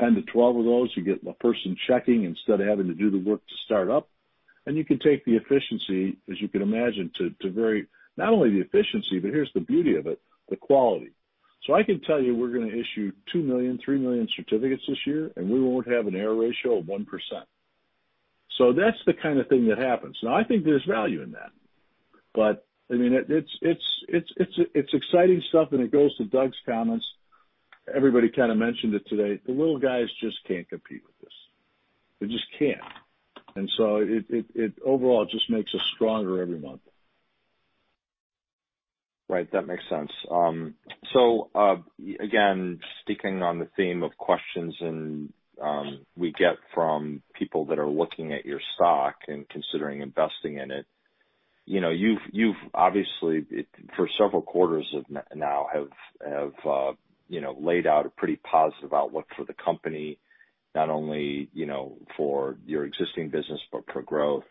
10-12 of those. You get a person checking instead of having to do the work to start up. You can take the efficiency, as you can imagine, to not only the efficiency, but here's the beauty of it, the quality. I can tell you we're going to issue 2 million, 3 million certificates this year, and we won't have an error ratio of 1%. That's the kind of thing that happens. I think there's value in that. I mean, it's exciting stuff, and it goes to Doug's comments. Everybody kind of mentioned it today. The little guys just can't compete with this. They just can't. It overall just makes us stronger every month. Right. That makes sense. Again, sticking on the theme of questions we get from people that are looking at your stock and considering investing in it, you've obviously, for several quarters now, laid out a pretty positive outlook for the company, not only for your existing business, but for growth.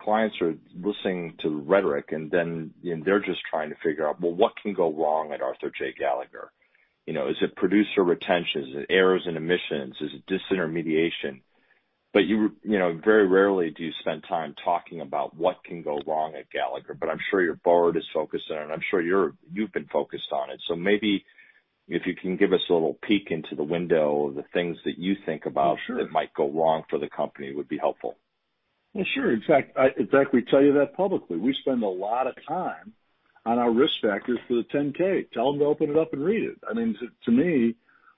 Clients are listening to the rhetoric, and then they're just trying to figure out, what can go wrong at Arthur J. Gallagher? Is it producer retention? Is it errors and omissions? Is it disintermediation? Very rarely do you spend time talking about what can go wrong at Gallagher. I'm sure your board is focused on it. I'm sure you've been focused on it. Maybe if you can give us a little peek into the window of the things that you think about that might go wrong for the company, it would be helpful. Sure. In fact, we tell you that publicly. We spend a lot of time on our risk factors for the 10-K. Tell them to open it up and read it. I mean, to me,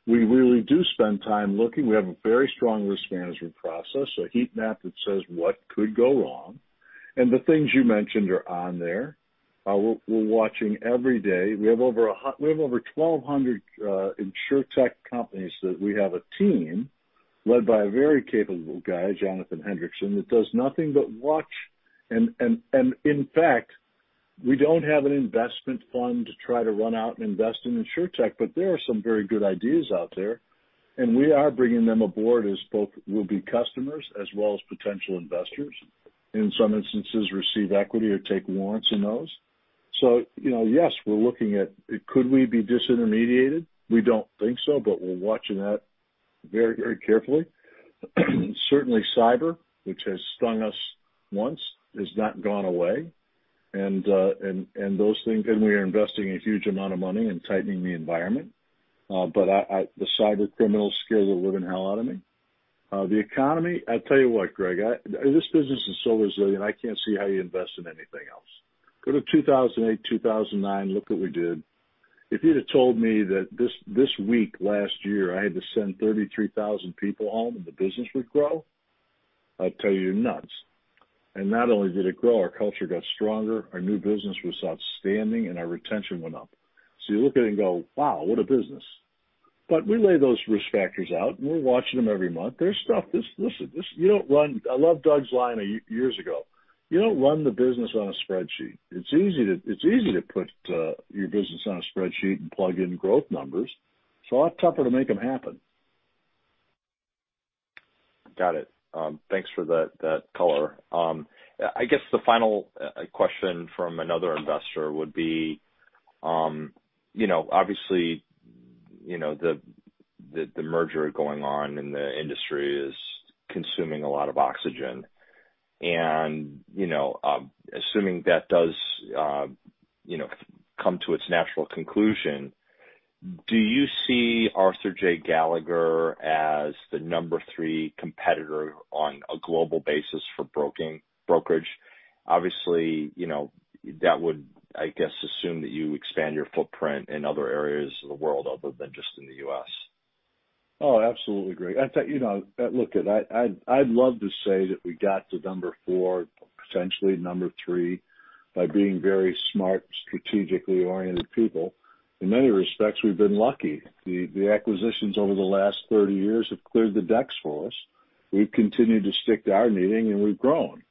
we really do spend time looking. We have a very strong Risk Management process, a heat map that says what could go wrong. The things you mentioned are on there. We're watching every day. We have over 1,200 insurtech companies that we have a team led by a very capable guy, Jonathan Hendrickson, that does nothing but watch. In fact, we do not have an investment fund to try to run out and invest in insurtech, but there are some very good ideas out there. We are bringing them aboard as both will be customers as well as potential investors and in some instances receive equity or take warrants in those. Yes, we're looking at could we be disintermediated? We don't think so, but we're watching that very, very carefully. Certainly, cyber, which has stung us once, has not gone away. We are investing a huge amount of money and tightening the environment. The cyber criminals scare the living hell out of me. The economy, I'll tell you what, Greg, this business is so resilient, I can't see how you invest in anything else. Go to 2008, 2009, look what we did. If you'd have told me that this week last year, I had to send 33,000 people home and the business would grow, I'll tell you nuts. Not only did it grow, our culture got stronger, our new business was outstanding, and our retention went up. You look at it and go, "Wow, what a business." We lay those risk factors out, and we're watching them every month. There's stuff. Listen, you don't run—I loved Doug's line years ago—you don't run the business on a spreadsheet. It's easy to put your business on a spreadsheet and plug in growth numbers. It's a lot tougher to make them happen. Got it. Thanks for that color. I guess the final question from another investor would be, obviously, the merger going on in the industry is consuming a lot of oxygen. Assuming that does come to its natural conclusion, do you see Arthur J. Gallagher as the number three competitor on a global basis for Brokerage? Obviously, that would, I guess, assume that you expand your footprint in other areas of the world other than just in the U.S. Oh, absolutely, Greg. Look, I'd love to say that we got to number four, potentially number three by being very smart, strategically oriented people. In many respects, we've been lucky. The acquisitions over the last 30 years have cleared the decks for us. We've continued to stick to our meeting, and we've grown.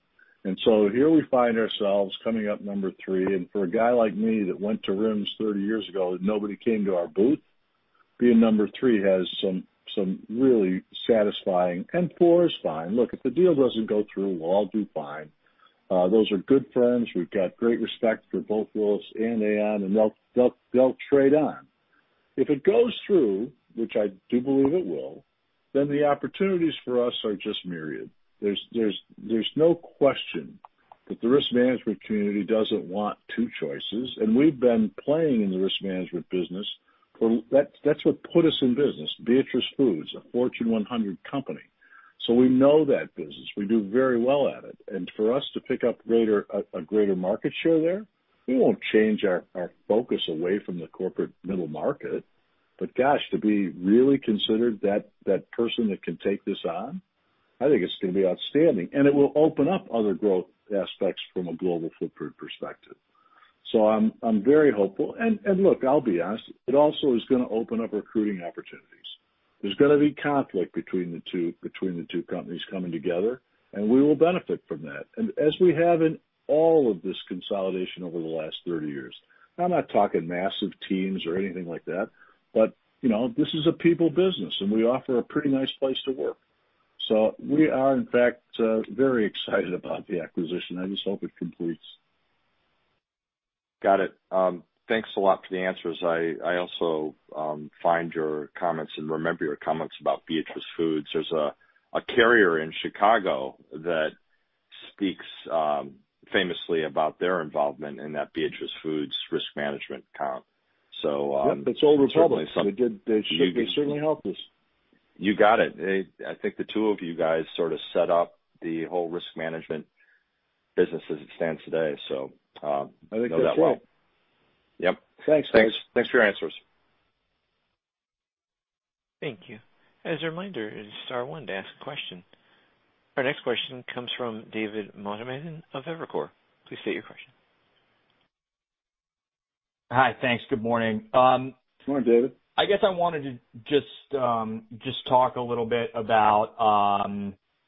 Here we find ourselves coming up number three. For a guy like me that went to RIMS 30 years ago and nobody came to our booth, being number three has some really satisfying and four is fine. Look, if the deal doesn't go through, we'll all do fine. Those are good firms. We've got great respect for both Willis and Aon, and they'll trade on. If it goes through, which I do believe it will, the opportunities for us are just myriad. There's no question that the Risk Management community doesn't want two choices. We've been playing in the Risk Management business. That's what put us in business. Beatrice Foods, a Fortune 100 company. We know that business. We do very well at it. For us to pick up a greater market share there, we won't change our focus away from the corporate middle market. Gosh, to be really considered that person that can take this on, I think it's going to be outstanding. It will open up other growth aspects from a global footprint perspective. I'm very hopeful. Look, I'll be honest, it also is going to open up recruiting opportunities. There's going to be conflict between the two companies coming together, and we will benefit from that. As we have in all of this consolidation over the last 30 years, I'm not talking massive teams or anything like that, but this is a people business, and we offer a pretty nice place to work. We are, in fact, very excited about the acquisition. I just hope it completes. Got it. Thanks a lot for the answers. I also find your comments and remember your comments about Beatrice Foods. There is a carrier in Chicago that speaks famously about their involvement in that Beatrice Foods Risk Management account. That's Old Republic. They certainly helped us. You got it. I think the two of you guys sort of set up the whole Risk Management business as it stands today. Know that well. I think they will. Yep. Thanks. Thanks for your answers. Thank you. As a reminder, it is star one to ask a question. Our next question comes from David Motemaden of Evercore. Please state your question. Hi, thanks. Good morning. Good morning, David. I guess I wanted to just talk a little bit about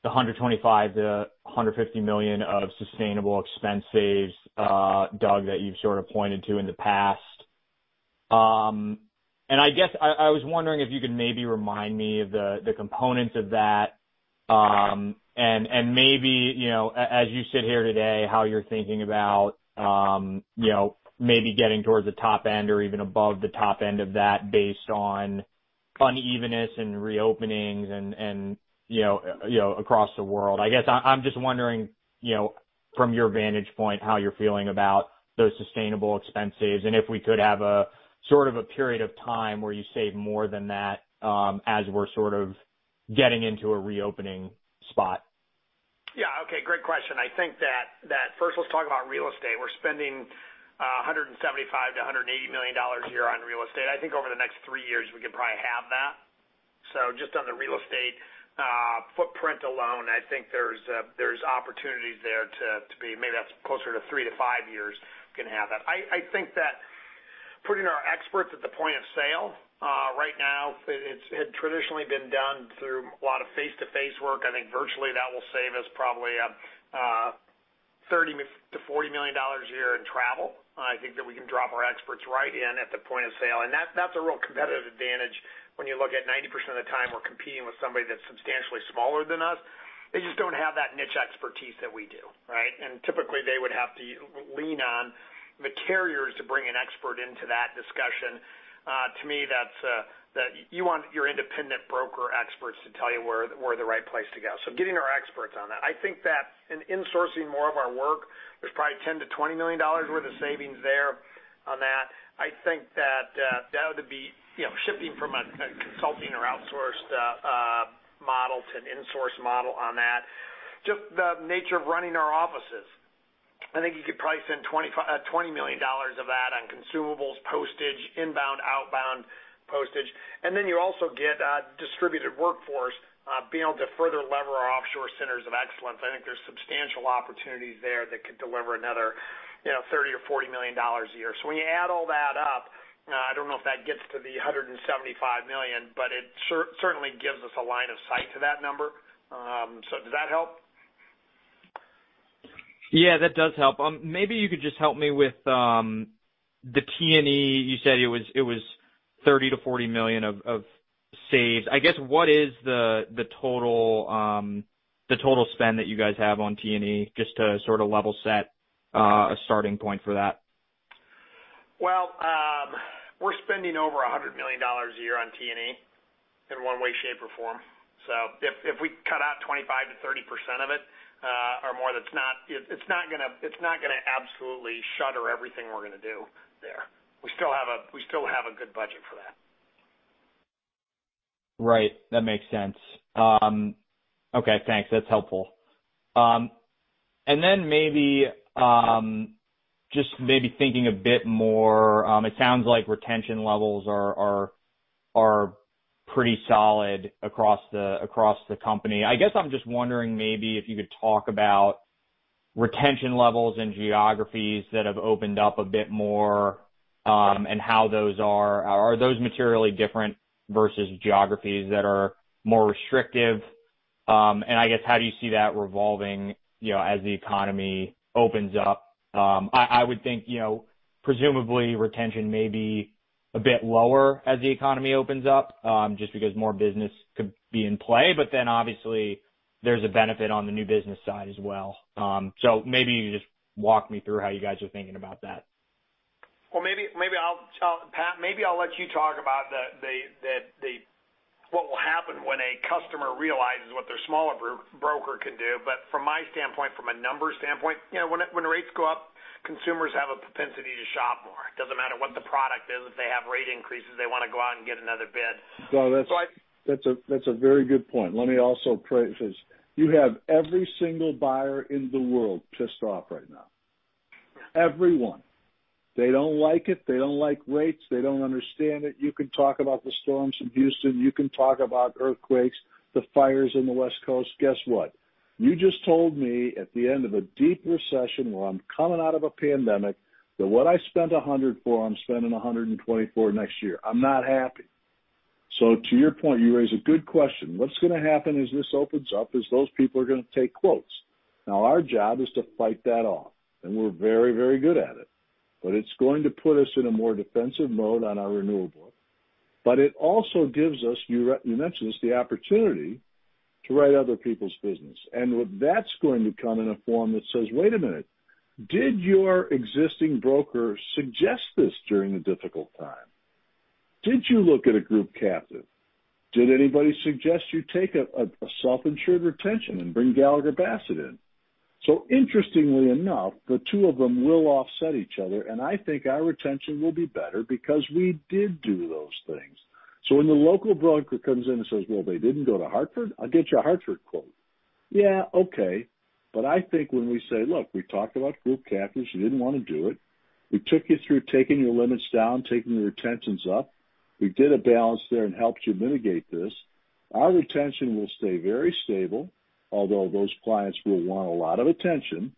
the $125 million-$150 million of sustainable expense saves, Doug, that you've sort of pointed to in the past. I guess I was wondering if you could maybe remind me of the components of that. Maybe, as you sit here today, how you're thinking about maybe getting towards the top end or even above the top end of that based on unevenness and reopenings across the world. I guess I'm just wondering, from your vantage point, how you're feeling about those sustainable expenses and if we could have a sort of a period of time where you save more than that as we're sort of getting into a reopening spot. Yeah. Okay. Great question. I think that first, let's talk about real estate. We're spending $175 million-$180 million a year on real estate. I think over the next three years, we could probably halve that. Just on the real estate footprint alone, I think there's opportunities there to be maybe that's closer to three to five years can halve that. I think that putting our experts at the point of sale right now, it had traditionally been done through a lot of face-to-face work. I think virtually that will save us probably $30 million-$40 million a year in travel. I think that we can drop our experts right in at the point of sale. That's a real competitive advantage when you look at 90% of the time we're competing with somebody that's substantially smaller than us. They just don't have that niche expertise that we do, right? Typically, they would have to lean on the carriers to bring an expert into that discussion. To me, you want your independent broker experts to tell you where the right place to go is. Getting our experts on that. I think that in sourcing more of our work, there's probably $10 million-$20 million worth of savings there on that. I think that would be shifting from a consulting or outsourced model to an insource model on that. Just the nature of running our offices. I think you could probably spend $20 million of that on consumables, postage, inbound, outbound postage. You also get distributed workforce being able to further lever our offshore Centers of Excellence. I think there's substantial opportunities there that could deliver another $30 million or $40 million a year. When you add all that up, I don't know if that gets to the $175 million, but it certainly gives us a line of sight to that number. Does that help? Yeah, that does help. Maybe you could just help me with the T&E. You said it was $30 million-$40 million of saves. I guess what is the total spend that you guys have on T&E just to sort of level set a starting point for that? We're spending over $100 million a year on T&E in one way, shape, or form. If we cut out 25%-30% of it or more, it's not going to absolutely shutter everything we're going to do there. We still have a good budget for that. Right. That makes sense. Okay. Thanks. That's helpful. Maybe just maybe thinking a bit more, it sounds like retention levels are pretty solid across the company. I guess I'm just wondering maybe if you could talk about retention levels and geographies that have opened up a bit more and how those are. Are those materially different versus geographies that are more restrictive? I guess how do you see that revolving as the economy opens up? I would think presumably retention may be a bit lower as the economy opens up just because more business could be in play. Obviously, there's a benefit on the new business side as well. Maybe you just walk me through how you guys are thinking about that. Maybe I'll let you talk about what will happen when a customer realizes what their smaller broker can do. From my standpoint, from a numbers standpoint, when rates go up, consumers have a propensity to shop more. It doesn't matter what the product is. If they have rate increases, they want to go out and get another bid. That's a very good point. Let me also praise this. You have every single buyer in the world pissed off right now. Everyone. They don't like it. They don't like rates. They don't understand it. You can talk about the storms in Houston. You can talk about earthquakes, the fires on the West Coast. Guess what? You just told me at the end of a deep recession where I'm coming out of a pandemic that what I spent $100 for, I'm spending $124 next year. I'm not happy. To your point, you raise a good question. What's going to happen as this opens up is those people are going to take quotes. Our job is to fight that off. We're very, very good at it. It is going to put us in a more defensive mode on our renewable. It also gives us, you mentioned this, the opportunity to write other people's business. That's going to come in a form that says, "Wait a minute. Did your existing broker suggest this during the difficult time? Did you look at a group captive? Did anybody suggest you take a self-insured retention and bring Gallagher Bassett in?" Interestingly enough, the two of them will offset each other. I think our retention will be better because we did do those things. When the local broker comes in and says, "They didn't go to Hartford," I'll get you a Hartford quote. Yeah, okay. I think when we say, "Look, we talked about group captives. You didn't want to do it. We took you through taking your limits down, taking your retentions up. We did a balance there and helped you mitigate this. Our retention will stay very stable, although those clients will want a lot of attention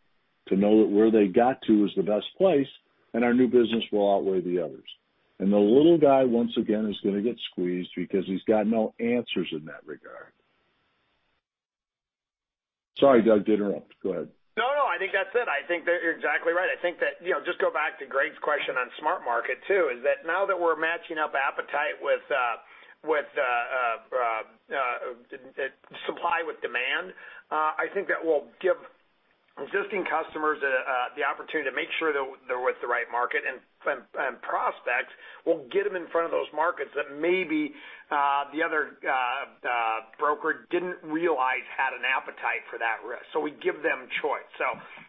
to know that where they got to is the best place, and our new business will outweigh the others. The little guy, once again, is going to get squeezed because he's got no answers in that regard. Sorry, Doug, to interrupt. Go ahead. No, no. I think that's it. I think that you're exactly right. I think that, just to go back to Greg's question on SmartMarket too, now that we're matching up appetite with supply with demand, I think that will give existing customers the opportunity to make sure they're with the right market and prospects. We'll get them in front of those markets that maybe the other broker didn't realize had an appetite for that risk. We give them choice.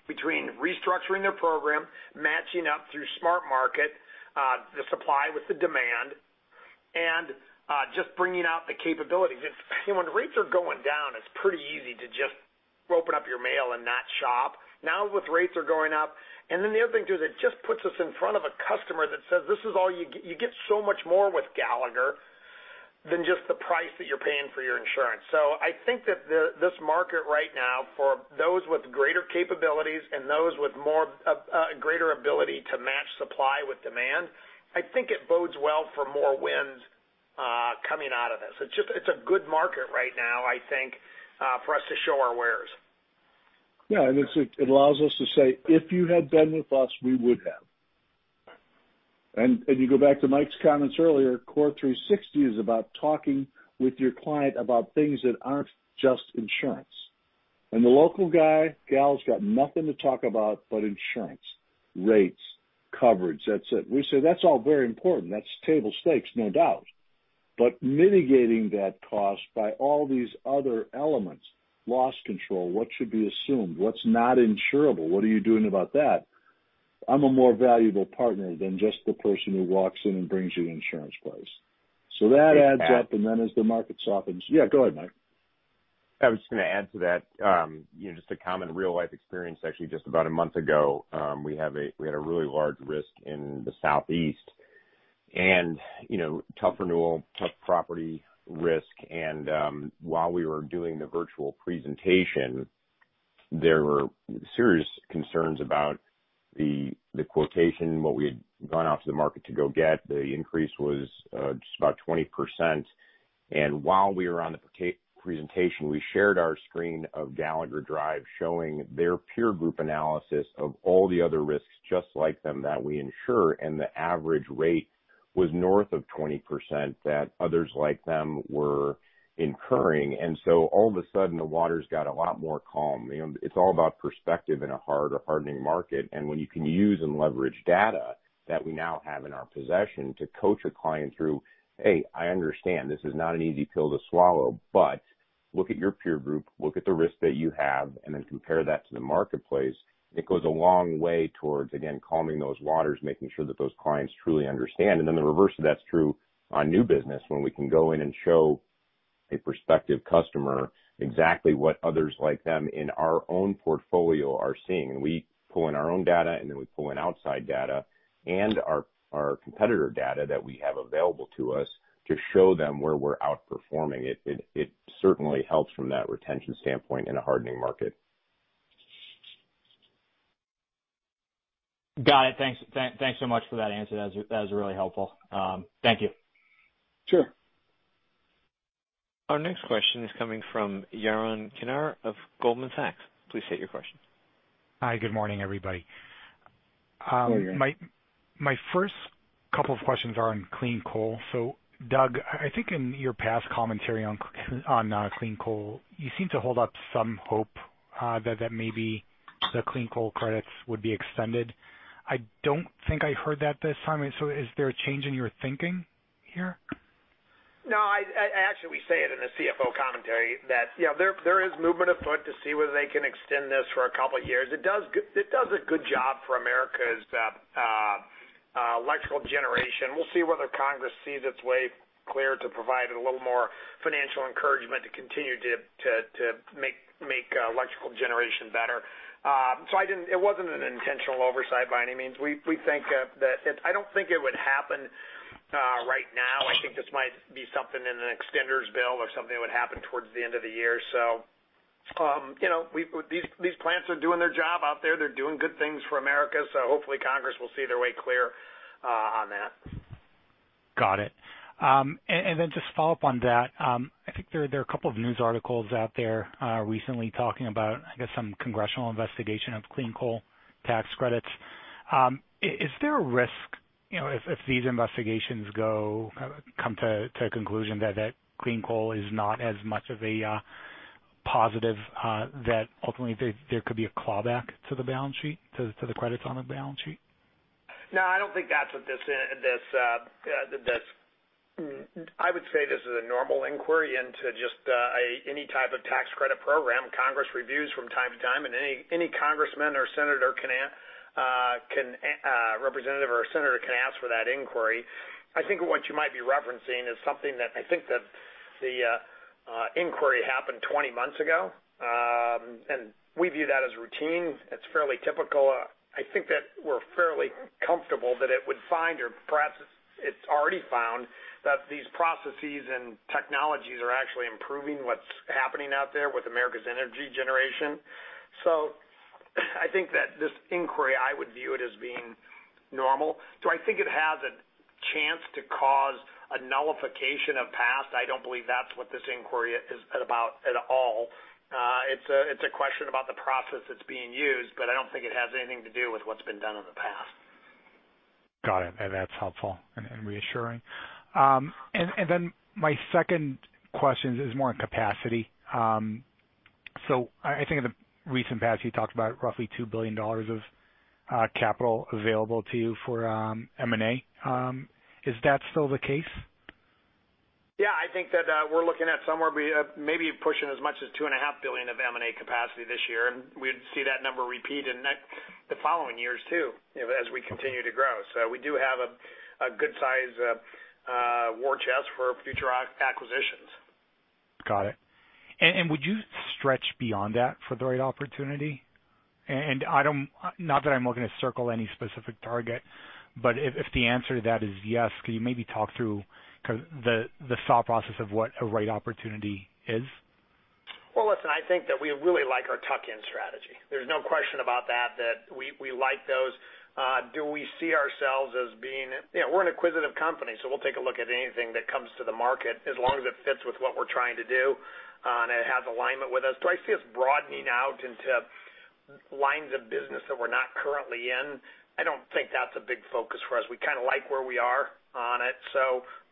Between restructuring their program, matching up through SmartMarket the supply with the demand, and just bringing out the capabilities. If you want to reach or going down, it's pretty easy to just open up your mail and not shop. Now with rates are going up. The other thing too is it just puts us in front of a customer that says, "This is all you get. You get so much more with Gallagher than just the price that you're paying for your insurance." I think that this market right now for those with greater capabilities and those with greater ability to match supply with demand, I think it bodes well for more wins coming out of this. It's a good market right now, I think, for us to show our wares. Yeah. It allows us to say, "If you had been with us, we would have." You go back to Mike's comments earlier, CORE360 is about talking with your client about things that are not just insurance. The local guy, gal has nothing to talk about but insurance, rates, coverage. That is it. We say that is all very important. That is table stakes, no doubt. Mitigating that cost by all these other elements, loss control, what should be assumed, what is not insurable, what are you doing about that? I am a more valuable partner than just the person who walks in and brings you the insurance price. That adds up. As the market softens, yeah, go ahead, Mike. I was just going to add to that, just a common real-life experience, actually, just about a month ago. We had a really large risk in the Southeast and tough renewal, tough property risk. While we were doing the virtual presentation, there were serious concerns about the quotation, what we had gone out to the market to go get. The increase was just about 20%. While we were on the presentation, we shared our screen of Gallagher Drive showing their peer group analysis of all the other risks just like them that we insure. The average rate was north of 20% that others like them were incurring. All of a sudden, the waters got a lot more calm. It's all about perspective in a hardening market. When you can use and leverage data that we now have in our possession to coach a client through, "Hey, I understand this is not an easy pill to swallow, but look at your peer group, look at the risk that you have, and then compare that to the marketplace," it goes a long way towards, again, calming those waters, making sure that those clients truly understand. The reverse of that's true on new business when we can go in and show a prospective customer exactly what others like them in our own portfolio are seeing. We pull in our own data, and then we pull in outside data and our competitor data that we have available to us to show them where we're outperforming. It certainly helps from that retention standpoint in a hardening market. Got it. Thanks so much for that answer. That was really helpful. Thank you. Sure. Our next question is coming from Yaron Kinar of Goldman Sachs. Please state your question. Hi, good morning, everybody. Hello, Yaron. My first couple of questions are on clean coal. Doug, I think in your past commentary on clean coal, you seem to hold up some hope that maybe the clean coal credits would be extended. I do not think I heard that this time. Is there a change in your thinking here? No, actually, we say it in the CFO commentary that there is movement afoot to see whether they can extend this for a couple of years. It does a good job for America's electrical generation. We'll see whether Congress sees its way clear to provide a little more financial encouragement to continue to make electrical generation better. It wasn't an intentional oversight by any means. We think that I don't think it would happen right now. I think this might be something in an extenders bill or something that would happen towards the end of the year. These plants are doing their job out there. They're doing good things for America. Hopefully, Congress will see their way clear on that. Got it. Just to follow up on that, I think there are a couple of news articles out there recently talking about, I guess, some congressional investigation of clean coal tax credits. Is there a risk if these investigations come to a conclusion that clean coal is not as much of a positive, that ultimately there could be a clawback to the balance sheet, to the credits on the balance sheet? No, I don't think that's what this is. I would say this is a normal inquiry into just any type of tax credit program. Congress reviews from time to time, and any representative or senator can ask for that inquiry. I think what you might be referencing is something that I think that the inquiry happened 20 months ago. We view that as routine. It's fairly typical. I think that we're fairly comfortable that it would find, or perhaps it's already found, that these processes and technologies are actually improving what's happening out there with America's energy generation. I think that this inquiry, I would view it as being normal. Do I think it has a chance to cause a nullification of past? I don't believe that's what this inquiry is about at all. It's a question about the process that's being used, but I don't think it has anything to do with what's been done in the past. Got it. That's helpful and reassuring. My second question is more on capacity. I think in the recent past, you talked about roughly $2 billion of capital available to you for M&A. Is that still the case? Yeah. I think that we're looking at somewhere maybe pushing as much as $2.5 billion of M&A capacity this year. We'd see that number repeat in the following years too as we continue to grow. We do have a good-sized war chest for future acquisitions. Got it. Would you stretch beyond that for the right opportunity? Not that I'm looking to circle any specific target, but if the answer to that is yes, could you maybe talk through the thought process of what a right opportunity is? I think that we really like our tuck-in strategy. There's no question about that, that we like those. Do we see ourselves as being we're an acquisitive company, so we'll take a look at anything that comes to the market as long as it fits with what we're trying to do and it has alignment with us. Do I see us broadening out into lines of business that we're not currently in? I don't think that's a big focus for us. We kind of like where we are on it.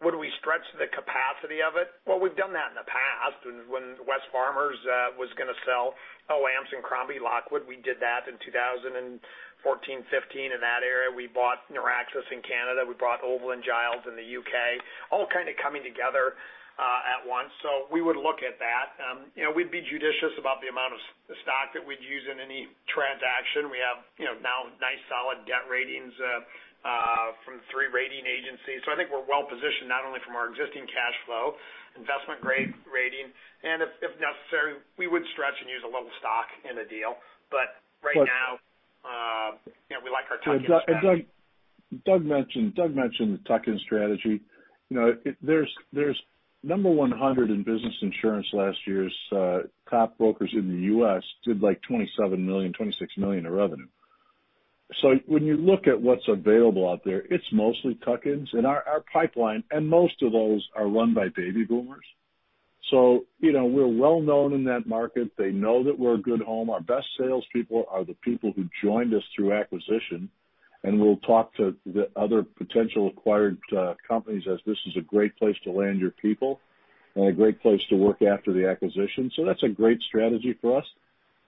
Would we stretch the capacity of it? We've done that in the past. When Wesfarmers was going to sell OAMPS and Crombie Lockwood, we did that in 2014, 2015 in that area. We bought Noraxis in Canada. We bought Oval and Giles in the U.K., all kind of coming together at once. We would look at that. We'd be judicious about the amount of stock that we'd use in any transaction. We have now nice solid debt ratings from three rating agencies. I think we're well positioned not only from our existing cash flow, investment grade rating. If necessary, we would stretch and use a little stock in a deal. Right now, we like our tuck-in strategy. Doug mentioned the tuck-in strategy. There's number 100 in Business Insurance last year. Top brokers in the U.S. did like $27 million, $26 million of revenue. When you look at what's available out there, it's mostly tuck-ins. Our pipeline, and most of those are run by baby boomers. We're well known in that market. They know that we're a good home. Our best salespeople are the people who joined us through acquisition. We talk to the other potential acquired companies as this is a great place to land your people and a great place to work after the acquisition. That's a great strategy for us.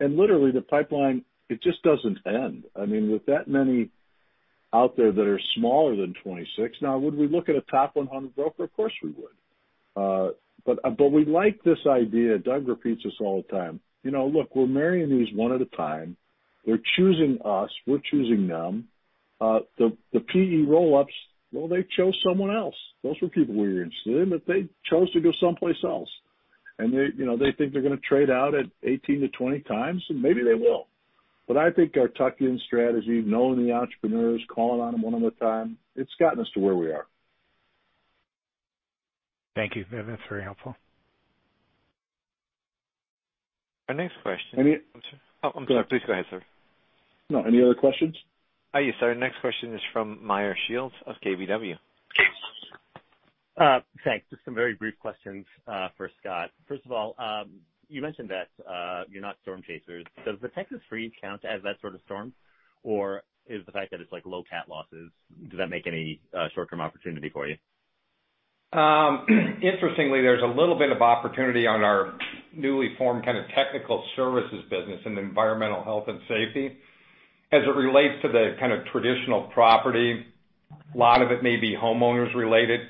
Literally, the pipeline, it just doesn't end. I mean, with that many out there that are smaller than $26 million, now, would we look at a top 100 broker? Of course, we would. We like this idea. Doug repeats this all the time. Look, we're marrying these one at a time. They're choosing us. We're choosing them. The PE roll-ups, well, they chose someone else. Those were people we were interested in, but they chose to go someplace else. They think they're going to trade out at 18-20 times, and maybe they will. I think our tuck-in strategy, knowing the entrepreneurs, calling on them one at a time, it's gotten us to where we are. Thank you. That's very helpful. Our next question. I mean. I'm sorry. Please go ahead, sir. No. Any other questions? Hi, Yaron. Sorry. Next question is from Meyer Shields of KBW. Thanks. Just some very brief questions for Scott. First of all, you mentioned that you're not storm chasers. Does the Texas freeze count as that sort of storm, or is the fact that it's low-cat losses, does that make any short-term opportunity for you? Interestingly, there's a little bit of opportunity on our newly formed kind of technical services business in environmental health and safety. As it relates to the kind of traditional property, a lot of it may be homeowners-related.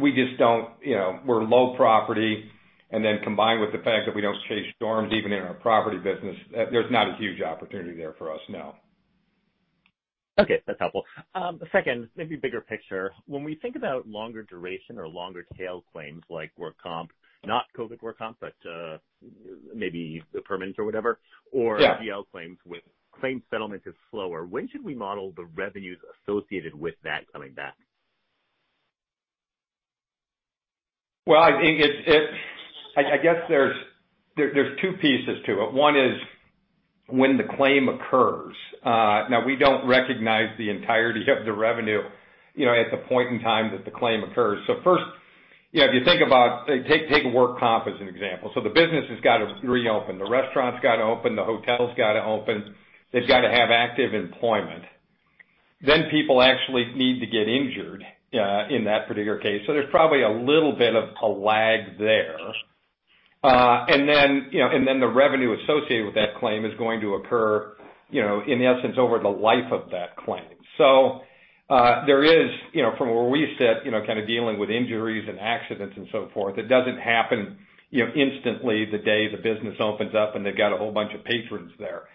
We just don't—we're low property. Combined with the fact that we don't chase storms even in our property business, there's not a huge opportunity there for us, no. Okay. That's helpful. Second, maybe bigger picture. When we think about longer duration or longer tail claims like work comp, not COVID work comp, but maybe the permits or whatever, or GL claims with claim settlement is slower, when should we model the revenues associated with that coming back? I guess there's two pieces to it. One is when the claim occurs. Now, we do not recognize the entirety of the revenue at the point in time that the claim occurs. First, if you think about—take work comp as an example. The business has got to reopen. The restaurant's got to open. The hotel's got to open. They have got to have active employment. Then people actually need to get injured in that particular case. There is probably a little bit of a lag there. The revenue associated with that claim is going to occur, in essence, over the life of that claim. From where we sit, kind of dealing with injuries and accidents and so forth, it does not happen instantly the day the business opens up and they have got a whole bunch of patrons there.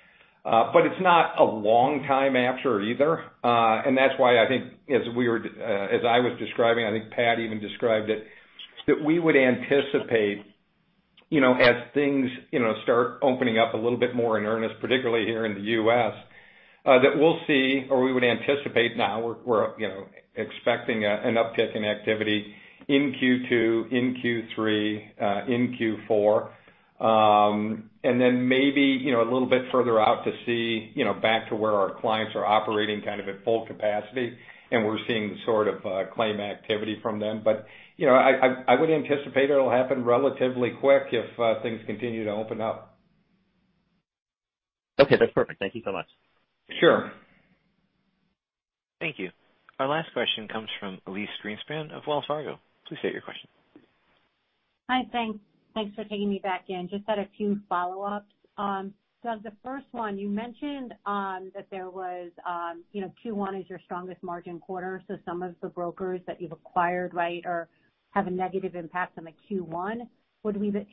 It is not a long time after either. That is why I think, as I was describing, I think Pat even described it, that we would anticipate as things start opening up a little bit more in earnest, particularly here in the U.S., that we will see—or we would anticipate now, we are expecting an uptick in activity in Q2, in Q3, in Q4, and then maybe a little bit further out to see back to where our clients are operating kind of at full capacity and we are seeing the sort of claim activity from them. I would anticipate it will happen relatively quick if things continue to open up. Okay. That's perfect. Thank you so much. Sure. Thank you. Our last question comes from Elyse Greenspan of Wells Fargo. Please state your question. Hi. Thanks for taking me back in. Just had a few follow-ups. Doug, the first one, you mentioned that Q1 is your strongest margin quarter. Some of the brokers that you've acquired, right, have a negative impact on the Q1.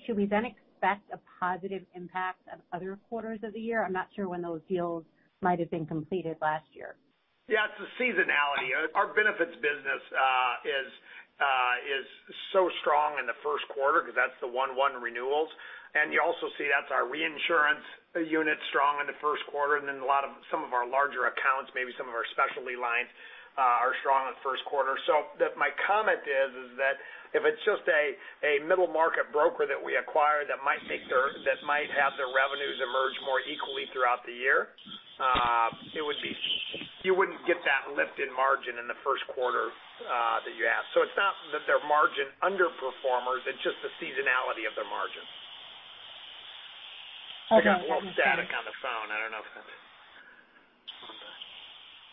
Should we then expect a positive impact on other quarters of the year? I'm not sure when those deals might have been completed last year. Yeah. It's the seasonality. Our benefits business is so strong in the first quarter because that's the 1-1 renewals. You also see that's our reinsurance unit strong in the first quarter. Some of our larger accounts, maybe some of our specialty lines, are strong in the first quarter. My comment is that if it's just a middle market broker that we acquire that might have their revenues emerge more equally throughout the year, you wouldn't get that lift in margin in the first quarter that you asked. It's not that they're margin underperformers. It's just the seasonality of their margins. I got a little static on the phone. I don't know if that's—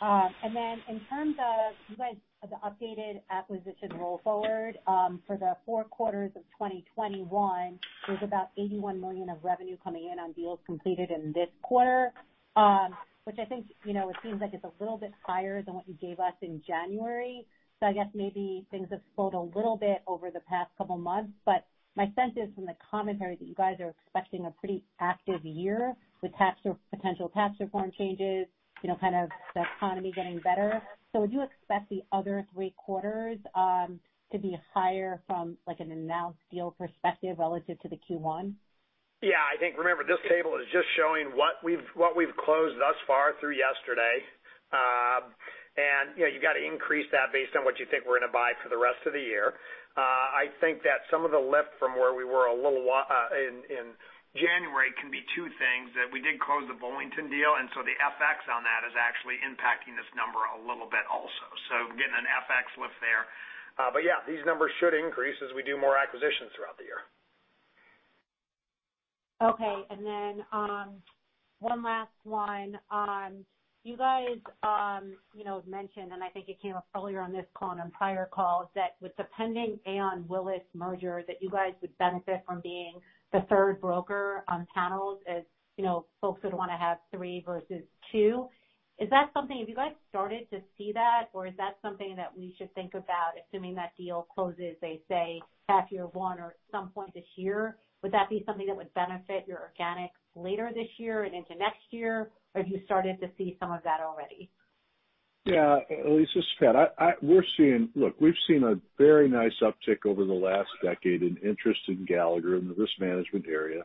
In terms of you guys' updated acquisition roll forward for the four quarters of 2021, there's about $81 million of revenue coming in on deals completed in this quarter, which I think it seems like it's a little bit higher than what you gave us in January. I guess maybe things have slowed a little bit over the past couple of months. My sense is from the commentary that you guys are expecting a pretty active year with potential tax reform changes, kind of the economy getting better. Would you expect the other three quarters to be higher from an announced deal perspective relative to the Q1? Yeah. I think, remember, this table is just showing what we've closed thus far through yesterday. You have to increase that based on what you think we're going to buy for the rest of the year. I think that some of the lift from where we were a little in January can be two things. We did close the Bollington deal, and the FX on that is actually impacting this number a little bit also. Getting an FX lift there. Yeah, these numbers should increase as we do more acquisitions throughout the year. Okay. One last one. You guys mentioned, and I think it came up earlier on this call and on prior calls, that with the pending Aon Willis merger, that you guys would benefit from being the third broker on panels as folks would want to have three versus two. Is that something—have you guys started to see that, or is that something that we should think about, assuming that deal closes, they say, half year one or some point this year? Would that be something that would benefit your organics later this year and into next year? Or have you started to see some of that already? Yeah. Elyse, it's Pat. Look, we've seen a very nice uptick over the last decade in interest in Gallagher and the Risk Management area.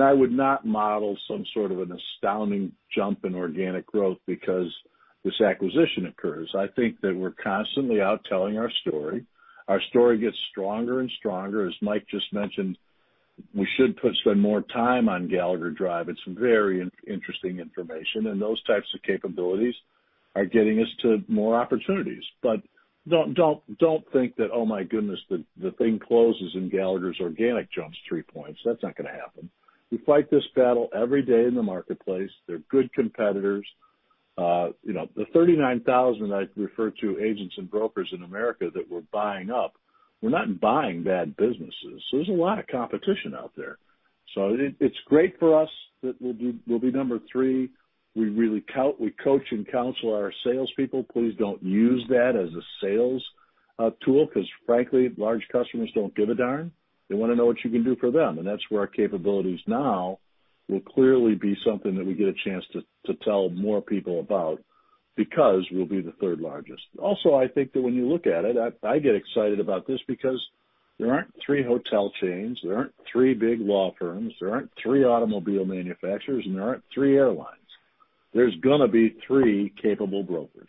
I would not model some sort of an astounding jump in organic growth because this acquisition occurs. I think that we're constantly out telling our story. Our story gets stronger and stronger. As Mike just mentioned, we should spend more time on Gallagher Drive. It's very interesting information. Those types of capabilities are getting us to more opportunities. Do not think that, "Oh my goodness, the thing closes in Gallagher's organic jumps three points." That's not going to happen. We fight this battle every day in the marketplace. They're good competitors. The 39,000 that I refer to agents and brokers in America that we're buying up, we're not buying bad businesses. There's a lot of competition out there. It's great for us that we'll be number three. We coach and counsel our salespeople. Please don't use that as a sales tool because, frankly, large customers don't give a darn. They want to know what you can do for them. That's where our capabilities now will clearly be something that we get a chance to tell more people about because we'll be the third largest. Also, I think that when you look at it, I get excited about this because there aren't three hotel chains. There aren't three big law firms. There aren't three automobile manufacturers. There aren't three airlines. There's going to be three capable brokers.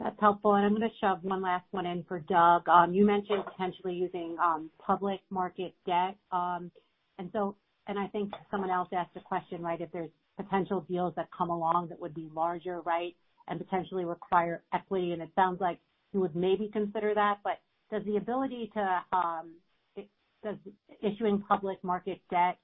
That's helpful. I'm going to shove one last one in for Doug. You mentioned potentially using public market debt. I think someone else asked a question, right, if there's potential deals that come along that would be larger, right, and potentially require equity. It sounds like you would maybe consider that. Does the ability to issue public market debt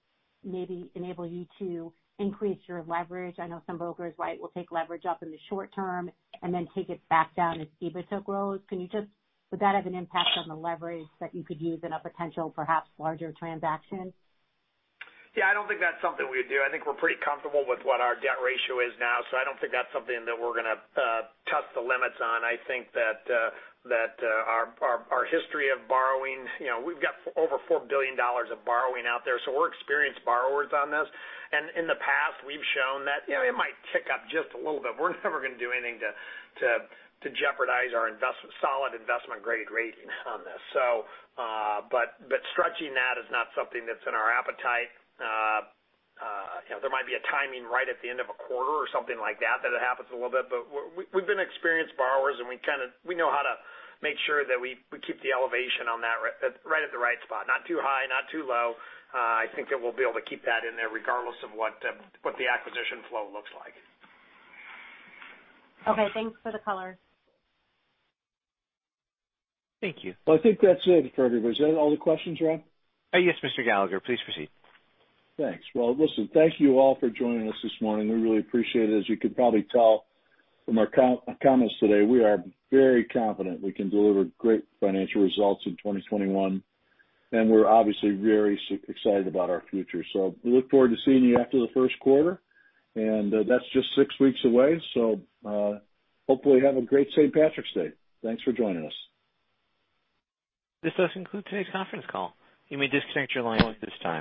maybe enable you to increase your leverage? I know some brokers, right, will take leverage up in the short term and then take it back down as EBITDA grows. Would that have an impact on the leverage that you could use in a potential, perhaps, larger transaction? Yeah. I don't think that's something we would do. I think we're pretty comfortable with what our debt ratio is now. I don't think that's something that we're going to test the limits on. I think that our history of borrowing, we've got over $4 billion of borrowing out there. We're experienced borrowers on this. In the past, we've shown that it might tick up just a little bit. We're never going to do anything to jeopardize our solid investment grade rating on this. Stretching that is not something that's in our appetite. There might be a timing right at the end of a quarter or something like that that it happens a little bit. We've been experienced borrowers, and we know how to make sure that we keep the elevation right at the right spot. Not too high, not too low. I think that we'll be able to keep that in there regardless of what the acquisition flow looks like. Okay. Thanks for the color. Thank you. I think that's it for everybody. Is that all the questions, Rob? Yes, Mr. Gallagher. Please proceed. Thanks. Well, thank you all for joining us this morning. We really appreciate it. As you can probably tell from our comments today, we are very confident we can deliver great financial results in 2021. We are obviously very excited about our future. We look forward to seeing you after the first quarter. That is just six weeks away. Hopefully, have a great St. Patrick's Day. Thanks for joining us. This does conclude today's conference call. You may disconnect your line at this time.